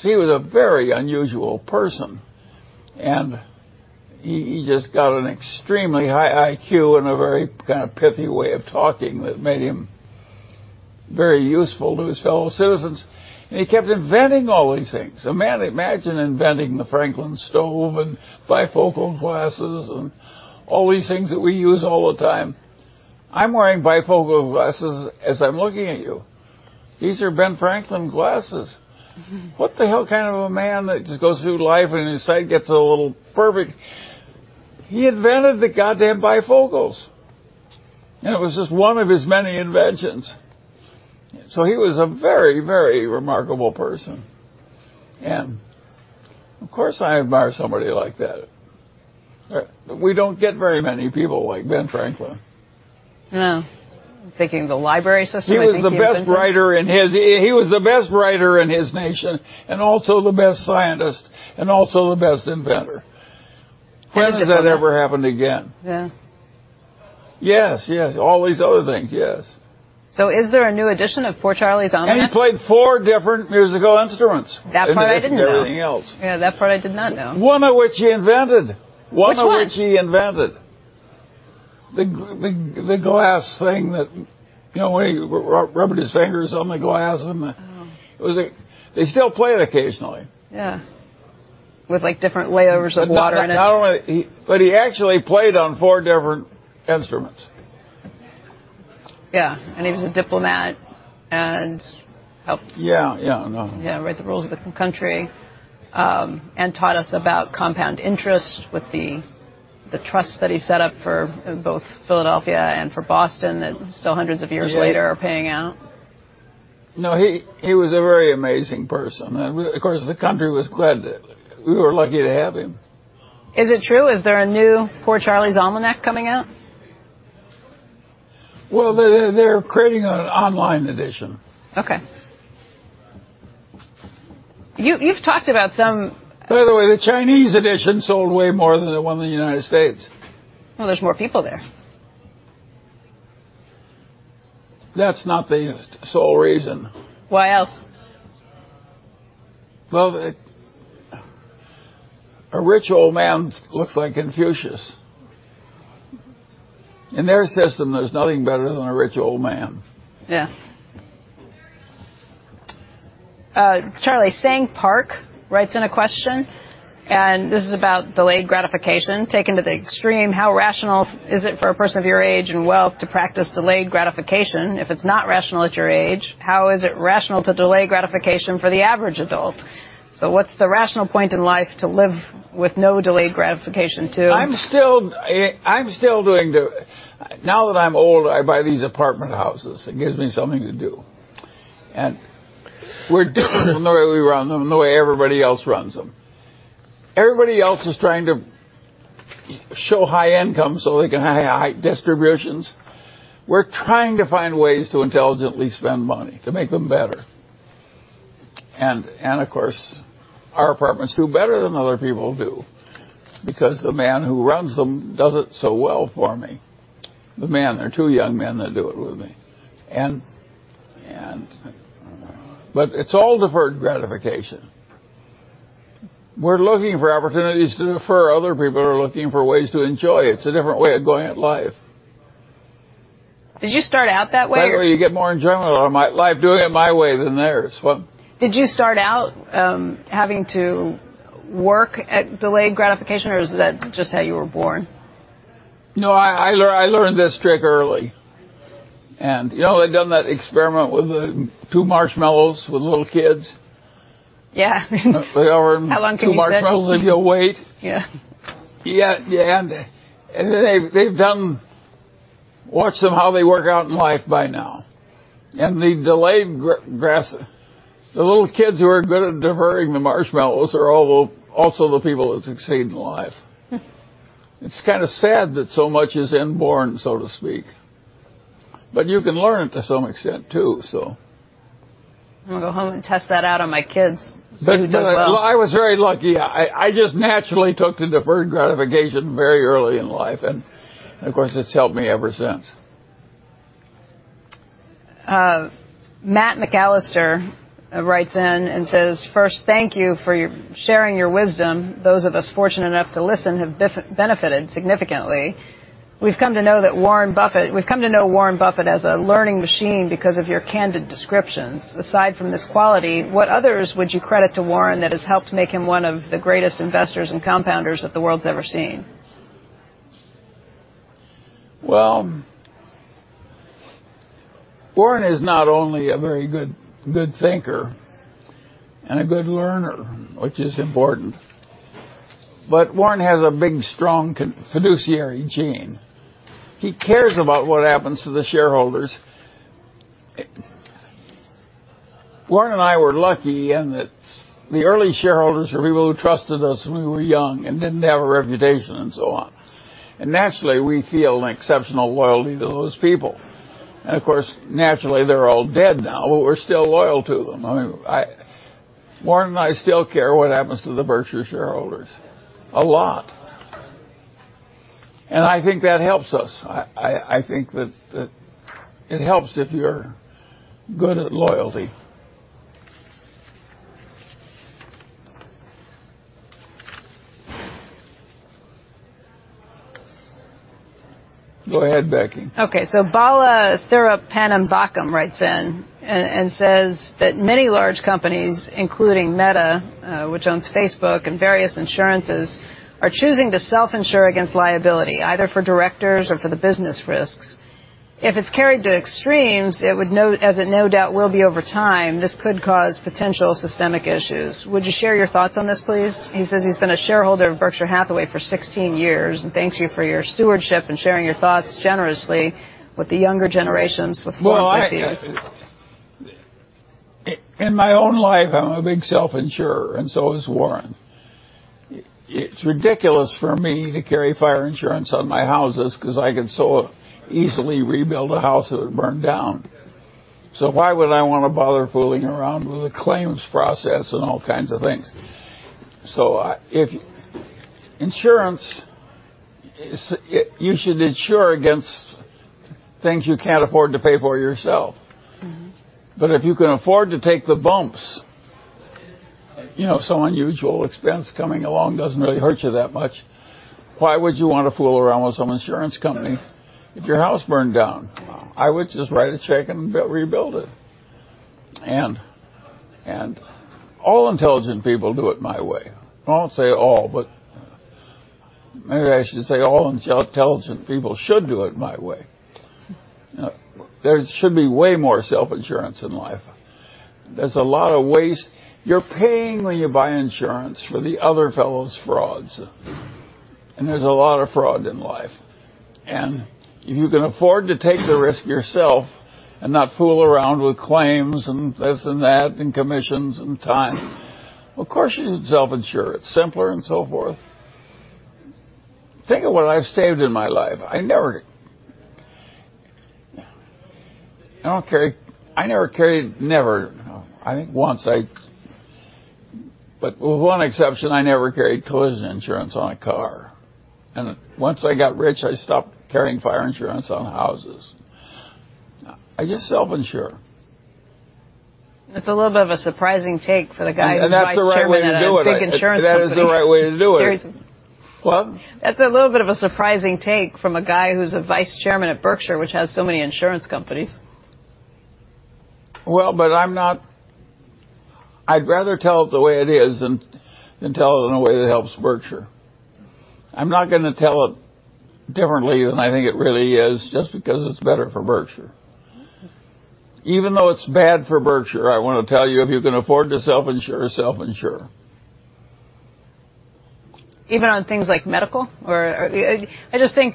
He was a very unusual person, and he just got an extremely high IQ and a very kind of pithy way of talking that made him very useful to his fellow citizens, and he kept inventing all these things. Imagine, imagine inventing the Franklin stove and bifocal glasses and all these things that we use all the time. I'm wearing bifocal glasses as I'm looking at you. These are Ben Franklin glasses. Mm-hmm. What the hell kind of a man that just goes through life and his sight gets a little perfect. He invented the goddamn bifocals. It was just one of his many inventions. He was a very, very remarkable person, and of course, I admire somebody like that. We don't get very many people like Ben Franklin. No. Thinking the library system, I think of Benjamin-. He was the best writer in his nation and also the best scientist and also the best inventor. How did that happen? When does that ever happen again? Yeah. Yes, yes. All these other things, yes. Is there a new edition of Poor Charlie's Almanack? He played four different musical instruments, in addition to everything else. That part I didn't know. Yeah, that part I did not know. One of which he invented. Which one? The the glass thing that, you know, when he rubbed his fingers on the glass and the... Oh. It was. They still play it occasionally. Yeah. With, like, different layers of water in it. He actually played on four different instruments. Yeah, he was a diplomat. Yeah, yeah, no. write the rules of the country, and taught us about compound interest with the trust that he set up for both Philadelphia and for Boston that still hundreds of years later are paying out. He was a very amazing person. We were lucky to have him. Is it true? Is there a new Poor Charlie's Almanack coming out? Well, they're creating an online edition. Okay. You've talked about. The Chinese edition sold way more than the one in the United States. Well, there's more people there. That's not the sole reason. Why else? A rich old man looks like Confucius. In their system, there's nothing better than a rich old man. Yeah. Charlie, Sang Park writes in a question. This is about delayed gratification taken to the extreme. How rational is it for a person of your age and wealth to practice delayed gratification? If it's not rational at your age, how is it rational to delay gratification for the average adult? What's the rational point in life to live with no delayed gratification? I'm still doing the. Now that I'm old, I buy these apartment houses. It gives me something to do. We're different from the way we run them than the way everybody else runs them. Everybody else is trying to show high income, so they can have high distributions. We're trying to find ways to intelligently spend money to make them better, and of course, our apartments do better than other people do because the man who runs them does it so well for me. The men, there are two young men that do it with me, and it's all deferred gratification. We're looking for opportunities to defer. Other people are looking for ways to enjoy it. It's a different way of going at life. Did you start out that way or-? That way you get more enjoyment out of life doing it my way than theirs. Did you start out, having to work at delayed gratification, or is that just how you were born? No, I learned this trick early, and you know, they've done that experiment with the 2 marshmallows with little kids. Yeah. They offer. How long can you sit? two marshmallows if you'll wait. Yeah. Yeah, yeah, they've watched them, how they work out in life by now, and the delayed gras... The little kids who are good at deferring the marshmallows are also the people that succeed in life. Hmm. It's kind of sad that so much is inborn, so to speak, but you can learn it to some extent, too, so. I'm gonna go home and test that out on my kids. See who does well. I was very lucky. I just naturally took to deferred gratification very early in life, and of course, it's helped me ever since. Matt McAllister writes in and says, "First, thank you for sharing your wisdom. Those of us fortunate enough to listen have benefited significantly." We've come to know Warren Buffett as a learning machine because of your candid descriptions. Aside from this quality, what others would you credit to Warren that has helped make him one of the greatest investors and compounders that the world's ever seen? Well, Warren is not only a very good thinker and a good learner, which is important, but Warren has a big, strong fiduciary gene. He cares about what happens to the shareholders. Warren and I were lucky in that the early shareholders were people who trusted us when we were young and didn't have a reputation and so on. Naturally, we feel an exceptional loyalty to those people. Of course, naturally, they're all dead now, but we're still loyal to them. I mean, Warren and I still care what happens to the Berkshire shareholders, a lot. I think that helps us. I think that it helps if you're good at loyalty. Go ahead, Becky. Bala Thirupunambakam writes in and says that many large companies, including Meta, which owns Facebook and various insurances, are choosing to self-insure against liability, either for directors or for the business risks. If it's carried to extremes, as it no doubt will be over time, this could cause potential systemic issues. Would you share your thoughts on this, please? He says he's been a shareholder of Berkshire Hathaway for 16 years and thanks you for your stewardship and sharing your thoughts generously with the younger generations with thoughts like these. I In my own life, I'm a big self-insurer, and so is Warren. It's ridiculous for me to carry fire insurance on my houses because I could so easily rebuild a house that had burned down. Why would I wanna bother fooling around with a claims process and all kinds of things? insurance is. You should insure against things you can't afford to pay for yourself. Mm-hmm. If you can afford to take the bumps, you know, some unusual expense coming along doesn't really hurt you that much, why would you want to fool around with some insurance company? If your house burned down, I would just write a check and rebuild it. All intelligent people do it my way. Well, I won't say all, but maybe I should say all intelligent people should do it my way. There should be way more self-insurance in life. There's a lot of waste. You're paying when you buy insurance for the other fellow's frauds, and there's a lot of fraud in life. If you can afford to take the risk yourself and not fool around with claims and this and that and commissions and time, of course, you self-insure. It's simpler and so forth. Think of what I've saved in my life. I never... I never carried, never, I think once, with one exception, I never carried collision insurance on a car. Once I got rich, I stopped carrying fire insurance on houses. I just self-insure. That's a little bit of a surprising take for the guy who was vice chairman at a big insurance company. That's the right way to do it. That is the right way to do it. There's- What? That's a little bit of a surprising take from a guy who's a vice chairman at Berkshire, which has so many insurance companies. I'd rather tell it the way it is than tell it in a way that helps Berkshire. I'm not gonna tell it differently than I think it really is just because it's better for Berkshire. Even though it's bad for Berkshire, I wanna tell you, if you can afford to self-insure, self-insure. Even on things like medical? I just think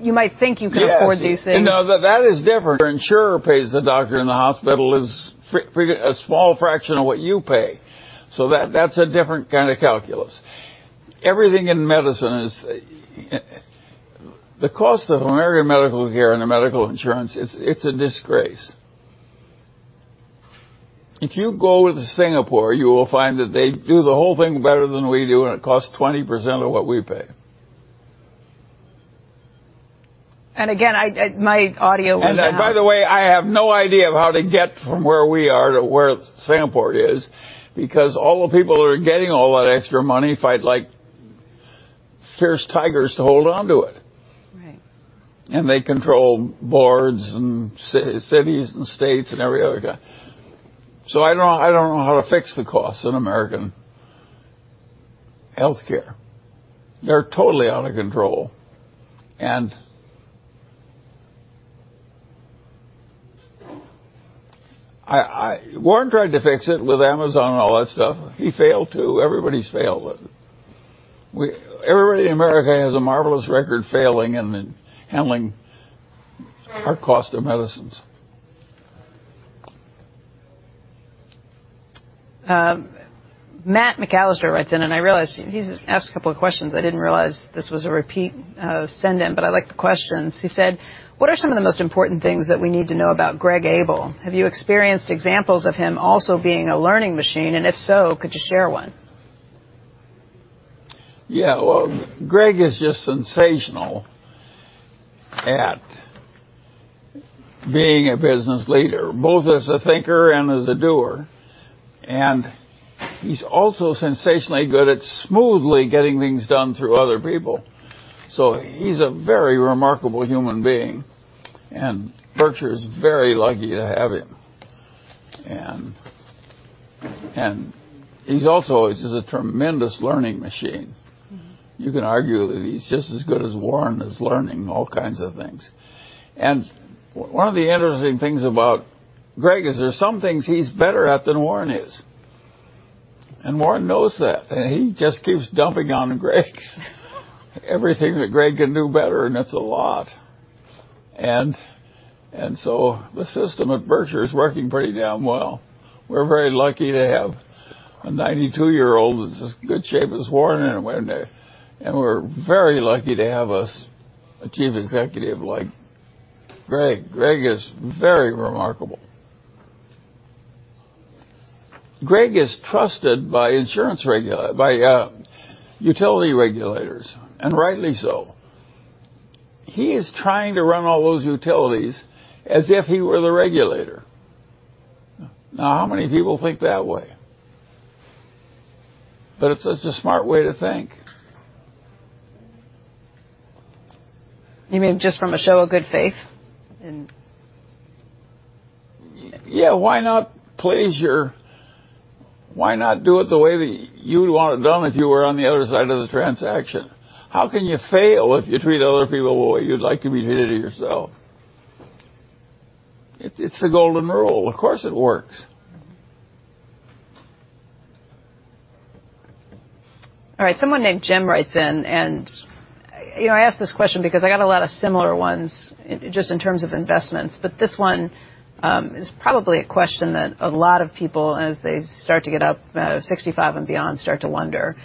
you might think you can afford these things. Yes. No, that is different. The insurer pays the doctor and the hospital is a small fraction of what you pay. That, that's a different kinda calculus. Everything in medicine is... The cost of American medical care and the medical insurance, it's a disgrace. If you go to Singapore, you will find that they do the whole thing better than we do, and it costs 20% of what we pay. Again, I, my audio was out. By the way, I have no idea of how to get from where we are to where Singapore is because all the people who are getting all that extra money fight like fierce tigers to hold on to it. Right. They control boards and cities and states and every other guy. I don't know how to fix the costs in American healthcare. They're totally out of control. Warren tried to fix it with Amazon and all that stuff. He failed, too. Everybody's failed with it. Everybody in America has a marvelous record failing in handling our cost of medicines. Matt McAllister writes in, and I realize he's asked a couple of questions. I didn't realize this was a repeat send in, but I like the questions. He said, "What are some of the most important things that we need to know about Greg Abel? Have you experienced examples of him also being a learning machine? If so, could you share one? Yeah. Well, Greg is just sensational at being a business leader, both as a thinker and as a doer. He's also sensationally good at smoothly getting things done through other people. He's a very remarkable human being, and Berkshire is very lucky to have him. He's also is a tremendous learning machine. Mm-hmm. You can argue that he's just as good as Warren is learning all kinds of things. One of the interesting things about Greg is there's some things he's better at than Warren is. Warren knows that, he just keeps dumping on Greg Everything that Greg can do better, it's a lot. The system at Berkshire is working pretty damn well. We're very lucky to have a 92-year-old in as good shape as Warren, we're very lucky to have a chief executive like Greg. Greg is very remarkable. Greg is trusted by insurance regulators by utility regulators, rightly so. He is trying to run all those utilities as if he were the regulator. How many people think that way? It's such a smart way to think. You mean just from a show of good faith and? Yeah. Why not do it the way that you would want it done if you were on the other side of the transaction? How can you fail if you treat other people the way you'd like to be treated yourself? It's the golden rule. Of course it works. All right. Someone named Jim writes in, you know, I ask this question because I got a lot of similar ones just in terms of investments. This one is probably a question that a lot of people as they start to get up 65 and beyond start to wonder.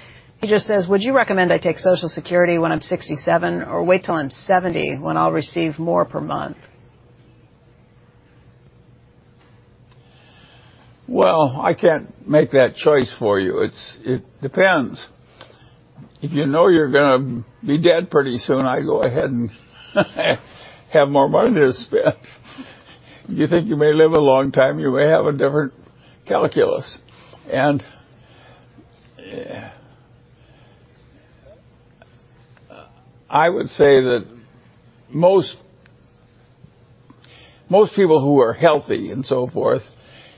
He just says, "Would you recommend I take Social Security when I'm 67 or wait till I'm 70 when I'll receive more per month? Well, I can't make that choice for you. It depends. If you know you're gonna be dead pretty soon, I go ahead and have more money to spend. If you think you may live a long time, you may have a different calculus. I would say that most people who are healthy and so forth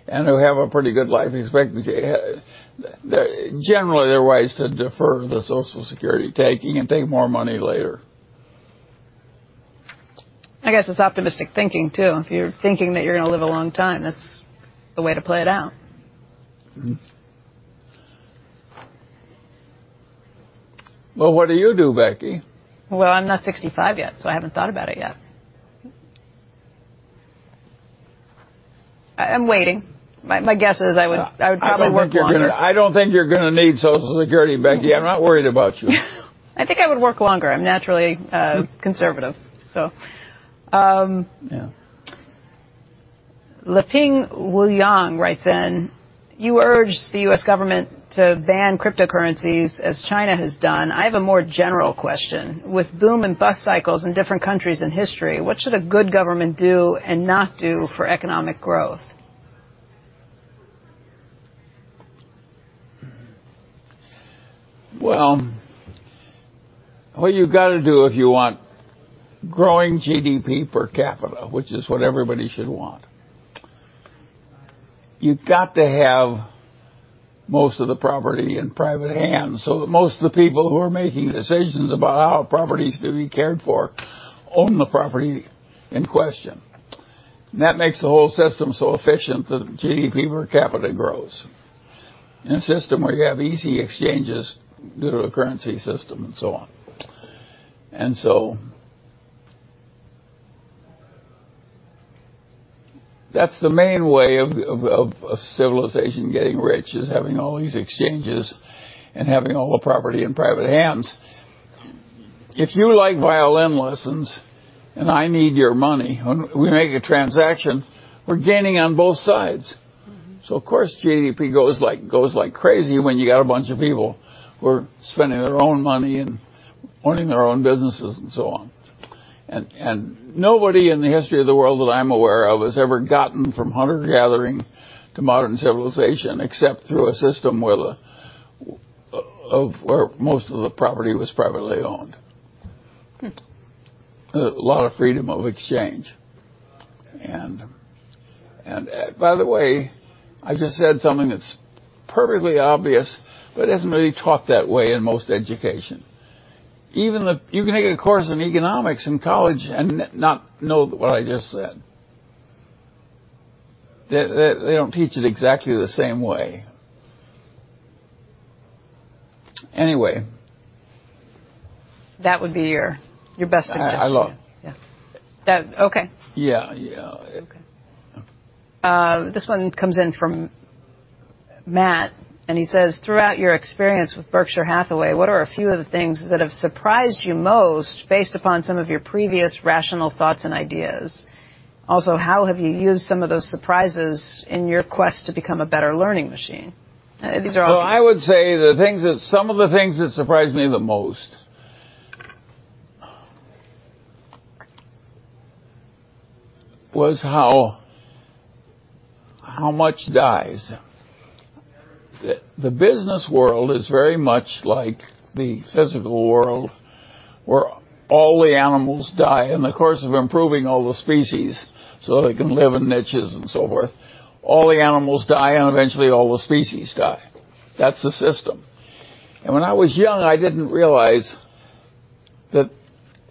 and who have a pretty good life expectancy, generally, they're wise to defer the Social Security taking and take more money later. I guess it's optimistic thinking, too. If you're thinking that you're gonna live a long time, that's the way to play it out. Mm-hmm. Well, what do you do, Becky? I'm not 65 yet, I haven't thought about it yet. I'm waiting. My guess is I would probably work longer. I don't think you're gonna need Social Security, Becky. I'm not worried about you. I think I would work longer. I'm naturally conservative. Yeah. Leping Wuyang writes in, "You urged the U.S. government to ban cryptocurrencies as China has done. I have a more general question. With boom and bust cycles in different countries in history, what should a good government do and not do for economic growth? Well, what you gotta do if you want growing GDP per capita, which is what everybody should want, you've got to have most of the property in private hands, so that most of the people who are making decisions about how a property is going to be cared for own the property in question. That makes the whole system so efficient that GDP per capita grows. In a system where you have easy exchanges due to a currency system and so on. That's the main way of civilization getting rich is having all these exchanges and having all the property in private hands. If you like violin lessons and I need your money, when we make a transaction, we're gaining on both sides. Mm-hmm. Of course, GDP goes like crazy when you got a bunch of people who are spending their own money and owning their own businesses and so on. Nobody in the history of the world that I'm aware of has ever gotten from hunter-gathering to modern civilization except through a system where most of the property was privately owned. Hmm. A lot of freedom of exchange. By the way, I just said something that's perfectly obvious, but it isn't really taught that way in most education. Even You can take a course in economics in college and not know what I just said. They don't teach it exactly the same way. Anyway. That would be your best suggestion. I. Yeah. That... Okay. Yeah. Yeah. Okay. Okay. This one comes in from Matt, he says, "Throughout your experience with Berkshire Hathaway, what are a few of the things that have surprised you most based upon some of your previous rational thoughts and ideas? Also, how have you used some of those surprises in your quest to become a better learning machine? Well, I would say some of the things that surprised me the most was how much dies. The business world is very much like the physical world, where all the animals die in the course of improving all the species so they can live in niches and so forth. All the animals die, and eventually all the species die. That's the system. When I was young, I didn't realize that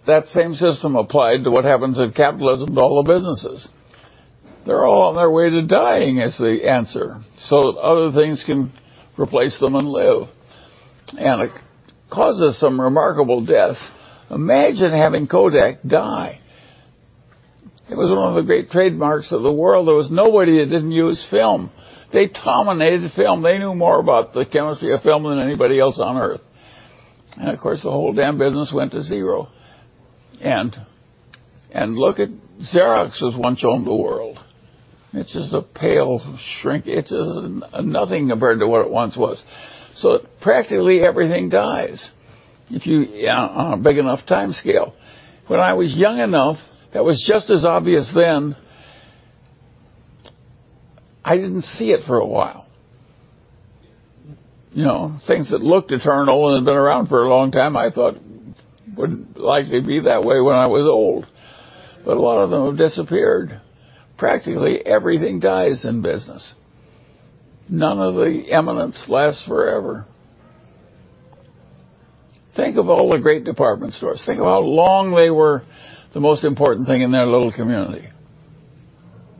that same system applied to what happens in capitalism to all the businesses. They're all on their way to dying is the answer, so other things can replace them and live. It causes some remarkable death. Imagine having Kodak die. It was one of the great trademarks of the world. There was nobody that didn't use film. They dominated film. They knew more about the chemistry of film than anybody else on Earth. Of course, the whole damn business went to 0. Look at Xerox was once owned the world. It's just a pale shrink. It's a nothing compared to what it once was. Practically everything dies if on a big enough time scale. When I was young enough, that was just as obvious then. I didn't see it for a while. You know, things that looked eternal and had been around for a long time, I thought would likely be that way when I was old. A lot of them have disappeared. Practically everything dies in business. None of the eminence lasts forever. Think of all the great department stores. Think of how long they were the most important thing in their little community.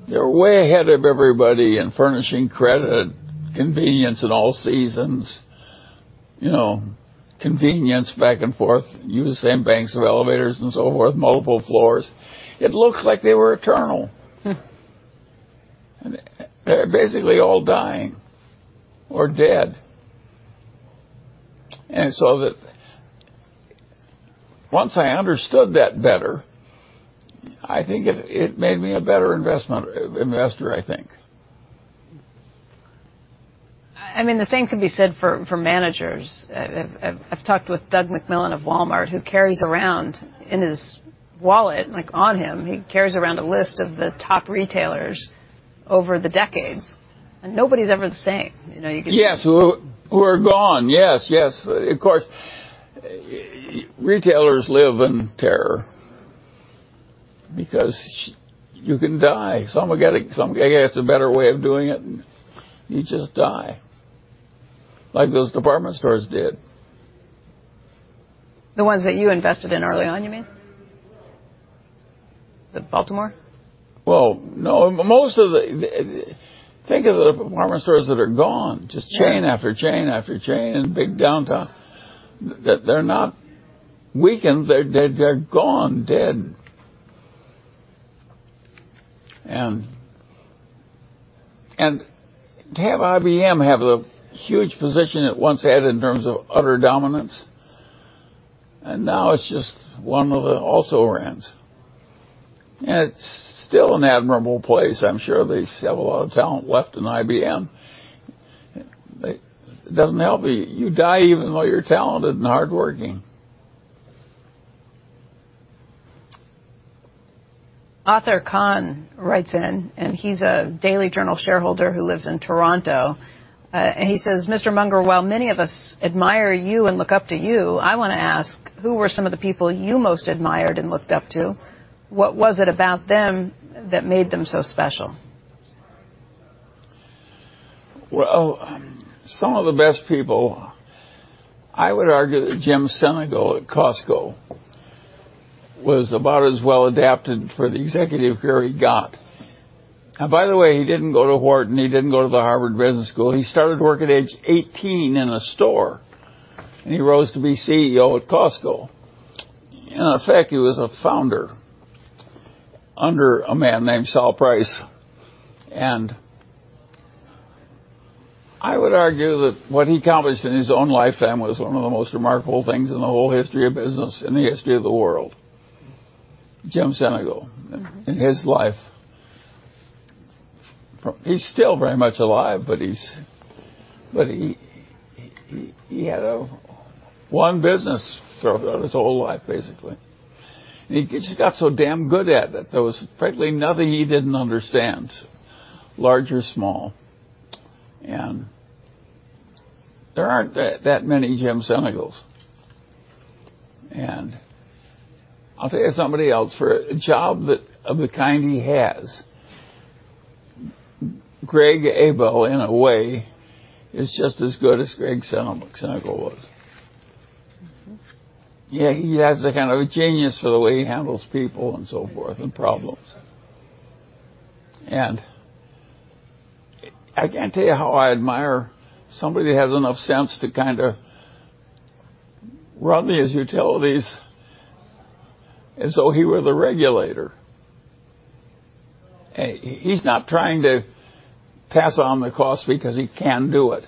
They were way ahead of everybody in furnishing credit, convenience in all seasons, you know, convenience back and forth. Use the same banks of elevators and so forth, multiple floors. It looked like they were eternal. Hmm. They're basically all dying or dead. That once I understood that better, I think it made me a better investor, I think. I mean, the same could be said for managers. I've talked with Doug McMillon of Walmart, who carries around in his wallet, like on him, he carries around a list of the top retailers over the decades, and nobody's ever the same. You know. Yes. Who are gone. Yes. Of course, retailers live in terror because you can die. I guess a better way of doing it, you just die, like those department stores did. The ones that you invested in early on, you mean? The Baltimore? Well, no, most of the. Think of the department stores that are gone. Yeah. Just chain after chain after chain in big downtown. They're not weakened, they're gone, dead. To have IBM have the huge position it once had in terms of utter dominance, and now it's just one of the also rans. It's still an admirable place. I'm sure they have a lot of talent left in IBM. It doesn't help you. You die even though you're talented and hardworking. Arthur Kahn writes in, he's a Daily Journal shareholder who lives in Toronto. He says, "Mr. Munger, while many of us admire you and look up to you, I want to ask, who were some of the people you most admired and looked up to? What was it about them that made them so special? Well, some of the best people, I would argue that Jim Sinegal at Costco was about as well adapted for the executive career he got. By the way, he didn't go to Wharton, he didn't go to the Harvard Business School. He started work at age 18 in a store, and he rose to be CEO at Costco. Matter of fact, he was a founder under a man named Sol Price. I would argue that what he accomplished in his own lifetime was one of the most remarkable things in the whole history of business, in the history of the world. Jim Sinegal. Mm-hmm ...and his life. He's still very much alive, but he had one business throughout his whole life, basically. He just got so damn good at it. There was practically nothing he didn't understand, large or small. There aren't that many Jim Sinegals. I'll tell you somebody else for a job that of the kind he has, Greg Abel, in a way, is just as good as Jim Sinegal was. Mm-hmm. He has a kind of a genius for the way he handles people and so forth, and problems. I can't tell you how I admire somebody that has enough sense to kinda run his utilities as though he were the regulator. He's not trying to pass on the cost because he can do it.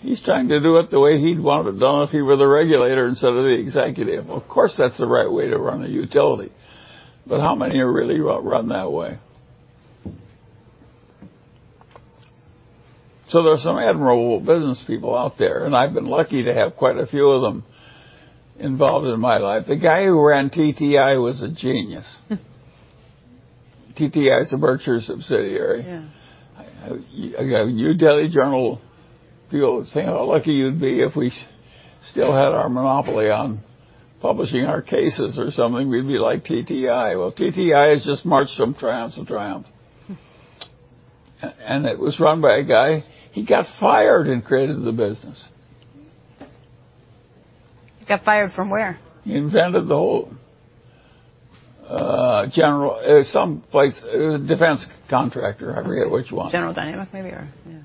He's trying to do it the way he'd want it done if he were the regulator instead of the executive. Of course, that's the right way to run a utility, but how many are really run that way? There are some admirable businesspeople out there, and I've been lucky to have quite a few of them involved in my life. The guy who ran TTI was a genius. TTI is a Berkshire subsidiary. Yeah. You have your Daily Journal people think how lucky you'd be if we still had our monopoly on publishing our cases or something. We'd be like TTI. Well, TTI has just marched from triumph to triumph. Hmm. It was run by a guy, he got fired and created the business. He got fired from where? He invented the whole. It was some place, it was a defense contractor. I forget which one. General Dynamics maybe or... Yeah.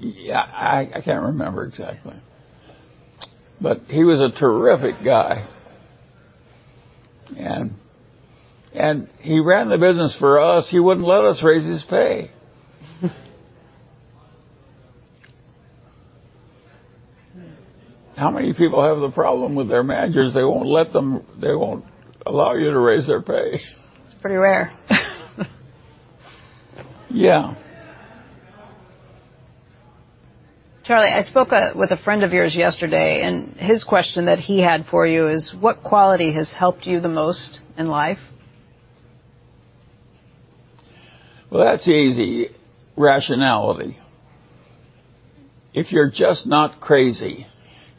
Yeah, I can't remember exactly. He was a terrific guy, and he ran the business for us. He wouldn't let us raise his pay. How many people have the problem with their managers, they won't allow you to raise their pay? It's pretty rare. Yeah. Charlie, I spoke with a friend of yours yesterday, and his question that he had for you is: what quality has helped you the most in life? Well, that's easy: rationality. If you're just not crazy,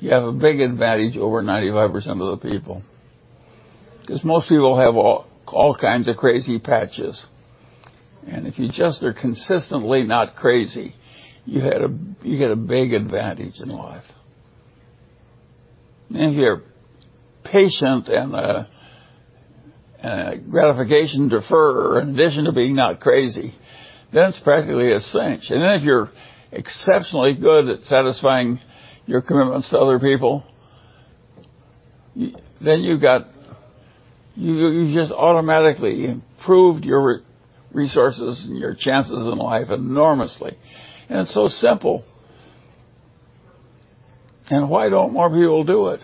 you have a big advantage over 95% of the people. 'Cause most people have all kinds of crazy patches, and if you just are consistently not crazy, you get a big advantage in life. If you're patient and a gratification deferrer in addition to being not crazy, then it's practically a cinch. If you're exceptionally good at satisfying your commitments to other people, then you've got. You just automatically improved your resources and your chances in life enormously, and it's so simple. Why don't more people do it?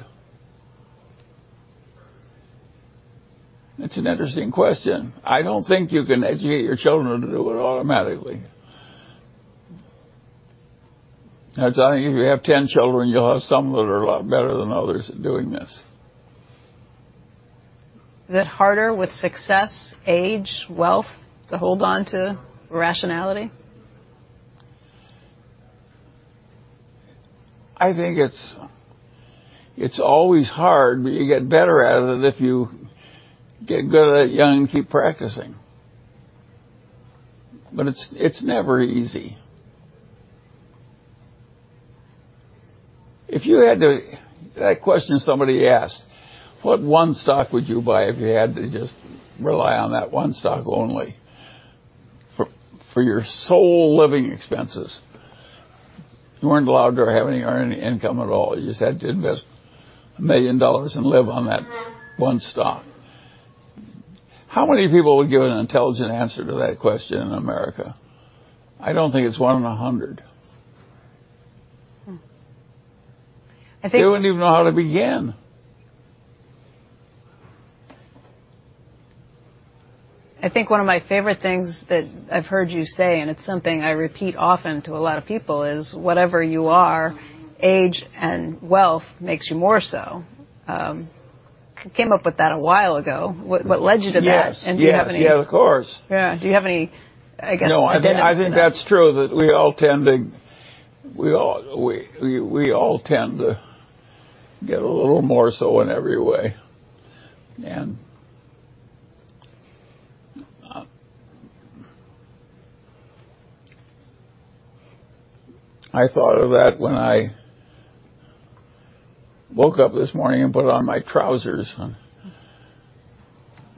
It's an interesting question. I don't think you can educate your children to do it automatically. That's why if you have 10 children, you'll have some that are a lot better than others at doing this. Is it harder with success, age, wealth to hold on to rationality? I think it's always hard, but you get better at it if you get good at it young and keep practicing. It's never easy. That question somebody asked, "What one stock would you buy if you had to just rely on that one stock only for your sole living expenses? You weren't allowed to have any or earn any income at all. You just had to invest $1 million and live on that one stock." How many people would give an intelligent answer to that question in America? I don't think it's 1 in 100. Hmm. I think- They wouldn't even know how to begin. I think one of my favorite things that I've heard you say, and it's something I repeat often to a lot of people, is, "Whatever you are, age and wealth makes you more so." came up with that a while ago. What, what led you to that? Yes. Do you have any- Yes. Yeah, of course. Yeah. Do you have any, I guess, evidence- No, I think, I think that's true, that we all tend to get a little more so in every way. I thought of that when I woke up this morning and put on my trousers on.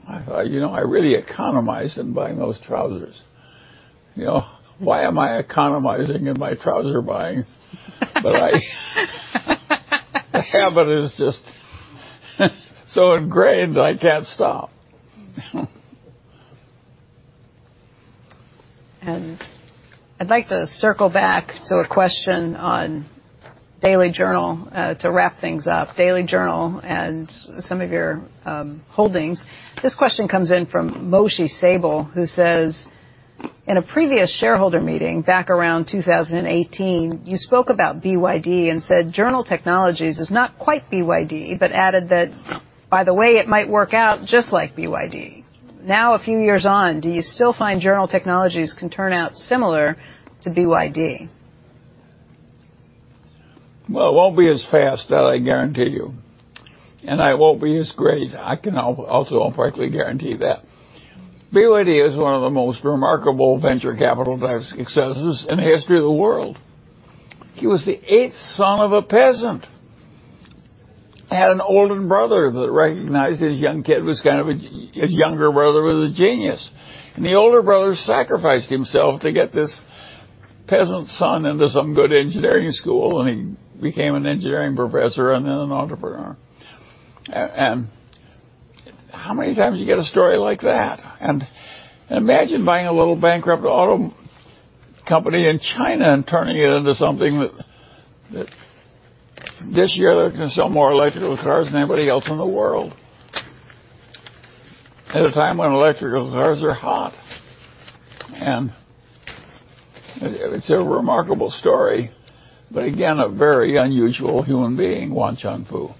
I thought, "You know, I really economized in buying those trousers." You know, why am I economizing in my trouser buying? The habit is just so ingrained that I can't stop. I'd like to circle back to a question on Daily Journal to wrap things up. Daily Journal and some of your holdings. This question comes in from Moshe Segel, who says, "In a previous shareholder meeting back around 2018, you spoke about BYD and said, 'Journal Technologies is not quite BYD,' but added that, 'By the way, it might work out just like BYD.' Now a few years on, do you still find Journal Technologies can turn out similar to BYD? Well, it won't be as fast, that I guarantee you, and it won't be as great. I can also partly guarantee that. BYD is one of the most remarkable venture capital type successes in the history of the world. He was the eighth son of a peasant, had an older brother that recognized his young kid was kind of his younger brother was a genius. The older brother sacrificed himself to get this peasant's son into some good engineering school, and he became an engineering professor and then an entrepreneur. How many times you get a story like that? Imagine buying a little bankrupt auto company in China and turning it into something that this year they're gonna sell more electrical cars than anybody else in the world. At a time when electrical cars are hot. It's a remarkable story, again, a very unusual human being, Wang Chuanfu.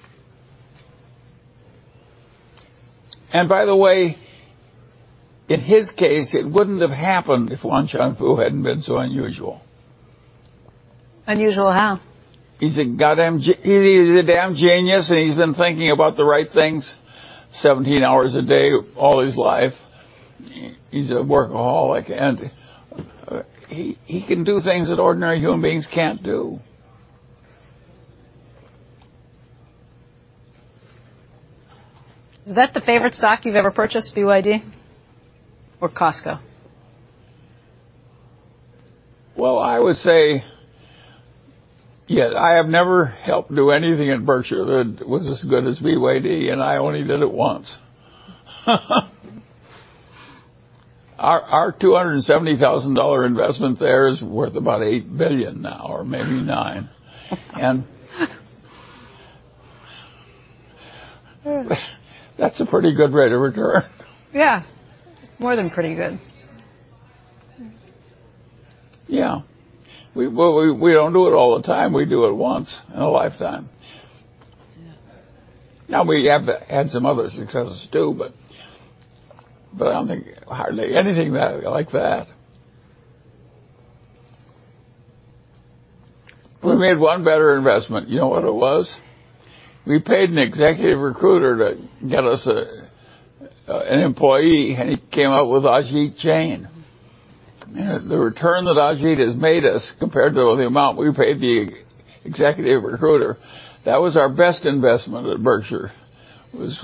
In his case, it wouldn't have happened if Wang Chuanfu hadn't been so unusual. Unusual how? He's a goddamn he's a damn genius, and he's been thinking about the right things 17 hours a day all his life. He's a workaholic, and he can do things that ordinary human beings can't do. Is that the favorite stock you've ever purchased, BYD or Costco? Well, I would say yes. I have never helped do anything at Berkshire that was as good as BYD, and I only did it once. Our $270,000 investment there is worth about $8 billion now or maybe $9 billion. That's a pretty good rate of return. Yeah. It's more than pretty good. Yeah. We don't do it all the time. We do it once in a lifetime. Yeah. We have had some other successes too, but I don't think hardly anything that like that. We made one better investment. You know what it was? We paid an executive recruiter to get us an employee, and he came out with Ajit Jain. The return that Ajit has made us compared to the amount we paid the executive recruiter, that was our best investment at Berkshire, was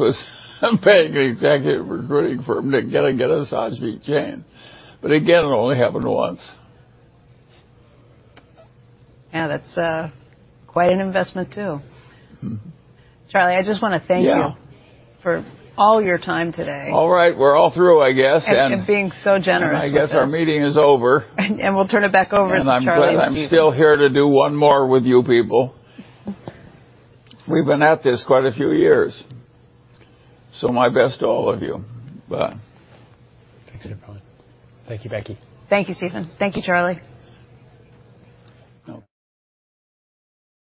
paying an executive recruiting firm to get us Ajit Jain. Again, it only happened once. Yeah, that's, quite an investment too. Mm-hmm. Charlie, I just wanna thank you. Yeah ...for all your time today. All right. We're all through, I guess. Being so generous with us. I guess our meeting is over. We'll turn it back over to Charlie and Steven. I'm glad I'm still here to do 1 more with you people. We've been at this quite a few years. My best to all of you. Bye. Thanks, everyone. Thank you, Becky. Thank you, Steven. Thank you, Charlie. No.